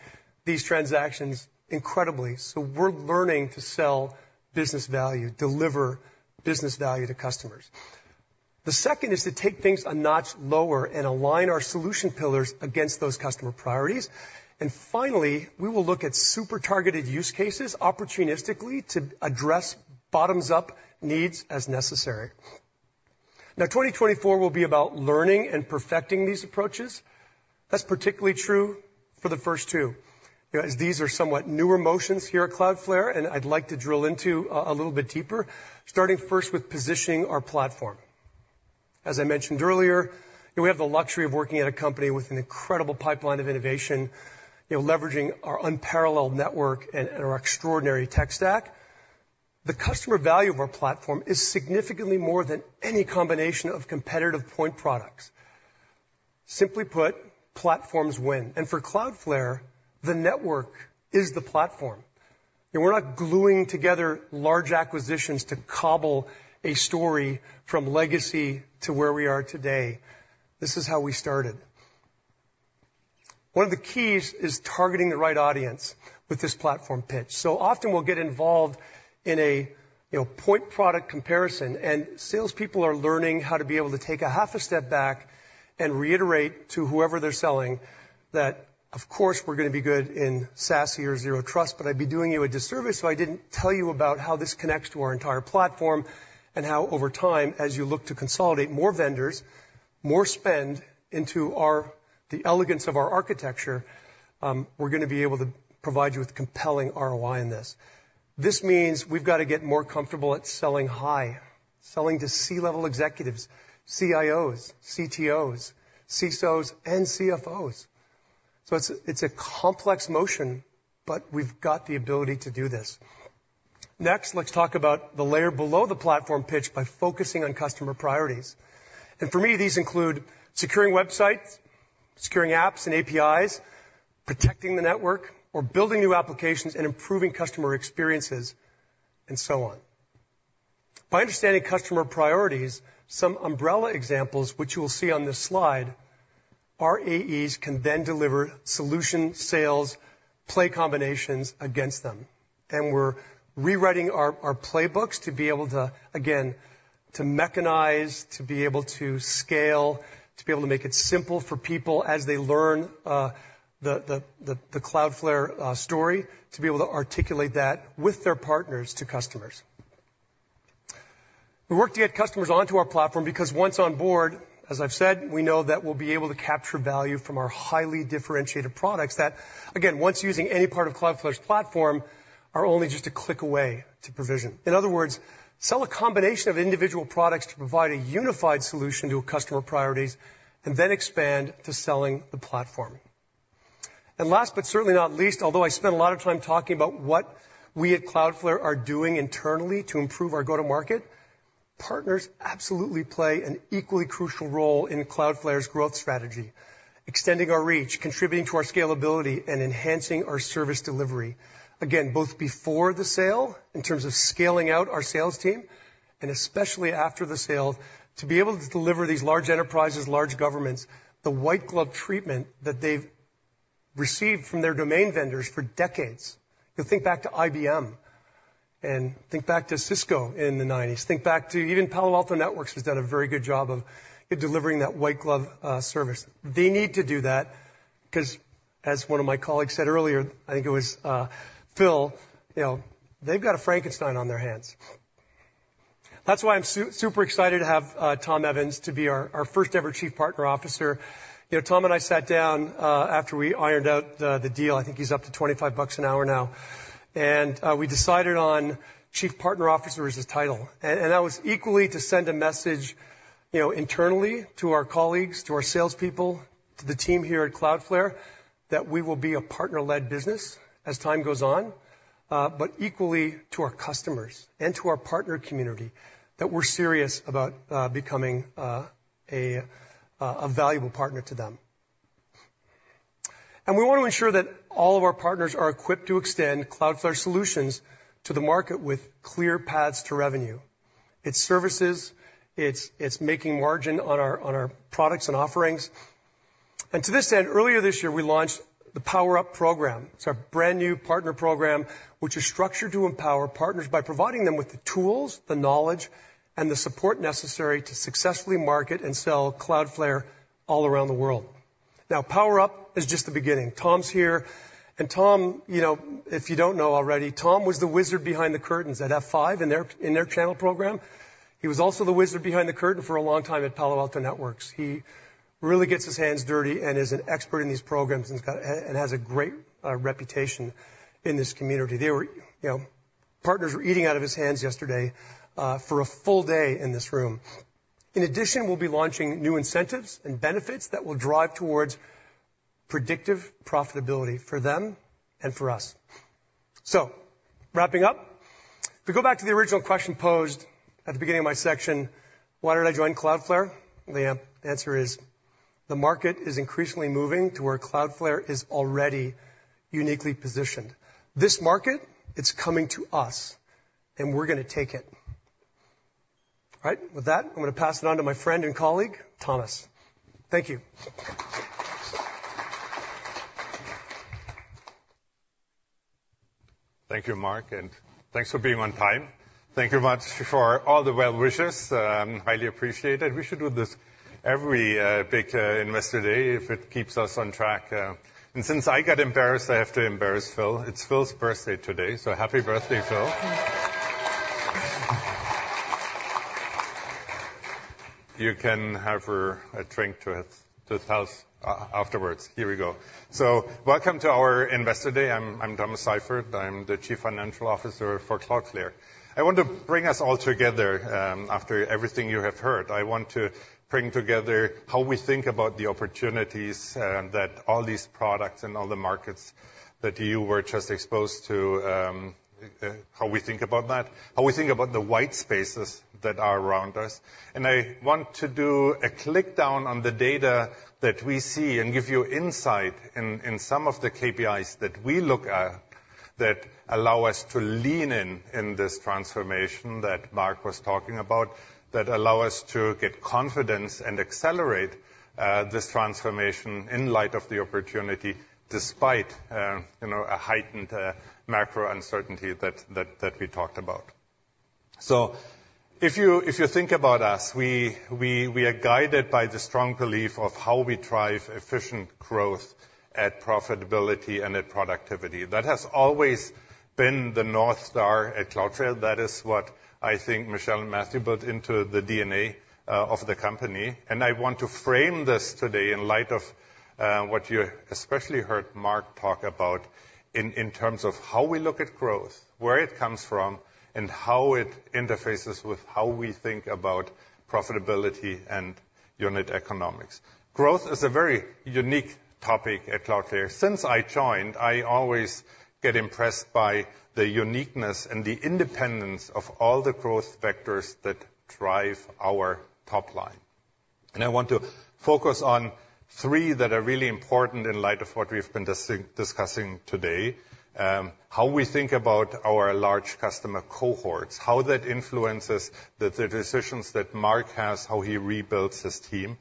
these transactions incredibly. So we're learning to sell business value, deliver business value to customers. The second is to take things a notch lower and align our solution pillars against those customer priorities. And finally, we will look at super targeted use cases opportunistically to address bottoms-up needs as necessary. Now, 2024 will be about learning and perfecting these approaches. That's particularly true for the first two. You know, as these are somewhat newer motions here at Cloudflare, and I'd like to drill into a little bit deeper, starting first with positioning our platform. As I mentioned earlier, we have the luxury of working at a company with an incredible pipeline of innovation, you know, leveraging our unparalleled network and our extraordinary tech stack. The customer value of our platform is significantly more than any combination of competitive point products. Simply put, platforms win, and for Cloudflare, the network is the platform, and we're not gluing together large acquisitions to cobble a story from legacy to where we are today. This is how we started. One of the keys is targeting the right audience with this platform pitch. So often we'll get involved in a, you know, point product comparison, and salespeople are learning how to be able to take a half a step back and reiterate to whoever they're selling that, of course, we're gonna be good in SASE or Zero Trust, but I'd be doing you a disservice if I didn't tell you about how this connects to our entire platform, and how over time, as you look to consolidate more vendors, more spend into our the elegance of our architecture, we're gonna be able to provide you with compelling ROI in this. This means we've got to get more comfortable at selling high, selling to C-level executives, CIOs, CTOs, CSOs, and CFOs. So it's, it's a complex motion, but we've got the ability to do this. Next, let's talk about the layer below the platform pitch by focusing on customer priorities. For me, these include securing websites, securing apps and APIs, protecting the network, or building new applications and improving customer experiences, and so on. By understanding customer priorities, some umbrella examples, which you will see on this slide, our AEs can then deliver solution sales play combinations against them. We're rewriting our playbooks to be able to, again, to mechanize, to be able to scale, to be able to make it simple for people as they learn the Cloudflare story, to be able to articulate that with their partners to customers. We work to get customers onto our platform because once on board, as I've said, we know that we'll be able to capture value from our highly differentiated products that, again, once using any part of Cloudflare's platform, are only just a click away to provision. In other words, sell a combination of individual products to provide a unified solution to a customer's priorities, and then expand to selling the platform. And last, but certainly not least, although I spent a lot of time talking about what we at Cloudflare are doing internally to improve our go-to-market, partners absolutely play an equally crucial role in Cloudflare's growth strategy, extending our reach, contributing to our scalability, and enhancing our service delivery. Again, both before the sale, in terms of scaling out our sales team, and especially after the sale, to be able to deliver these large enterprises, large governments, the white glove treatment that they've received from their domain vendors for decades. You'll think back to IBM, and think back to Cisco in the 1990s, think back to even Palo Alto Networks has done a very good job of delivering that white glove service. They need to do that, 'cause as one of my colleagues said earlier, I think it was Phil, you know, they've got a Frankenstein on their hands. That's why I'm super excited to have Tom Evans to be our first-ever Chief Partner Officer. You know, Tom and I sat down after we ironed out the deal. I think he's up to $25 an hour now. And we decided on Chief Partner Officer as his title. And that was equally to send a message, you know, internally to our colleagues, to our salespeople, to the team here at Cloudflare, that we will be a partner-led business as time goes on, but equally to our customers and to our partner community, that we're serious about becoming a valuable partner to them. We want to ensure that all of our partners are equipped to extend Cloudflare solutions to the market with clear paths to revenue. It's services, it's making margin on our products and offerings. To this end, earlier this year, we launched the PowerUP program. It's our brand new partner program, which is structured to empower partners by providing them with the tools, the knowledge, and the support necessary to successfully market and sell Cloudflare all around the world. Now, PowerUP is just the beginning. Tom's here, and Tom, you know, if you don't know already, Tom was the wizard behind the curtains at F5 in their channel program. He was also the wizard behind the curtain for a long time at Palo Alto Networks. He really gets his hands dirty and is an expert in these programs, and has got and has a great reputation in this community. They were you know, partners were eating out of his hands yesterday for a full day in this room. In addition, we'll be launching new incentives and benefits that will drive towards predictive profitability for them and for us. So wrapping up, if we go back to the original question posed at the beginning of my section, why did I join Cloudflare? The answer is, the market is increasingly moving to where Cloudflare is already uniquely positioned. This market, it's coming to us, and we're gonna take it. All right, with that, I'm gonna pass it on to my friend and colleague, Thomas. Thank you. Thank you, Mark, and thanks for being on time. Thank you much for all the well wishes, highly appreciated. We should do this every big Investor Day if it keeps us on track. And since I got embarrassed, I have to embarrass Phil. It's Phil's birthday today, so happy birthday, Phil. You can have a drink to his health afterwards. Here we go. So welcome to our Investor Day. I'm Thomas Seifert. I'm the Chief Financial Officer for Cloudflare. I want to bring us all together after everything you have heard. I want to bring together how we think about the opportunities that all these products and all the markets that you were just exposed to, how we think about that, how we think about the white spaces that are around us. I want to do a drill down on the data that we see and give you insight in some of the KPIs that we look at that allow us to lean in this transformation that Mark was talking about, that allow us to get confidence and accelerate this transformation in light of the opportunity, despite you know, a heightened macro uncertainty that we talked about. So if you think about us, we are guided by the strong belief of how we drive efficient growth at profitability and at productivity. That has always been the North Star at Cloudflare. That is what I think Michelle and Matthew built into the DNA of the company. I want to frame this today in light of what you especially heard Mark talk about in terms of how we look at growth, where it comes from, and how it interfaces with how we think about profitability and unit economics. Growth is a very unique topic at Cloudflare. Since I joined, I always get impressed by the uniqueness and the independence of all the growth vectors that drive our top line. I want to focus on three that are really important in light of what we've been discussing today. How we think about our large customer cohorts, how that influences the decisions that Mark has, how he rebuilds his team.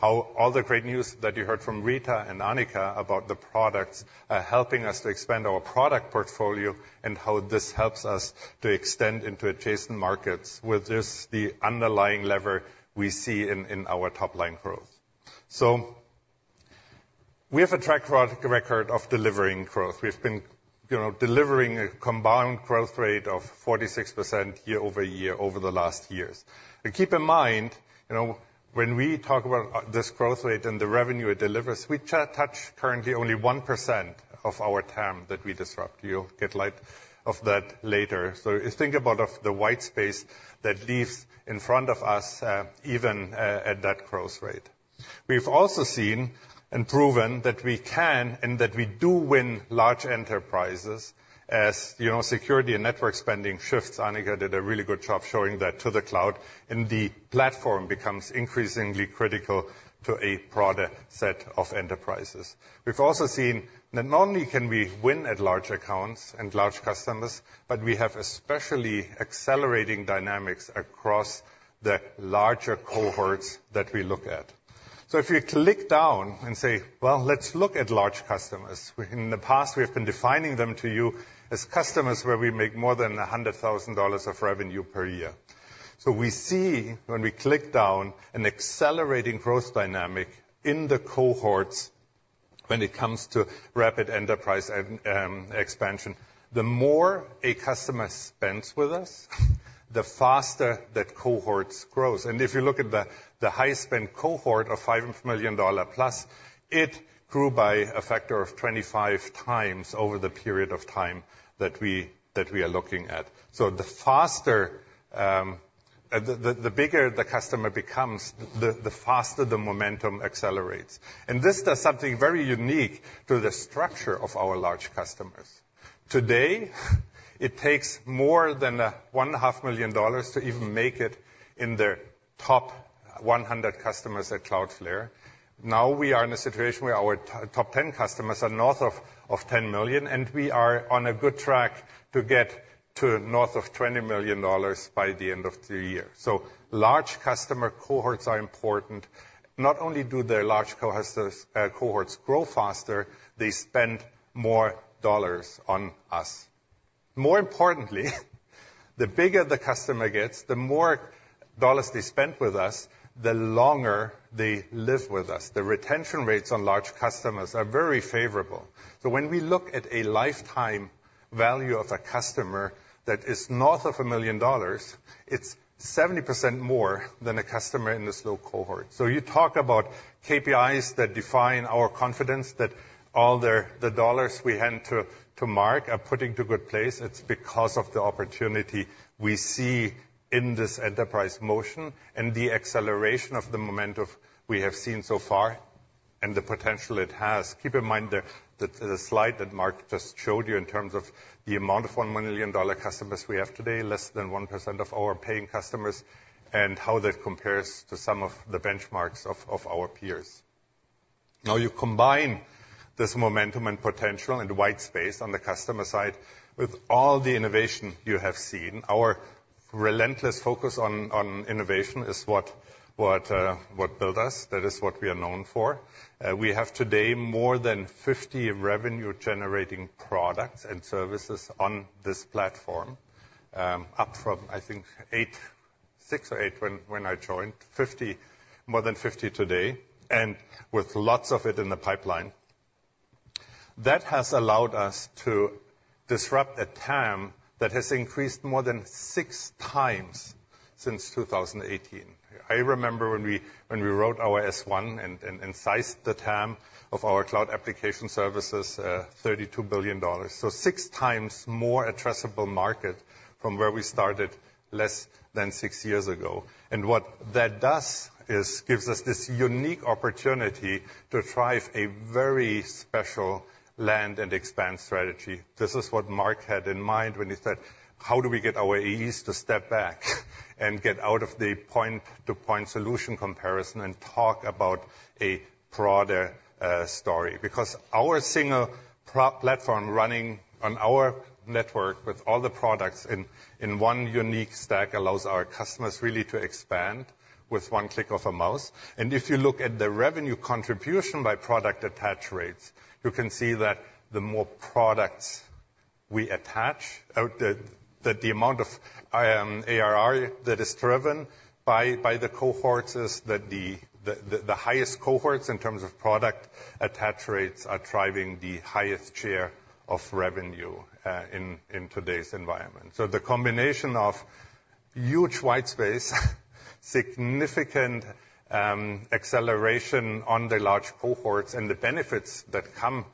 Now all the great news that you heard from Rita and Annika about the products, helping us to expand our product portfolio, and how this helps us to extend into adjacent markets with this, the underlying lever we see in our top-line growth. So we have a track record of delivering growth. We've been, you know, delivering a combined growth rate of 46% year-over-year over the last years. But keep in mind, you know, when we talk about this growth rate and the revenue it delivers, we touch currently only 1% of our TAM that we disrupt. You'll shed light on that later. So just think about the white space that leaves in front of us, even at that growth rate. We've also seen and proven that we can, and that we do win large enterprises. As you know, security and network spending shifts, Annika did a really good job showing that to the cloud, and the platform becomes increasingly critical to a broader set of enterprises. We've also seen that not only can we win at large accounts and large customers, but we have especially accelerating dynamics across the larger cohorts that we look at. So if you click down and say, "Well, let's look at large customers," in the past, we have been defining them to you as customers where we make more than $100,000 of revenue per year. So we see when we click down, an accelerating growth dynamic in the cohorts when it comes to rapid enterprise and expansion. The more a customer spends with us, the faster that cohorts grows. And if you look at the high spend cohort of $5 million+, it grew by a factor of 25 times over the period of time that we are looking at. So the faster the bigger the customer becomes, the faster the momentum accelerates. And this does something very unique to the structure of our large customers. Today, it takes more than $1.5 million to even make it in their top 100 customers at Cloudflare. Now, we are in a situation where our top 10 customers are north of $10 million, and we are on a good track to get to north of $20 million by the end of the year. So large customer cohorts are important. Not only do their large cohorts grow faster, they spend more dollars on us. More importantly, the bigger the customer gets, the more dollars they spend with us, the longer they live with us. The retention rates on large customers are very favorable. So when we look at a lifetime value of a customer that is north of $1 million, it's 70% more than a customer in this logo cohort. So you talk about KPIs that define our confidence that all the dollars we hand to Mark are put into good use. It's because of the opportunity we see in this enterprise motion and the acceleration of the momentum we have seen so far and the potential it has. Keep in mind the slide that Mark just showed you in terms of the amount of $1 million customers we have today, less than 1% of our paying customers, and how that compares to some of the benchmarks of our peers. Now, you combine this momentum and potential and white space on the customer side with all the innovation you have seen. Our relentless focus on innovation is what built us. That is what we are known for. We have today more than 50 revenue-generating products and services on this platform, up from, I think, six or eight, when I joined. 50, more than 50 today, and with lots of it in the pipeline. That has allowed us to disrupt a TAM that has increased more than 6 times since 2018. I remember when we wrote our S-1 and sized the TAM of our cloud application services, $32 billion. So 6x more addressable market from where we started less than six years ago. And what that does is gives us this unique opportunity to drive a very special land and expand strategy. This is what Mark had in mind when he said: How do we get our AEs to step back and get out of the point-to-point solution comparison and talk about a broader story? Because our single platform running on our network with all the products in one unique stack allows our customers really to expand with one click of a mouse. And if you look at the revenue contribution by product attach rates, you can see that the more products. We see that the amount of ARR that is driven by the cohorts is that the highest cohorts in terms of product attach rates are driving the highest share of revenue in today's environment. So the combination of huge white space, significant acceleration on the large cohorts and the benefits that come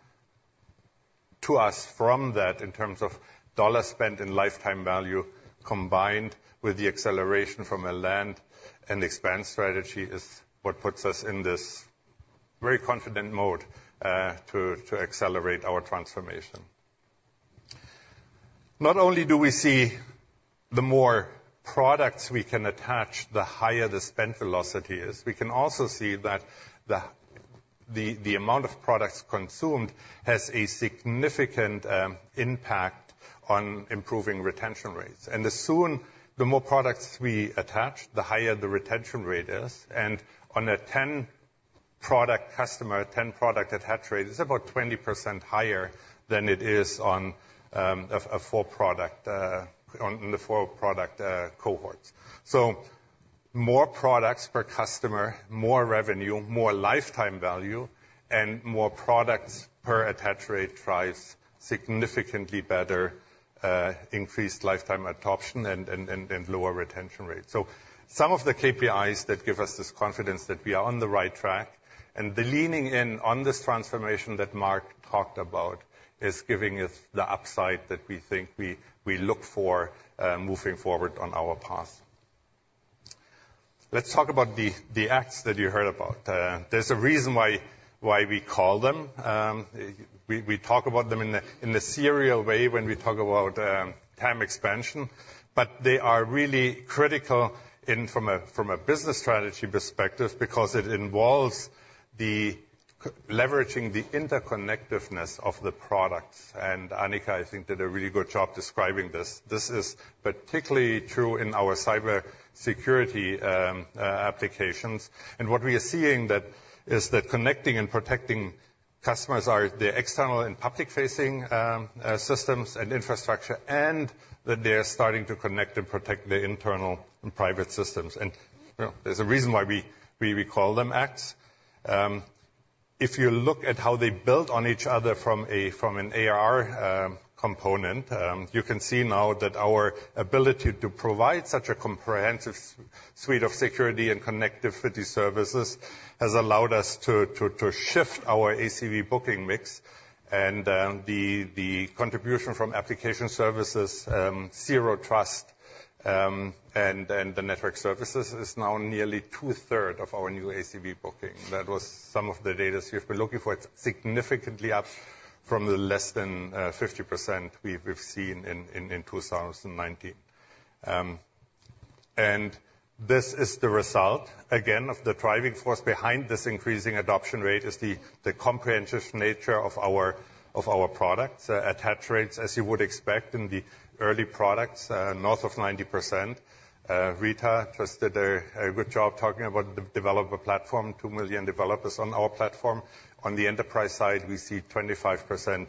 to us from that in terms of dollar spend and lifetime value, combined with the acceleration from a land and expand strategy, is what puts us in this very confident mode to accelerate our transformation. Not only do we see the more products we can attach, the higher the spend velocity is, we can also see that the amount of products consumed has a significant impact on improving retention rates. And the more products we attach, the higher the retention rate is. On a 10-product customer, a 10-product attach rate is about 20% higher than it is on a four-product on the four-product cohorts. So more products per customer, more revenue, more lifetime value, and more products per attach rate drives significantly better increased lifetime adoption and lower retention rates. So some of the KPIs that give us this confidence that we are on the right track, and the leaning in on this transformation that Mark talked about, is giving us the upside that we think we look for moving forward on our path. Let's talk about the acts that you heard about. There's a reason why we call them. We talk about them in the serial way when we talk about TAM expansion, but they are really critical from a business strategy perspective because it involves leveraging the interconnectiveness of the products. And Annika, I think, did a really good job describing this. This is particularly true in our cybersecurity applications. And what we are seeing is that connecting and protecting customers are the external and public-facing systems and infrastructure, and that they are starting to connect and protect their internal and private systems. And, you know, there's a reason why we call them acts. If you look at how they build on each other from a, from an ARR component, you can see now that our ability to provide such a comprehensive suite of security and connectivity services has allowed us to shift our ACV booking mix. And, the contribution from application services, Zero Trust, and the network services is now nearly two-thirds of our new ACV booking. That was some of the data so if you're looking for it, significantly up from the less than 50% we've seen in 2019. And this is the result. Again, of the driving force behind this increasing adoption rate is the comprehensive nature of our products. Attach rates, as you would expect in the early products, north of 90%. Rita just did a good job talking about the developer platform, 2 million developers on our platform. On the enterprise side, we see 25%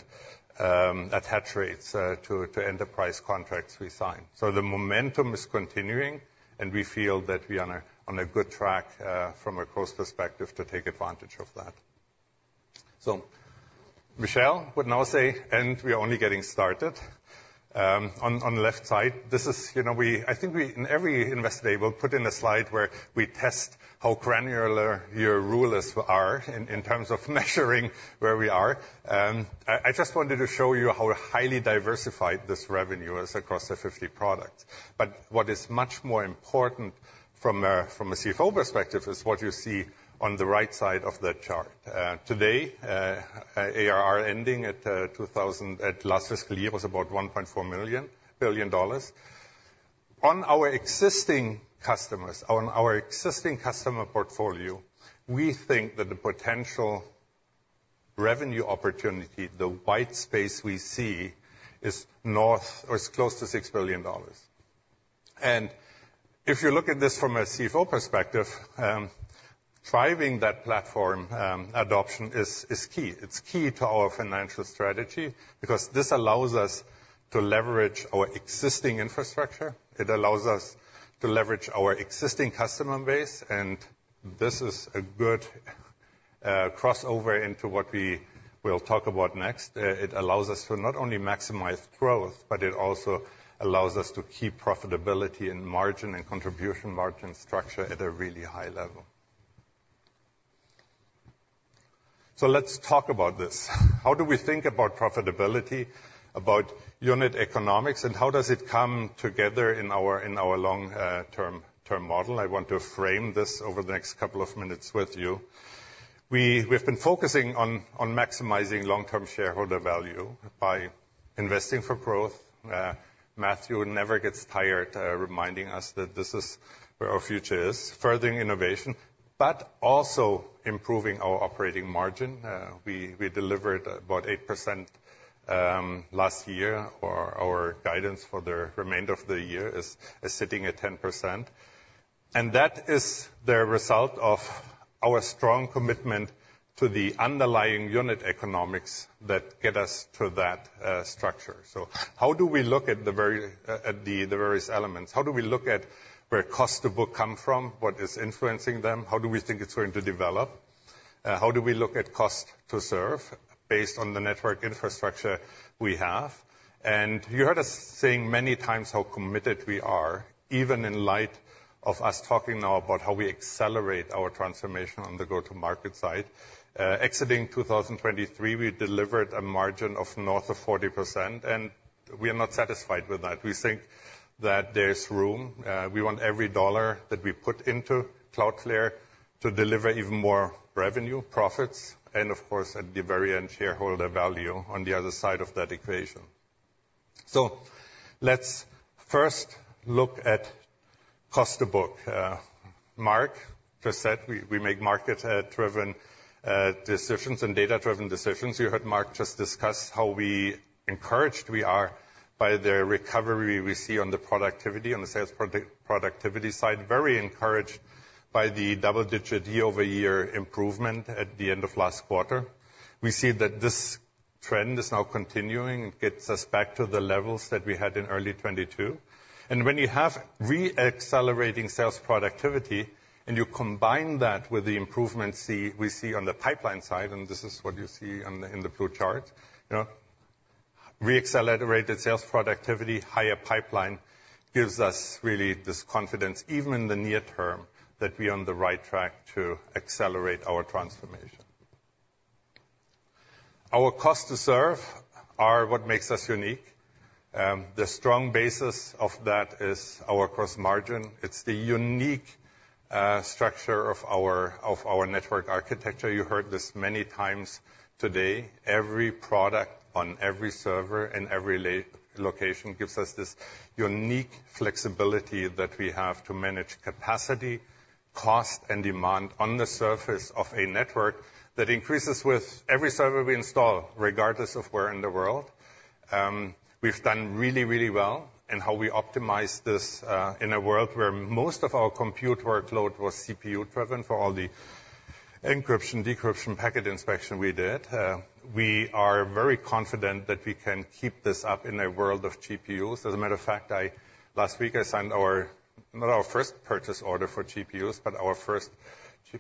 attach rates to enterprise contracts we sign. So the momentum is continuing, and we feel that we are on a good track from a cost perspective to take advantage of that. So Michelle would now say, "And we are only getting started." On the left side, this is, you know, I think we, in every Investor Day, we'll put in a slide where we test how granular your rulers are in terms of measuring where we are. I just wanted to show you how highly diversified this revenue is across the 50 products. But what is much more important from a CFO perspective is what you see on the right side of the chart. Today, ARR ending at last fiscal year was about $1.4 billion. On our existing customers, on our existing customer portfolio, we think that the potential revenue opportunity, the white space we see, is north or close to $6 billion. And if you look at this from a CFO perspective, driving that platform adoption is key. It's key to our financial strategy, because this allows us to leverage our existing infrastructure. It allows us to leverage our existing customer base, and this is a good crossover into what we will talk about next. It allows us to not only maximize growth, but it also allows us to keep profitability and margin and contribution margin structure at a really high level. So let's talk about this. How do we think about profitability, about unit economics, and how does it come together in our long-term model? I want to frame this over the next couple of minutes with you. We've been focusing on maximizing long-term shareholder value by investing for growth. Matthew never gets tired reminding us that this is where our future is, furthering innovation, but also improving our operating margin. We delivered about 8% last year, or our guidance for the remainder of the year is sitting at 10%. That is the result of our strong commitment to the underlying unit economics that get us to that structure. So how do we look at the very, the various elements? How do we look at where cost to book come from? What is influencing them? How do we think it's going to develop? How do we look at cost to serve based on the network infrastructure we have? And you heard us saying many times how committed we are, even in light of us talking now about how we accelerate our transformation on the go-to-market side. Exiting 2023, we delivered a margin of north of 40%, and we are not satisfied with that. We think that there's room. We want every dollar that we put into Cloudflare to deliver even more revenue, profits and, of course, at the very end, shareholder value on the other side of that equation. So let's first look at cost to book. Mark just said we make market driven decisions and data-driven decisions. You heard Mark just discuss how encouraged we are by the recovery we see on the productivity, on the sales productivity side, very encouraged by the double-digit year-over-year improvement at the end of last quarter. We see that this trend is now continuing. It gets us back to the levels that we had in early 2022. And when you have reaccelerating sales productivity, and you combine that with the improvements we see on the pipeline side, and this is what you see on the, in the blue chart. You know, reaccelerated sales productivity, higher pipeline, gives us really this confidence, even in the near term, that we're on the right track to accelerate our transformation. Our cost to serve are what makes us unique. The strong basis of that is our gross margin. It's the unique structure of our network architecture. You heard this many times today. Every product on every server and every location gives us this unique flexibility that we have to manage capacity, cost, and demand on the surface of a network that increases with every server we install, regardless of where in the world. We've done really, really well in how we optimize this, in a world where most of our compute workload was CPU-driven for all the encryption, decryption, packet inspection we did. We are very confident that we can keep this up in a world of GPUs. As a matter of fact, last week, I signed our, not our first purchase order for GPUs, but our first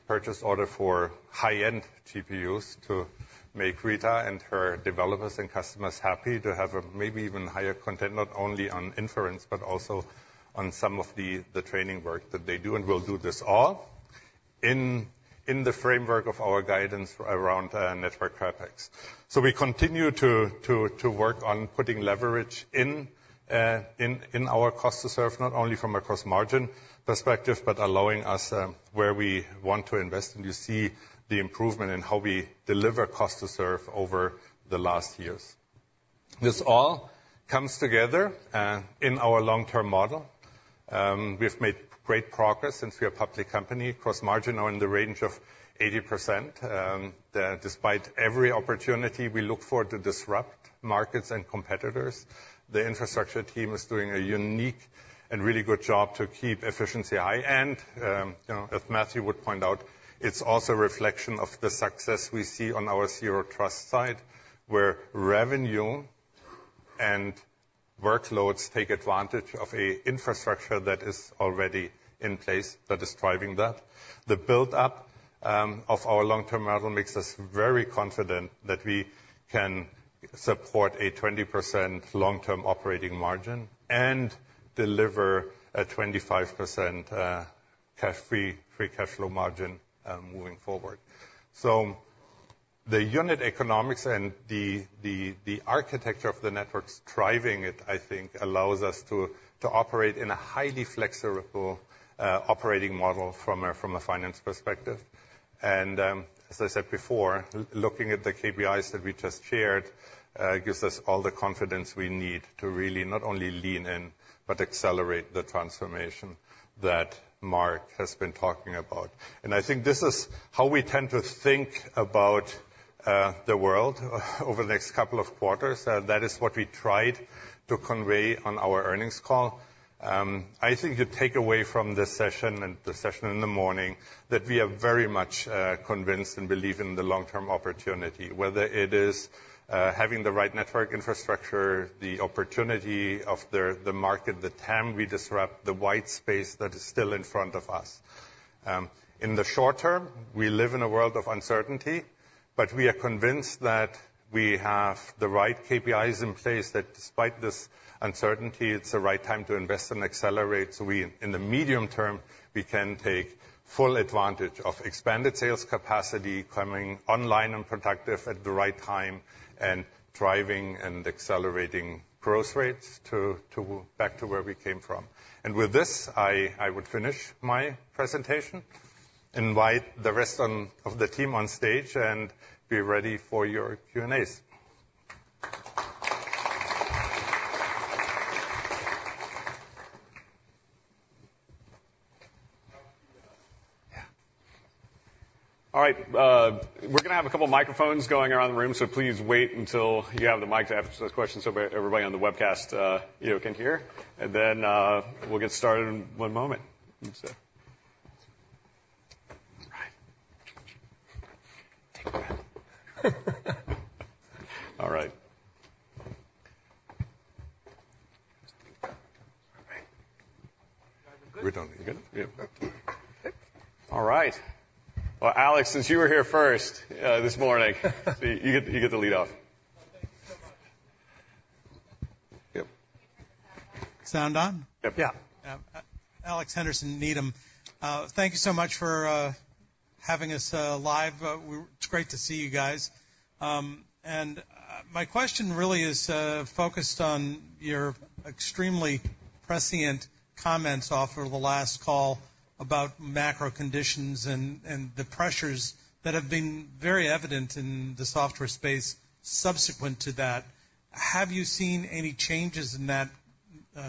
purchase order for high-end GPUs to make Rita and her developers and customers happy to have a maybe even higher content, not only on inference, but also on some of the training work that they do. And we'll do this all in the framework of our guidance around network CapEx. So we continue to work on putting leverage in our cost to serve, not only from a cost margin perspective, but allowing us where we want to invest. And you see the improvement in how we deliver cost to serve over the last years. This all comes together in our long-term model. We've made great progress since we are a public company. Gross margins are in the range of 80%, that despite every opportunity we look forward to disrupt markets and competitors. The infrastructure team is doing a unique and really good job to keep efficiency high. You know, as Matthew would point out, it's also a reflection of the success we see on our Zero Trust side, where revenue and workloads take advantage of an infrastructure that is already in place, that is driving that. The buildup of our long-term model makes us very confident that we can support a 20% long-term operating margin and deliver a 25% free cash flow margin moving forward. So the unit economics and the architecture of the networks driving it, I think, allows us to operate in a highly flexible operating model from a finance perspective. And as I said before, looking at the KPIs that we just shared gives us all the confidence we need to really not only lean in, but accelerate the transformation that Mark has been talking about. And I think this is how we tend to think about the world over the next couple of quarters. That is what we tried to convey on our earnings call. I think you take away from this session and the session in the morning, that we are very much convinced and believe in the long-term opportunity, whether it is having the right network infrastructure, the opportunity of the market, the TAM we disrupt, the white space that is still in front of us. In the short term, we live in a world of uncertainty, but we are convinced that we have the right KPIs in place, that despite this uncertainty, it's the right time to invest and accelerate. So we, in the medium term, we can take full advantage of expanded sales capacity, coming online and productive at the right time, and driving and accelerating growth rates to back to where we came from. With this, I would finish my presentation, invite the rest on, of the team on stage, and be ready for your Q&As. All right, we're gonna have a couple microphones going around the room, so please wait until you have the mic to ask those questions so everybody on the webcast, you know, can hear, and then we'll get started in one moment. So, all right. All right. We're doing good? We're doing. You good? Yeah. Okay. All right. Well, Alex, since you were here first this morning, you get the lead off. Well, thank you so much. Yep. Sound on? Yep. Yeah. Yeah. Alex Henderson, Needham. Thank you so much for having us live. It's great to see you guys. And my question really is focused on your extremely prescient comments off of the last call about macro conditions and the pressures that have been very evident in the software space subsequent to that. Have you seen any changes in that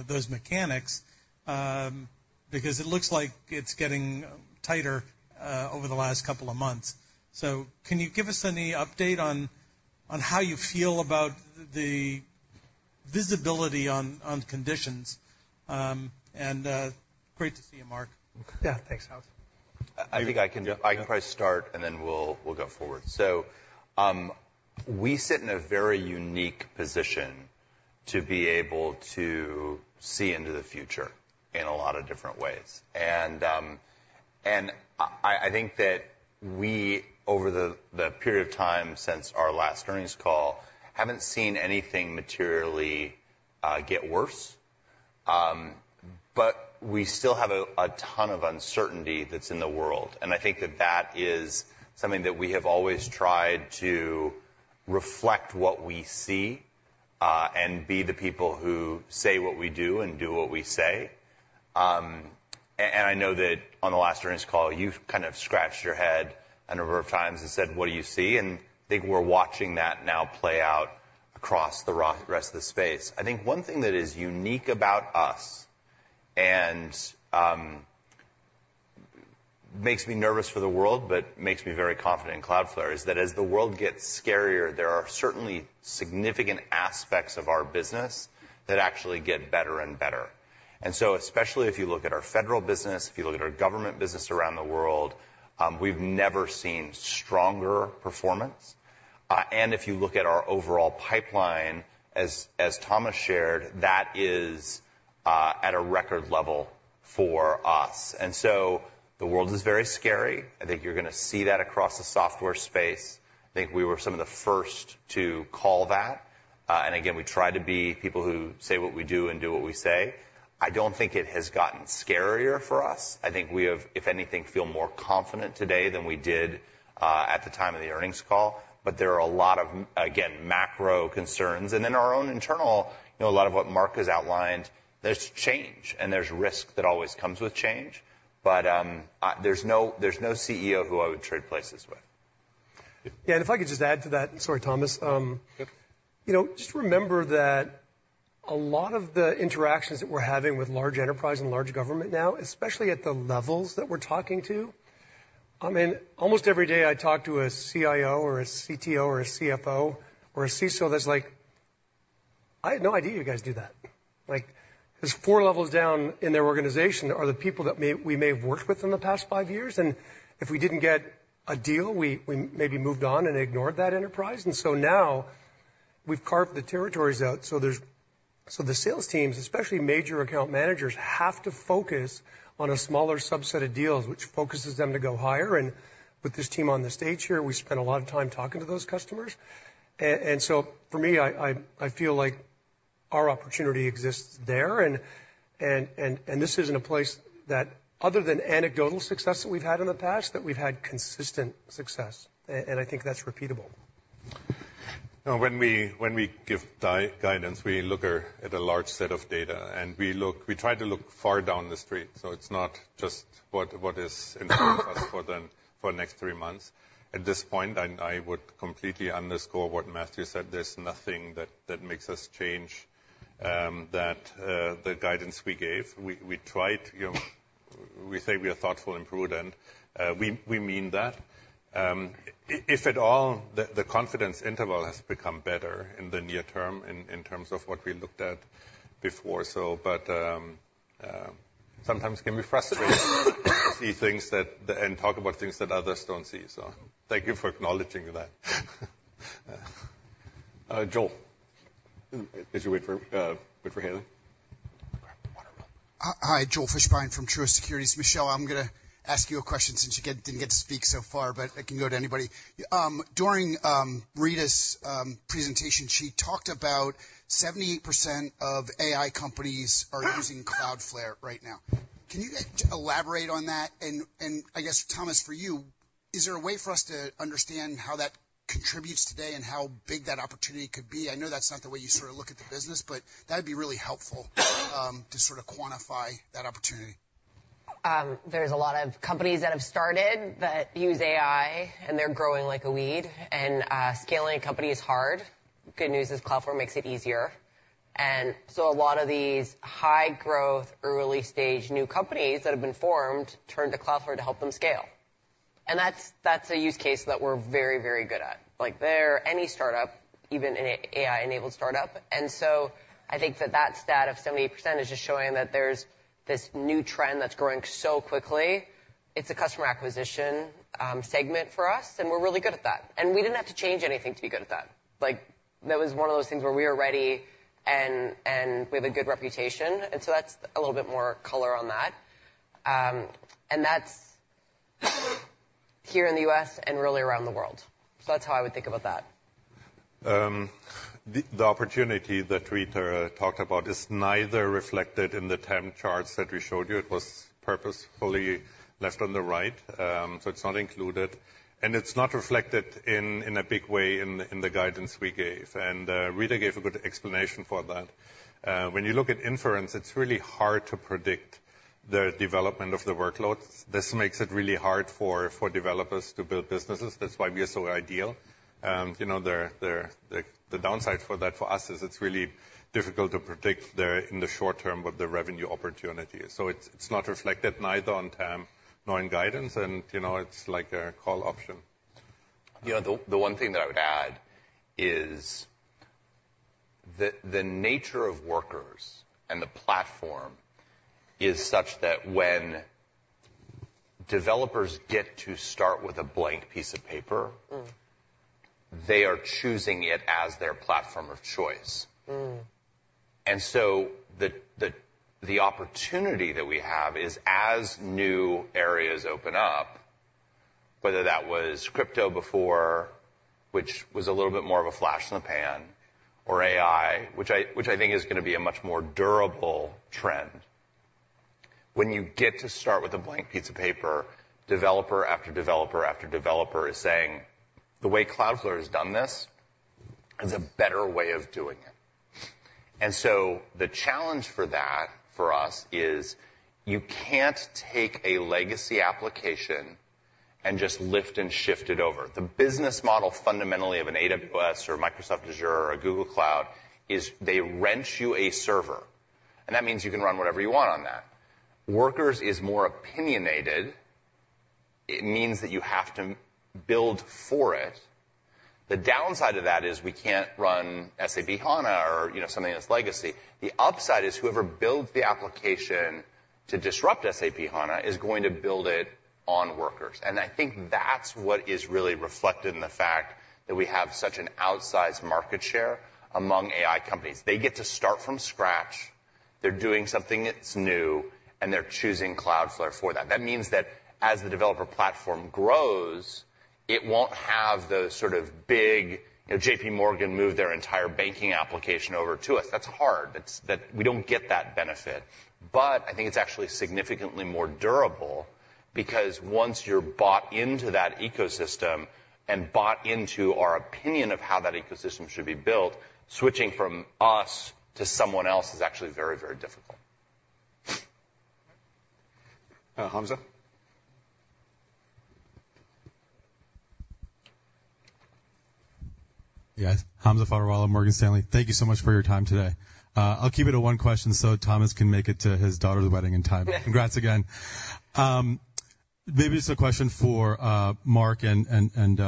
those mechanics? Because it looks like it's getting tighter over the last couple of months. So can you give us any update on how you feel about the visibility on conditions? And great to see you, Mark. Yeah, thanks, Alex. I think I can- Yeah. I can probably start, and then we'll go forward. So, we sit in a very unique position to be able to see into the future in a lot of different ways. And I think that we, over the period of time since our last earnings call, haven't seen anything materially get worse. But we still have a ton of uncertainty that's in the world, and I think that is something that we have always tried to reflect what we see, and be the people who say what we do and do what we say. And I know that on the last earnings call, you've kind of scratched your head a number of times and said, "What do you see?" And I think we're watching that now play out across the rest of the space. I think one thing that is unique about us, and makes me nervous for the world, but makes me very confident in Cloudflare, is that as the world gets scarier, there are certainly significant aspects of our business that actually get better and better. And so especially if you look at our federal business, if you look at our government business around the world, we've never seen stronger performance. And if you look at our overall pipeline, as Thomas shared, that is at a record level for us. And so the world is very scary. I think you're gonna see that across the software space. I think we were some of the first to call that, and again, we try to be people who say what we do and do what we say. I don't think it has gotten scarier for us. I think we have, if anything, feel more confident today than we did at the time of the earnings call. But there are a lot of, again, macro concerns. And then our own internal, you know, a lot of what Mark has outlined, there's change, and there's risk that always comes with change. But there's no, there's no CEO who I would trade places with. Yeah, and if I could just add to that. Sorry, Thomas. Yep. You know, just remember that a lot of the interactions that we're having with large enterprise and large government now, especially at the levels that we're talking to. I mean, almost every day I talk to a CIO or a CTO or a CFO or a CISO that's like, "I had no idea you guys do that." Like, there's four levels down in their organization are the people that we may have worked with in the past five years, and if we didn't get a deal, we maybe moved on and ignored that enterprise. And so now we've carved the territories out, so there's. So the sales teams, especially major account managers, have to focus on a smaller subset of deals, which focuses them to go higher. And with this team on the stage here, we spend a lot of time talking to those customers. And so for me, I feel like our opportunity exists there, and this isn't a place that, other than anecdotal success that we've had in the past, we've had consistent success, and I think that's repeatable. Now, when we give the guidance, we look at a large set of data, and we try to look far down the street, so it's not just what is in front of us for the next three months. At this point, I would completely underscore what Matthew said. There's nothing that makes us change the guidance we gave. We tried, you know. We say we are thoughtful and prudent, we mean that. If at all, the confidence interval has become better in the near term in terms of what we looked at before. But sometimes it can be frustrating to see things that and talk about things that others don't see, so thank you for acknowledging that. Joel, as you wait for Haley. Hi, Joel Fishbein from Truist Securities. Michelle, I'm gonna ask you a question since you didn't get to speak so far, but it can go to anybody. During Rita's presentation, she talked about 78% of AI companies are using Cloudflare right now. Can you elaborate on that? And I guess, Thomas, for you, is there a way for us to understand how that contributes today and how big that opportunity could be? I know that's not the way you sort of look at the business, but that'd be really helpful, to sort of quantify that opportunity. There's a lot of companies that have started that use AI, and they're growing like a weed, and scaling a company is hard. Good news is Cloudflare makes it easier. And so a lot of these high-growth, early-stage new companies that have been formed turn to Cloudflare to help them scale. And that's, that's a use case that we're very, very good at. Like, they're any startup, even an AI-enabled startup. And so I think that that stat of 70% is just showing that there's this new trend that's growing so quickly. It's a customer acquisition segment for us, and we're really good at that. And we didn't have to change anything to be good at that. Like, that was one of those things where we were ready and, and we have a good reputation, and so that's a little bit more color on that. And that's here in the US and really around the world. So that's how I would think about that. The opportunity that Rita talked about is neither reflected in the TAM charts that we showed you. It was purposefully left on the right, so it's not included, and it's not reflected in a big way in the guidance we gave, and Rita gave a good explanation for that. When you look at inference, it's really hard to predict the development of the workloads. This makes it really hard for developers to build businesses. That's why we are so ideal. You know, the downside for that, for us, is it's really difficult to predict in the short term what the revenue opportunity is. So it's not reflected neither on TAM nor in guidance, and, you know, it's like a call option. You know, the one thing that I would add is the nature of Workers and the platform is such that when developers get to start with a blank piece of paper- Mm. They are choosing it as their platform of choice. Mm. And so the opportunity that we have is, as new areas open up, whether that was crypto before, which was a little bit more of a flash in the pan, or AI, which I think is gonna be a much more durable trend, when you get to start with a blank piece of paper, developer after developer after developer is saying, "The way Cloudflare has done this is a better way of doing it." And so the challenge for that, for us, is you can't take a legacy application and just lift and shift it over. The business model, fundamentally, of an AWS or Microsoft Azure or a Google Cloud, is they rent you a server, and that means you can run whatever you want on that. Workers is more opinionated. It means that you have to build for it. The downside of that is we can't run SAP HANA or, you know, something that's legacy. The upside is whoever builds the application to disrupt SAP HANA is going to build it on Workers. I think that's what is really reflected in the fact that we have such an outsized market share among AI companies. They get to start from scratch, they're doing something that's new, and they're choosing Cloudflare for that. That means that as the developer platform grows, it won't have the sort of big you know, JPMorgan moved their entire banking application over to us. That's hard. We don't get that benefit. But I think it's actually significantly more durable, because once you're bought into that ecosystem and bought into our opinion of how that ecosystem should be built, switching from us to someone else is actually very, very difficult. Uh, Hamza? Yes. Hamza Fodderwala, Morgan Stanley. Thank you so much for your time today. I'll keep it to one question so Thomas can make it to his daughter's wedding in time. Congrats again. Maybe just a question for Mark and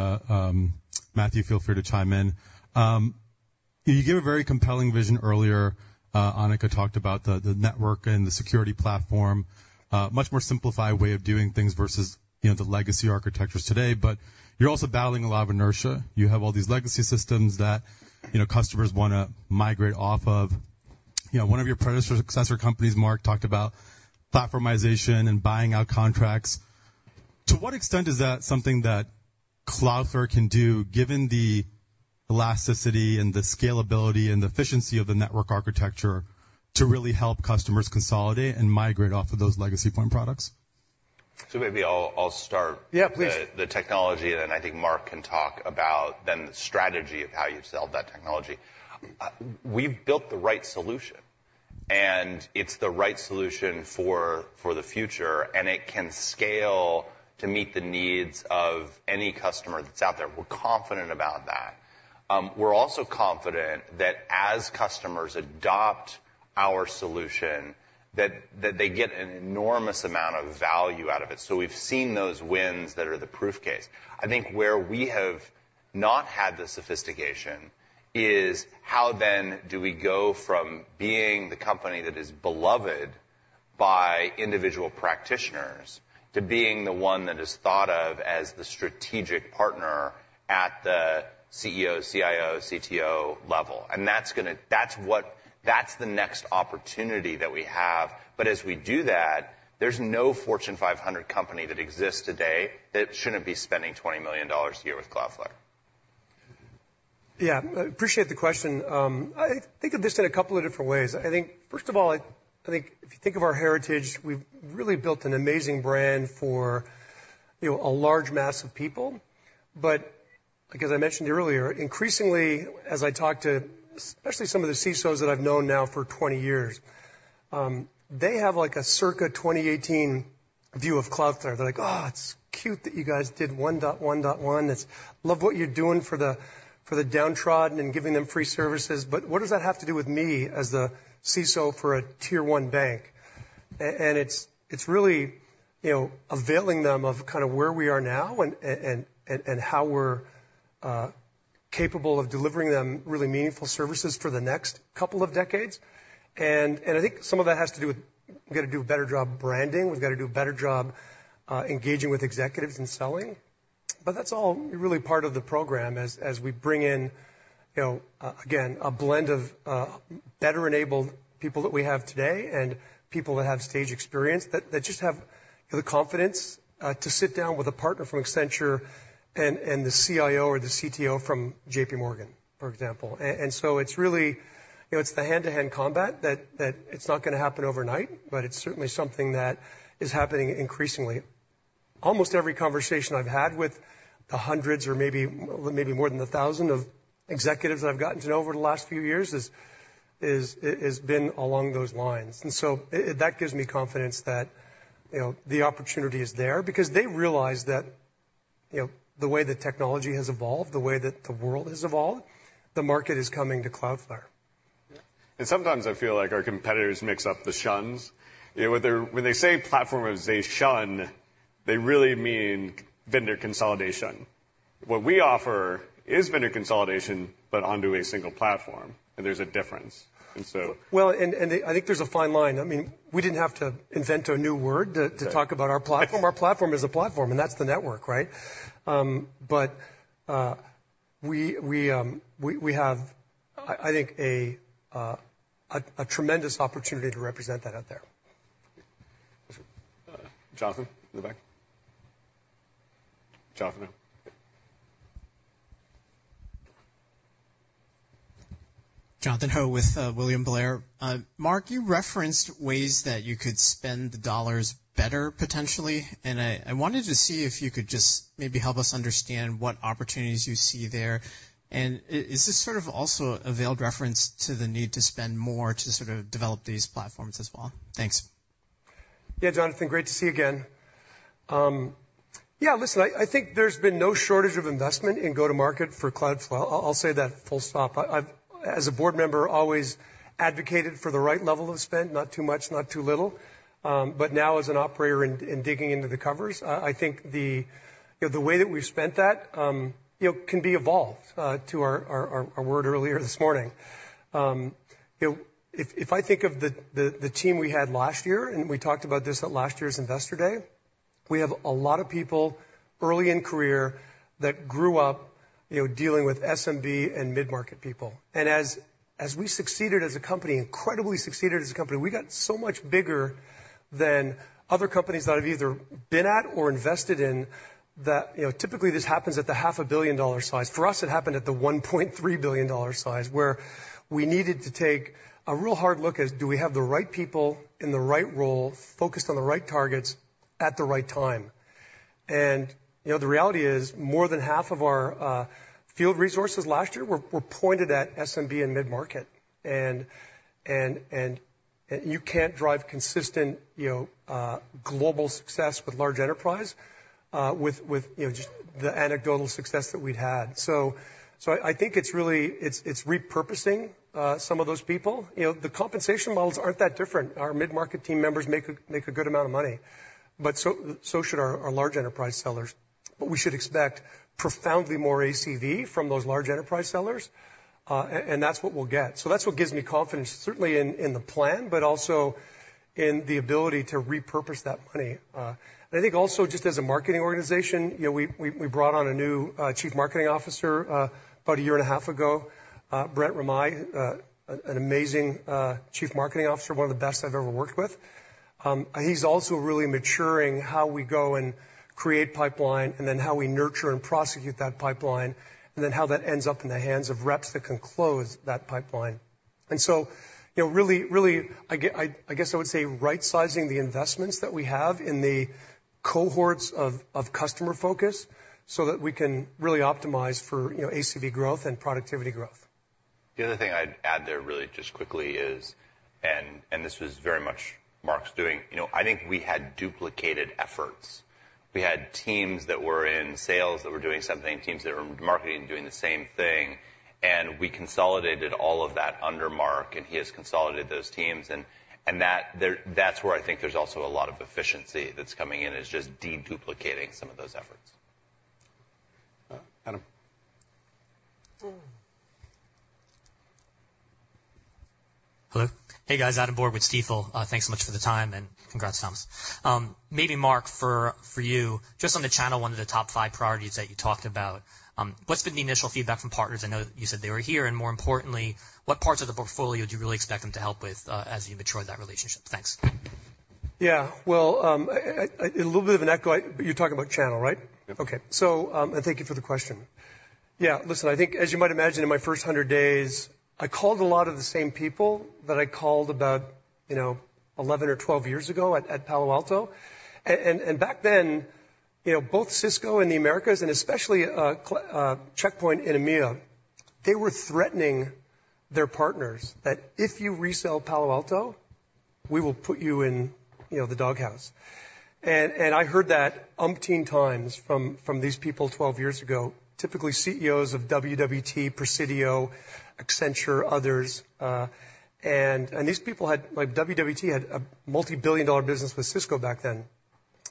Matthew, feel free to chime in. You gave a very compelling vision earlier. Annika talked about the network and the security platform, much more simplified way of doing things versus, you know, the legacy architectures today, but you're also battling a lot of inertia. You have all these legacy systems that, you know, customers wanna migrate off of. You know, one of your predecessor companies, Mark, talked about platformization and buying out contracts. To what extent is that something that Cloudflare can do, given the elasticity and the scalability and the efficiency of the network architecture, to really help customers consolidate and migrate off of those legacy point products? So maybe I'll start- Yeah, please. the technology, and then I think Mark can talk about then the strategy of how you'd sell that technology. We've built the right solution, and it's the right solution for the future, and it can scale to meet the needs of any customer that's out there. We're confident about that. We're also confident that as customers adopt our solution, that they get an enormous amount of value out of it. So we've seen those wins that are the proof case. I think where we have not had the sophistication is, how then do we go from being the company that is beloved by individual practitioners to being the one that is thought of as the strategic partner at the CEO, CIO, CTO level? And that's gonna-- That's what, that's the next opportunity that we have. But as we do that, there's no Fortune 500 company that exists today that shouldn't be spending $20 million a year with Cloudflare. Mm-hmm. Yeah, appreciate the question. I think of this in a couple of different ways. I think, first of all, I, I think if you think of our heritage, we've really built an amazing brand for, you know, a large mass of people. But like as I mentioned earlier, increasingly, as I talk to especially some of the CISOs that I've known now for 20 years, they have, like, a circa 2018- view of Cloudflare. They're like, "Oh, it's cute that you guys did 1.1.1. It's love what you're doing for the downtrodden and giving them free services, but what does that have to do with me as the CISO for a Tier One bank?" And it's really, you know, availing them of kind of where we are now and how we're capable of delivering them really meaningful services for the next couple of decades. And I think some of that has to do with we've got to do a better job branding. We've got to do a better job engaging with executives and selling. But that's all really part of the program as we bring in, you know, again, a blend of better-enabled people that we have today and people that have stage experience, that just have the confidence to sit down with a partner from Accenture and the CIO or the CTO from JPMorgan, for example. And so it's really, you know, it's the hand-to-hand combat that it's not gonna happen overnight, but it's certainly something that is happening increasingly. Almost every conversation I've had with the hundreds or maybe more than 1,000 of executives I've gotten to know over the last few years is been along those lines. And so that gives me confidence that, you know, the opportunity is there because they realize that, you know, the way that technology has evolved, the way that the world has evolved, the market is coming to Cloudflare. Sometimes I feel like our competitors mix up the -tions. You know, when they're, when they say platformization, they really mean vendor consolidation. What we offer is vendor consolidation, but onto a single platform, and there's a difference, and so- Well, I think there's a fine line. I mean, we didn't have to invent a new word to talk about our platform. Our platform is a platform, and that's the network, right? But we have, I think, a tremendous opportunity to represent that out there. Jonathan, in the back. Jonathan Ho. Jonathan Ho with William Blair. Mark, you referenced ways that you could spend the dollars better, potentially, and I wanted to see if you could just maybe help us understand what opportunities you see there. And is this sort of also a veiled reference to the need to spend more to sort of develop these platforms as well? Thanks. Yeah, Jonathan, great to see you again. Yeah, listen, I think there's been no shortage of investment in go-to-market for Cloudflare. I'll say that full stop. I've, as a board member, always advocated for the right level of spend, not too much, not too little. But now as an operator and digging into the covers, I think the way that we've spent that, you know, can be evolved to our word earlier this morning. You know, if I think of the team we had last year, and we talked about this at last year's Investor Day, we have a lot of people early in career that grew up, you know, dealing with SMB and mid-market people. As we succeeded as a company, incredibly succeeded as a company, we got so much bigger than other companies that I've either been at or invested in that you know, typically this happens at the $500 million size. For us, it happened at the $1.3 billion size, where we needed to take a real hard look at, do we have the right people in the right role, focused on the right targets at the right time? And, you know, the reality is, more than half of our field resources last year were pointed at SMB and mid-market. And you can't drive consistent, you know, global success with large enterprise with, you know, just the anecdotal success that we'd had. So I think it's really repurposing some of those people. You know, the compensation models aren't that different. Our mid-market team members make a good amount of money, but so should our large enterprise sellers. But we should expect profoundly more ACV from those large enterprise sellers, and that's what we'll get. So that's what gives me confidence, certainly in the plan, but also in the ability to repurpose that money. And I think also, just as a marketing organization, you know, we brought on a new Chief Marketing Officer about a year and a half ago, Brent Remai, an amazing Chief Marketing Officer, one of the best I've ever worked with. He's also really maturing how we go and create pipeline, and then how we nurture and prosecute that pipeline, and then how that ends up in the hands of reps that can close that pipeline. And so, you know, really, really, I guess I would say, right-sizing the investments that we have in the cohorts of customer focus so that we can really optimize for, you know, ACV growth and productivity growth. The other thing I'd add there, really, just quickly, is and this was very much Mark's doing. You know, I think we had duplicated efforts. We had teams that were in sales that were doing something, teams that were in marketing doing the same thing, and we consolidated all of that under Mark, and he has consolidated those teams. And that, that's where I think there's also a lot of efficiency that's coming in, is just de-duplicating some of those efforts. Uh, Adam? Hello. Hey, guys, Adam Borg with Stifel. Thanks so much for the time, and congrats, Thomas. Maybe, Mark, for, for you, just on the channel, one of the top five priorities that you talked about, what's been the initial feedback from partners? I know that you said they were here, and more importantly, what parts of the portfolio do you really expect them to help with, as you mature that relationship? Thanks. Yeah, well, a little bit of an echo. You're talking about channel, right? Yep. Okay. So, and thank you for the question. Yeah, listen, I think, as you might imagine, in my first 100 days, I called a lot of the same people that I called about, you know, 11 or 12 years ago at Palo Alto. And back then, you know, both Cisco in the Americas and especially Check Point in EMEA—they were threatening their partners, that if you resell Palo Alto, we will put you in, you know, the doghouse. And I heard that umpteen times from these people 12 years ago, typically CEOs of WWT, Presidio, Accenture, others, and these people had, like, WWT had a multibillion-dollar business with Cisco back then.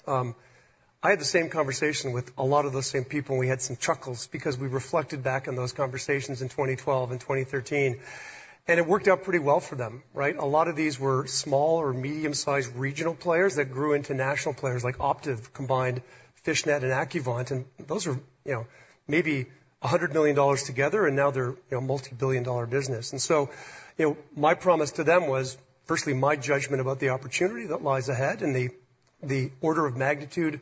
I had the same conversation with a lot of those same people, and we had some chuckles because we reflected back on those conversations in 2012 and 2013, and it worked out pretty well for them, right? A lot of these were small or medium-sized regional players that grew into national players, like Optiv combined FishNet and Accuvant, and those are, you know, maybe $100 million together, and now they're a multibillion-dollar business. And so, you know, my promise to them was, firstly, my judgment about the opportunity that lies ahead and the, the order of magnitude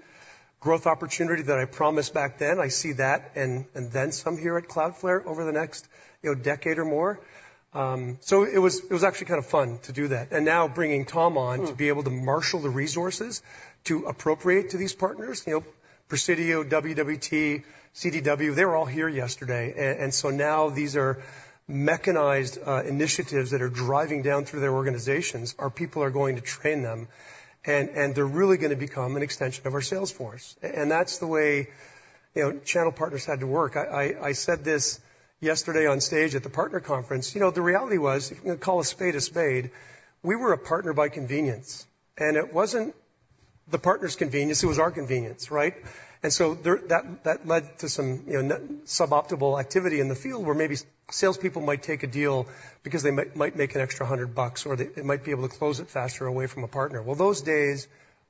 growth opportunity that I promised back then. I see that, and, and then some here at Cloudflare over the next, you know, decade or more. So it was actually kind of fun to do that. And now bringing Tom on- Hmm. To be able to marshal the resources to appropriate to these partners, you know, Presidio, WWT, CDW, they were all here yesterday. And so now these are mechanized initiatives that are driving down through their organizations. Our people are going to train them, and they're really gonna become an extension of our sales force. And that's the way, you know, channel partners had to work. I said this yesterday on stage at the partner conference. You know, the reality was, call a spade a spade, we were a partner by convenience, and it wasn't the partner's convenience, it was our convenience, right? That led to some, you know, suboptimal activity in the field, where maybe salespeople might take a deal because they might make an extra $100, or they might be able to close it faster away from a partner. Well, those days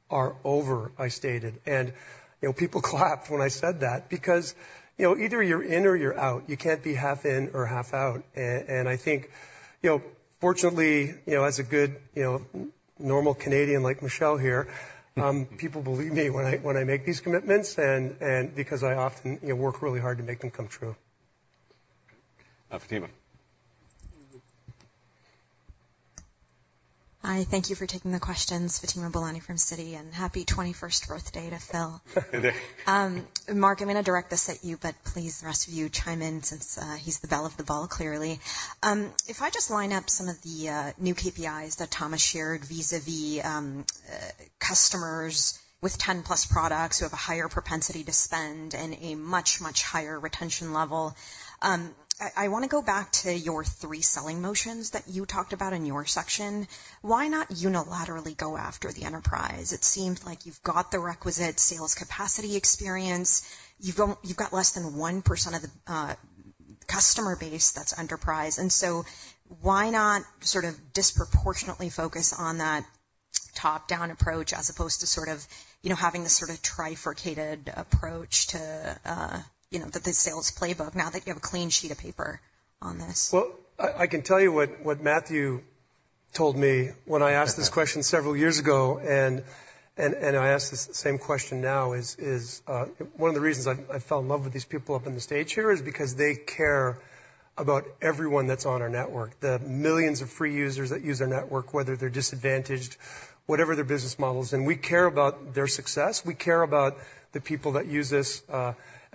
are over, I stated, and, you know, people clapped when I said that, because, you know, either you're in or you're out. You can't be half in or half out. And I think, you know, fortunately, you know, as a good, you know, normal Canadian, like Michelle here, people believe me when I make these commitments, and because I often, you know, work really hard to make them come true. Uh, Fatima. Hi, thank you for taking the questions. Fatima Boolani from Citi, and happy 21st birthday to Phil. Mark, I'm gonna direct this at you, but please, the rest of you chime in, since he's the bell of the ball, clearly. If I just line up some of the new KPIs that Thomas shared vis-a-vis customers with 10+ products who have a higher propensity to spend and a much, much higher retention level. I wanna go back to your 3 selling motions that you talked about in your section. Why not unilaterally go after the enterprise? It seems like you've got the requisite sales capacity experience. You've got less than 1% of the customer base that's enterprise, and so why not sort of disproportionately focus on that top-down approach as opposed to sort of, you know, having this sort of trifurcated approach to, you know, the sales playbook now that you have a clean sheet of paper on this? Well, I can tell you what Matthew told me when I asked this question several years ago, and I ask this same question now, is one of the reasons I fell in love with these people up on the stage here, is because they care about everyone that's on our network, the millions of free users that use our network, whether they're disadvantaged, whatever their business model is, and we care about their success. We care about the people that use this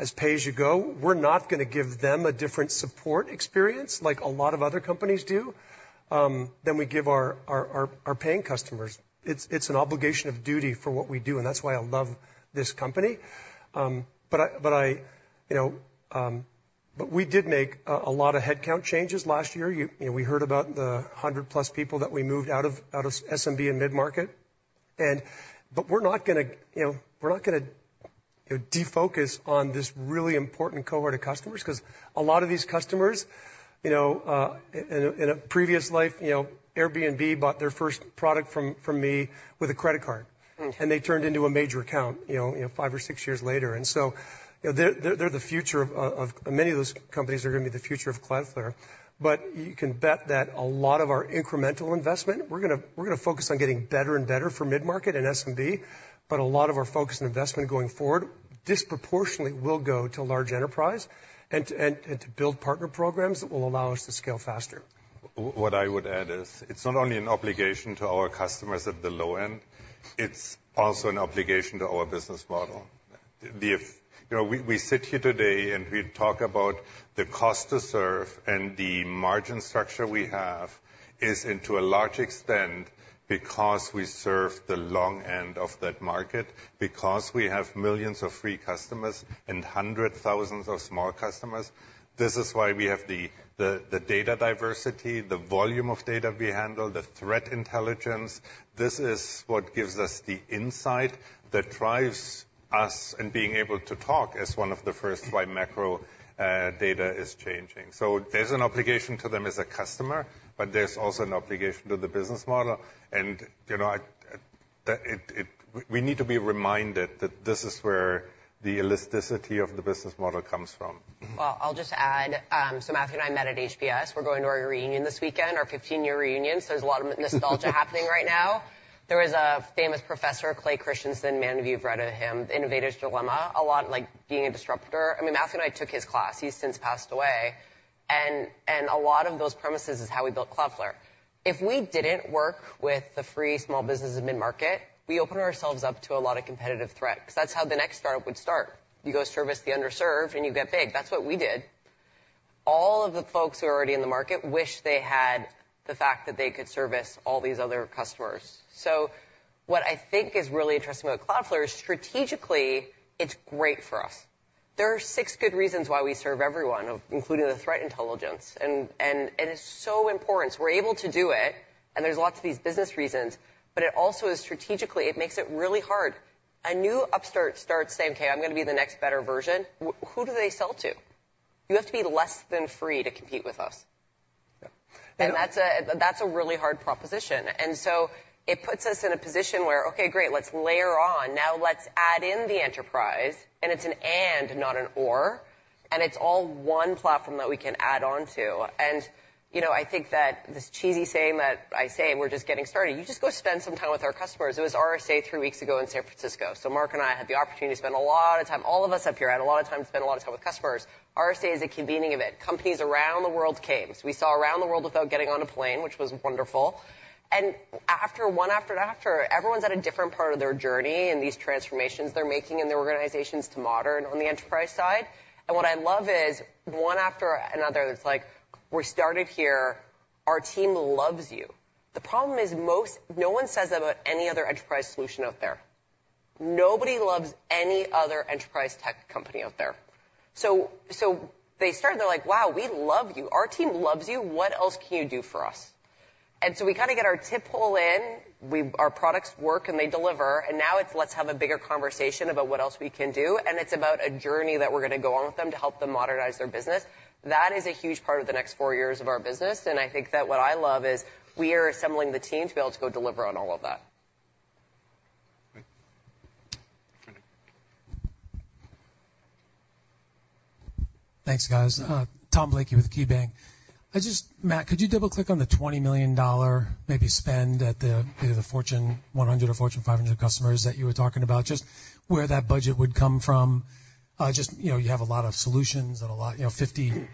as pay-as-you-go. We're not gonna give them a different support experience, like a lot of other companies do, than we give our paying customers. It's an obligation of duty for what we do, and that's why I love this company. But I, you know, But we did make a lot of headcount changes last year. And we heard about the 100+ people that we moved out of SMB and mid-market. But we're not gonna, you know, we're not gonna, you know, defocus on this really important cohort of customers, 'cause a lot of these customers, you know, in a previous life, you know, Airbnb bought their first product from me with a credit card. Hmm. They turned into a major account, you know, five or six years later. So, you know, they're the future of many of those companies are gonna be the future of Cloudflare. But you can bet that a lot of our incremental investment, we're gonna focus on getting better and better for mid-market and SMB, but a lot of our focus and investment going forward disproportionately will go to large enterprise and to build partner programs that will allow us to scale faster. What I would add is, it's not only an obligation to our customers at the low end, it's also an obligation to our business model. You know, we sit here today, and we talk about the cost to serve, and the margin structure we have is to a large extent because we serve the long end of that market, because we have millions of free customers and hundreds of thousands of small customers. This is why we have the data diversity, the volume of data we handle, the threat intelligence. This is what gives us the insight that drives us in being able to talk as one of the first why macro data is changing. So there's an obligation to them as a customer, but there's also an obligation to the business model. You know, we need to be reminded that this is where the elasticity of the business model comes from. Mm-hmm. Well, I'll just add, so Matthew and I met at HBS. We're going to our reunion this weekend, our 15-year reunion, so there's a lot of nostalgia happening right now. There was a famous professor, Clay Christensen, many of you have read of him, The Innovator's Dilemma, a lot like being a disruptor. I mean, Matthew and I took his class. He's since passed away, and, and a lot of those premises is how we built Cloudflare. If we didn't work with the free small business and mid-market, we open ourselves up to a lot of competitive threat, 'cause that's how the next startup would start. You go service the underserved, and you get big. That's what we did. All of the folks who are already in the market wish they had the fact that they could service all these other customers. So what I think is really interesting about Cloudflare is, strategically, it's great for us. There are six good reasons why we serve everyone, including the threat intelligence, and it's so important. We're able to do it, and there's lots of these business reasons, but it also is strategically, it makes it really hard. A new upstart starts saying, "Okay, I'm gonna be the next better version." Who do they sell to? You have to be less than free to compete with us. Yeah. That's a, that's a really hard proposition. So it puts us in a position where, okay, great, let's layer on. Now, let's add in the enterprise, and it's an and, not an or, and it's all one platform that we can add on to. You know, I think that this cheesy saying that I say, we're just getting started. You just go spend some time with our customers. It was RSA three weeks ago in San Francisco, so Mark and I had the opportunity to spend a lot of time; all of us up here had a lot of time to spend a lot of time with customers. RSA is a convening event. Companies around the world came. So we saw around the world without getting on a plane, which was wonderful. One after another, everyone's at a different part of their journey in these transformations they're making in their organizations to modernize on the enterprise side. And what I love is, one after another, it's like, "We started here. Our team loves you." The problem is most no one says that about any other enterprise solution out there. Nobody loves any other enterprise tech company out there. So they start, they're like, "Wow, we love you. Our team loves you. What else can you do for us?" And so we kinda get our toehold in. Our products work, and they deliver, and now it's, let's have a bigger conversation about what else we can do, and it's about a journey that we're gonna go on with them to help them modernize their business. That is a huge part of the next four years of our business, and I think that what I love is we are assembling the team to be able to go deliver on all of that. Great. Thanks, guys. Tom Blakey with KeyBank. I just Matt, could you double-click on the $20 million, maybe spend at the, either the Fortune 100 or Fortune 500 customers that you were talking about, just where that budget would come from? Just, you know, you have a lot of solutions and a lot, you know, 50,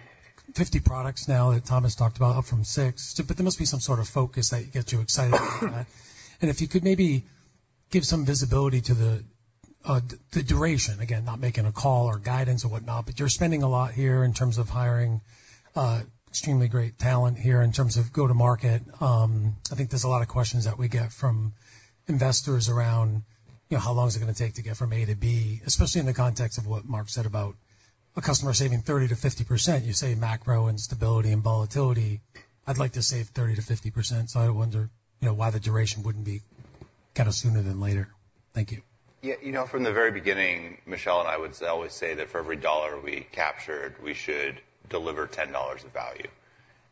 50 products now that Thomas talked about, up from 6. But there must be some sort of focus that gets you excited about that. And if you could maybe give some visibility to the, the duration. Again, not making a call or guidance or whatnot, but you're spending a lot here in terms of hiring, extremely great talent here, in terms of go-to-market. I think there's a lot of questions that we get from investors around, you know, how long is it gonna take to get from A to B, especially in the context of what Mark said about a customer saving 30%-50%. You say macro instability and volatility. I'd like to save 30%-50%, so I wonder, you know, why the duration wouldn't be kinda sooner than later. Thank you. Yeah, you know, from the very beginning, Michelle and I would say, always say that for every dollar we captured, we should deliver 10 dollars of value.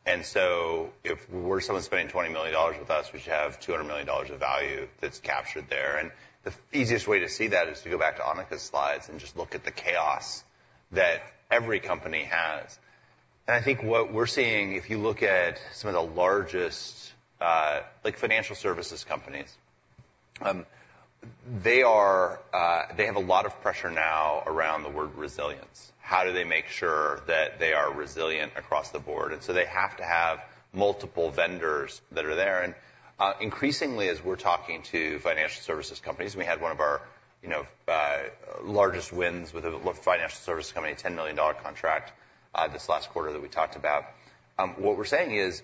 And so if we were someone spending $20 million with us, we should have $200 million of value that's captured there. And the easiest way to see that is to go back to Annika's slides and just look at the chaos that every company has. And I think what we're seeing, if you look at some of the largest, like, financial services companies, they are, they have a lot of pressure now around the word resilience. How do they make sure that they are resilient across the board? And so they have to have multiple vendors that are there. And increasingly, as we're talking to financial services companies, we had one of our, you know, largest wins with a financial services company, a $10 million contract, this last quarter that we talked about. What we're saying is,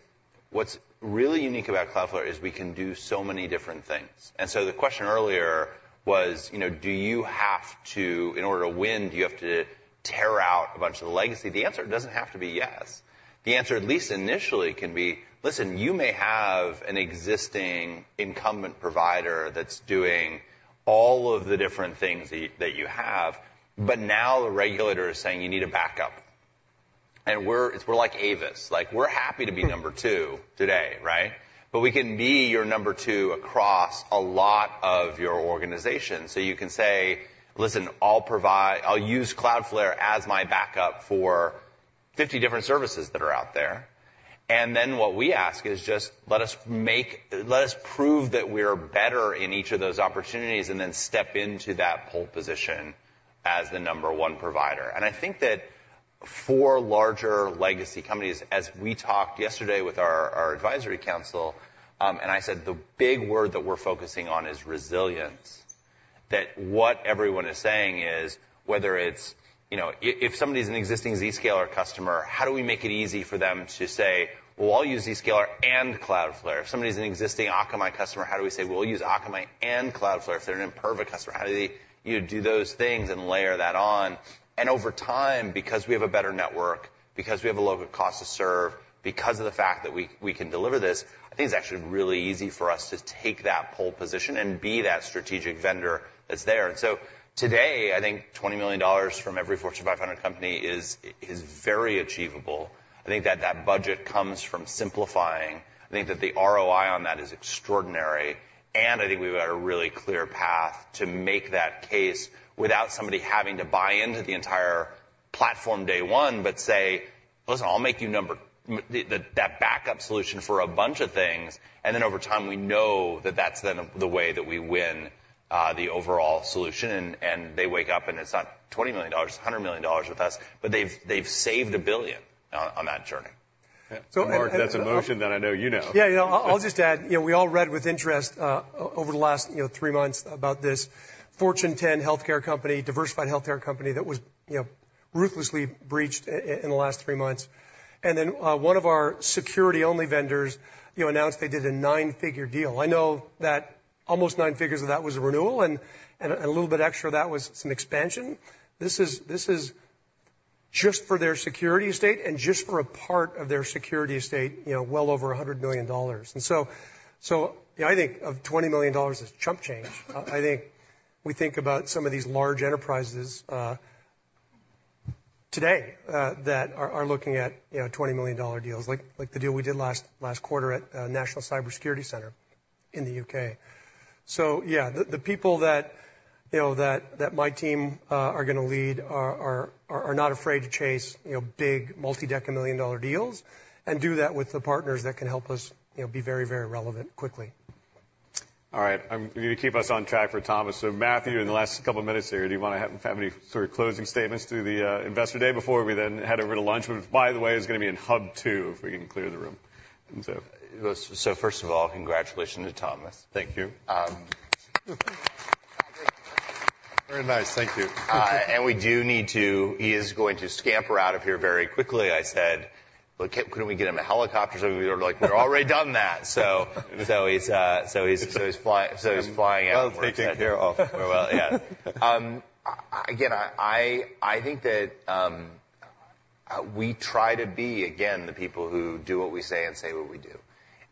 what's really unique about Cloudflare is we can do so many different things. And so the question earlier was, you know, do you have to in order to win, do you have to tear out a bunch of the legacy? The answer doesn't have to be yes. The answer, at least initially, can be, listen, you may have an existing incumbent provider that's doing all of the different things that you, that you have, but now the regulator is saying you need a backup. And we're like Avis. Like, we're happy to be number two today, right? But we can be your number two across a lot of your organization. So you can say: Listen, I'll provide, I'll use Cloudflare as my backup for 50 different services that are out there. And then what we ask is just let us make, let us prove that we're better in each of those opportunities, and then step into that pole position as the number one provider. And I think that for larger legacy companies, as we talked yesterday with our advisory council, and I said, "The big word that we're focusing on is resilience," that what everyone is saying is, whether it's, you know, if somebody's an existing Zscaler customer, how do we make it easy for them to say, "Well, I'll use Zscaler and Cloudflare"? If somebody's an existing Akamai customer, how do we say, "We'll use Akamai and Cloudflare"? If they're an Imperva customer, how do they, you know, do those things and layer that on? And over time, because we have a better network, because we have a lower cost to serve, because of the fact that we, we can deliver this, I think it's actually really easy for us to take that pole position and be that strategic vendor that's there. And so today, I think $20 million from every Fortune 500 company is, is very achievable. I think that that budget comes from simplifying. I think that the ROI on that is extraordinary, and I think we've got a really clear path to make that case without somebody having to buy into the entire platform day one, but say, "Listen, I'll make you number that backup solution for a bunch of things, and then over time, we know that that's then the way that we win, the overall solution, and they wake up, and it's not $20 million, it's $100 million with us, but they've saved $1 billion on that journey. Yeah, so Mark, that's a motion that I know you know. Yeah, yeah. I'll just add, you know, we all read with interest over the last three months about this Fortune 10 healthcare company, diversified healthcare company that was, you know, ruthlessly breached in the last three months. And then, one of our security-only vendors, you know, announced they did a nine-figure deal. I know that almost nine figures of that was a renewal, and a little bit extra of that was some expansion. This is just for their security estate and just for a part of their security estate, you know, well over $100 million. And so, you know, I think of $20 million as chump change. I think we think about some of these large enterprises today that are looking at, you know, $20 million deals, like the deal we did last quarter at National Cyber Security Centre in the U.K. So yeah, the people that, you know, that my team are gonna lead are not afraid to chase, you know, big multi-deca-million-dollar deals and do that with the partners that can help us, you know, be very, very relevant quickly. All right, we need to keep us on track for Thomas. So Matthew, in the last couple of minutes here, do you wanna have any sort of closing statements through the Investor Day before we then head over to lunch? Which, by the way, is gonna be in Hub Two, if we can clear the room. And so- First of all, congratulations to Thomas. Thank you. Very nice. Thank you. He is going to scamper out of here very quickly. I said, "Well, can't, couldn't we get him a helicopter?" So we were like, "We've already done that." So he's flying out. Well, taking care of. Well, yeah. Again, I think that we try to be, again, the people who do what we say and say what we do.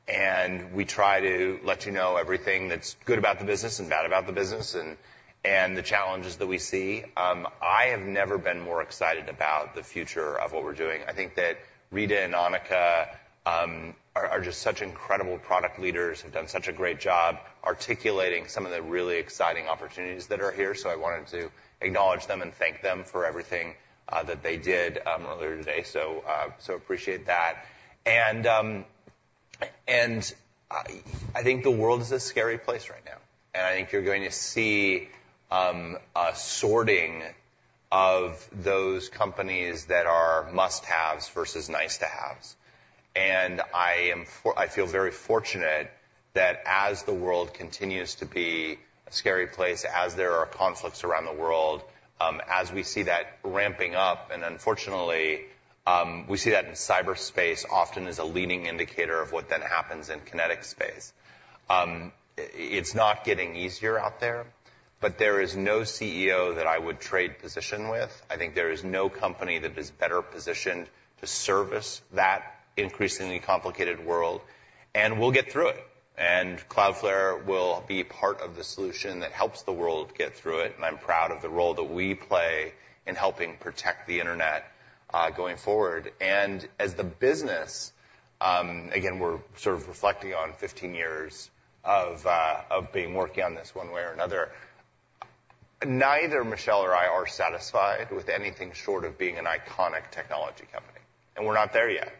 And we try to let you know everything that's good about the business and bad about the business, and the challenges that we see. I have never been more excited about the future of what we're doing. I think that Rita and Annika are just such incredible product leaders, have done such a great job articulating some of the really exciting opportunities that are here. So I wanted to acknowledge them and thank them for everything that they did earlier today. So appreciate that. I think the world is a scary place right now, and I think you're going to see a sorting of those companies that are must-haves versus nice-to-haves. I feel very fortunate that as the world continues to be a scary place, as there are conflicts around the world, as we see that ramping up, and unfortunately, we see that in cyberspace, often as a leading indicator of what then happens in kinetic space. It's not getting easier out there, but there is no CEO that I would trade position with. I think there is no company that is better positioned to service that increasingly complicated world, and we'll get through it, and Cloudflare will be part of the solution that helps the world get through it, and I'm proud of the role that we play in helping protect the internet going forward. As the business, again, we're sort of reflecting on 15 years of being working on this one way or another. Neither Michelle nor I are satisfied with anything short of being an iconic technology company, and we're not there yet.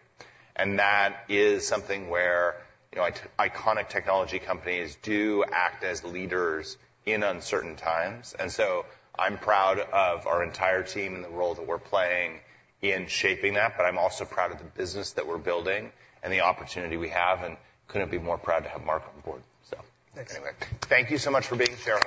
And that is something where, you know, iconic technology companies do act as leaders in uncertain times. And so I'm proud of our entire team and the role that we're playing in shaping that, but I'm also proud of the business that we're building and the opportunity we have, and couldn't be more proud to have Mark on board. So- Thanks. Anyway, thank you so much for being here.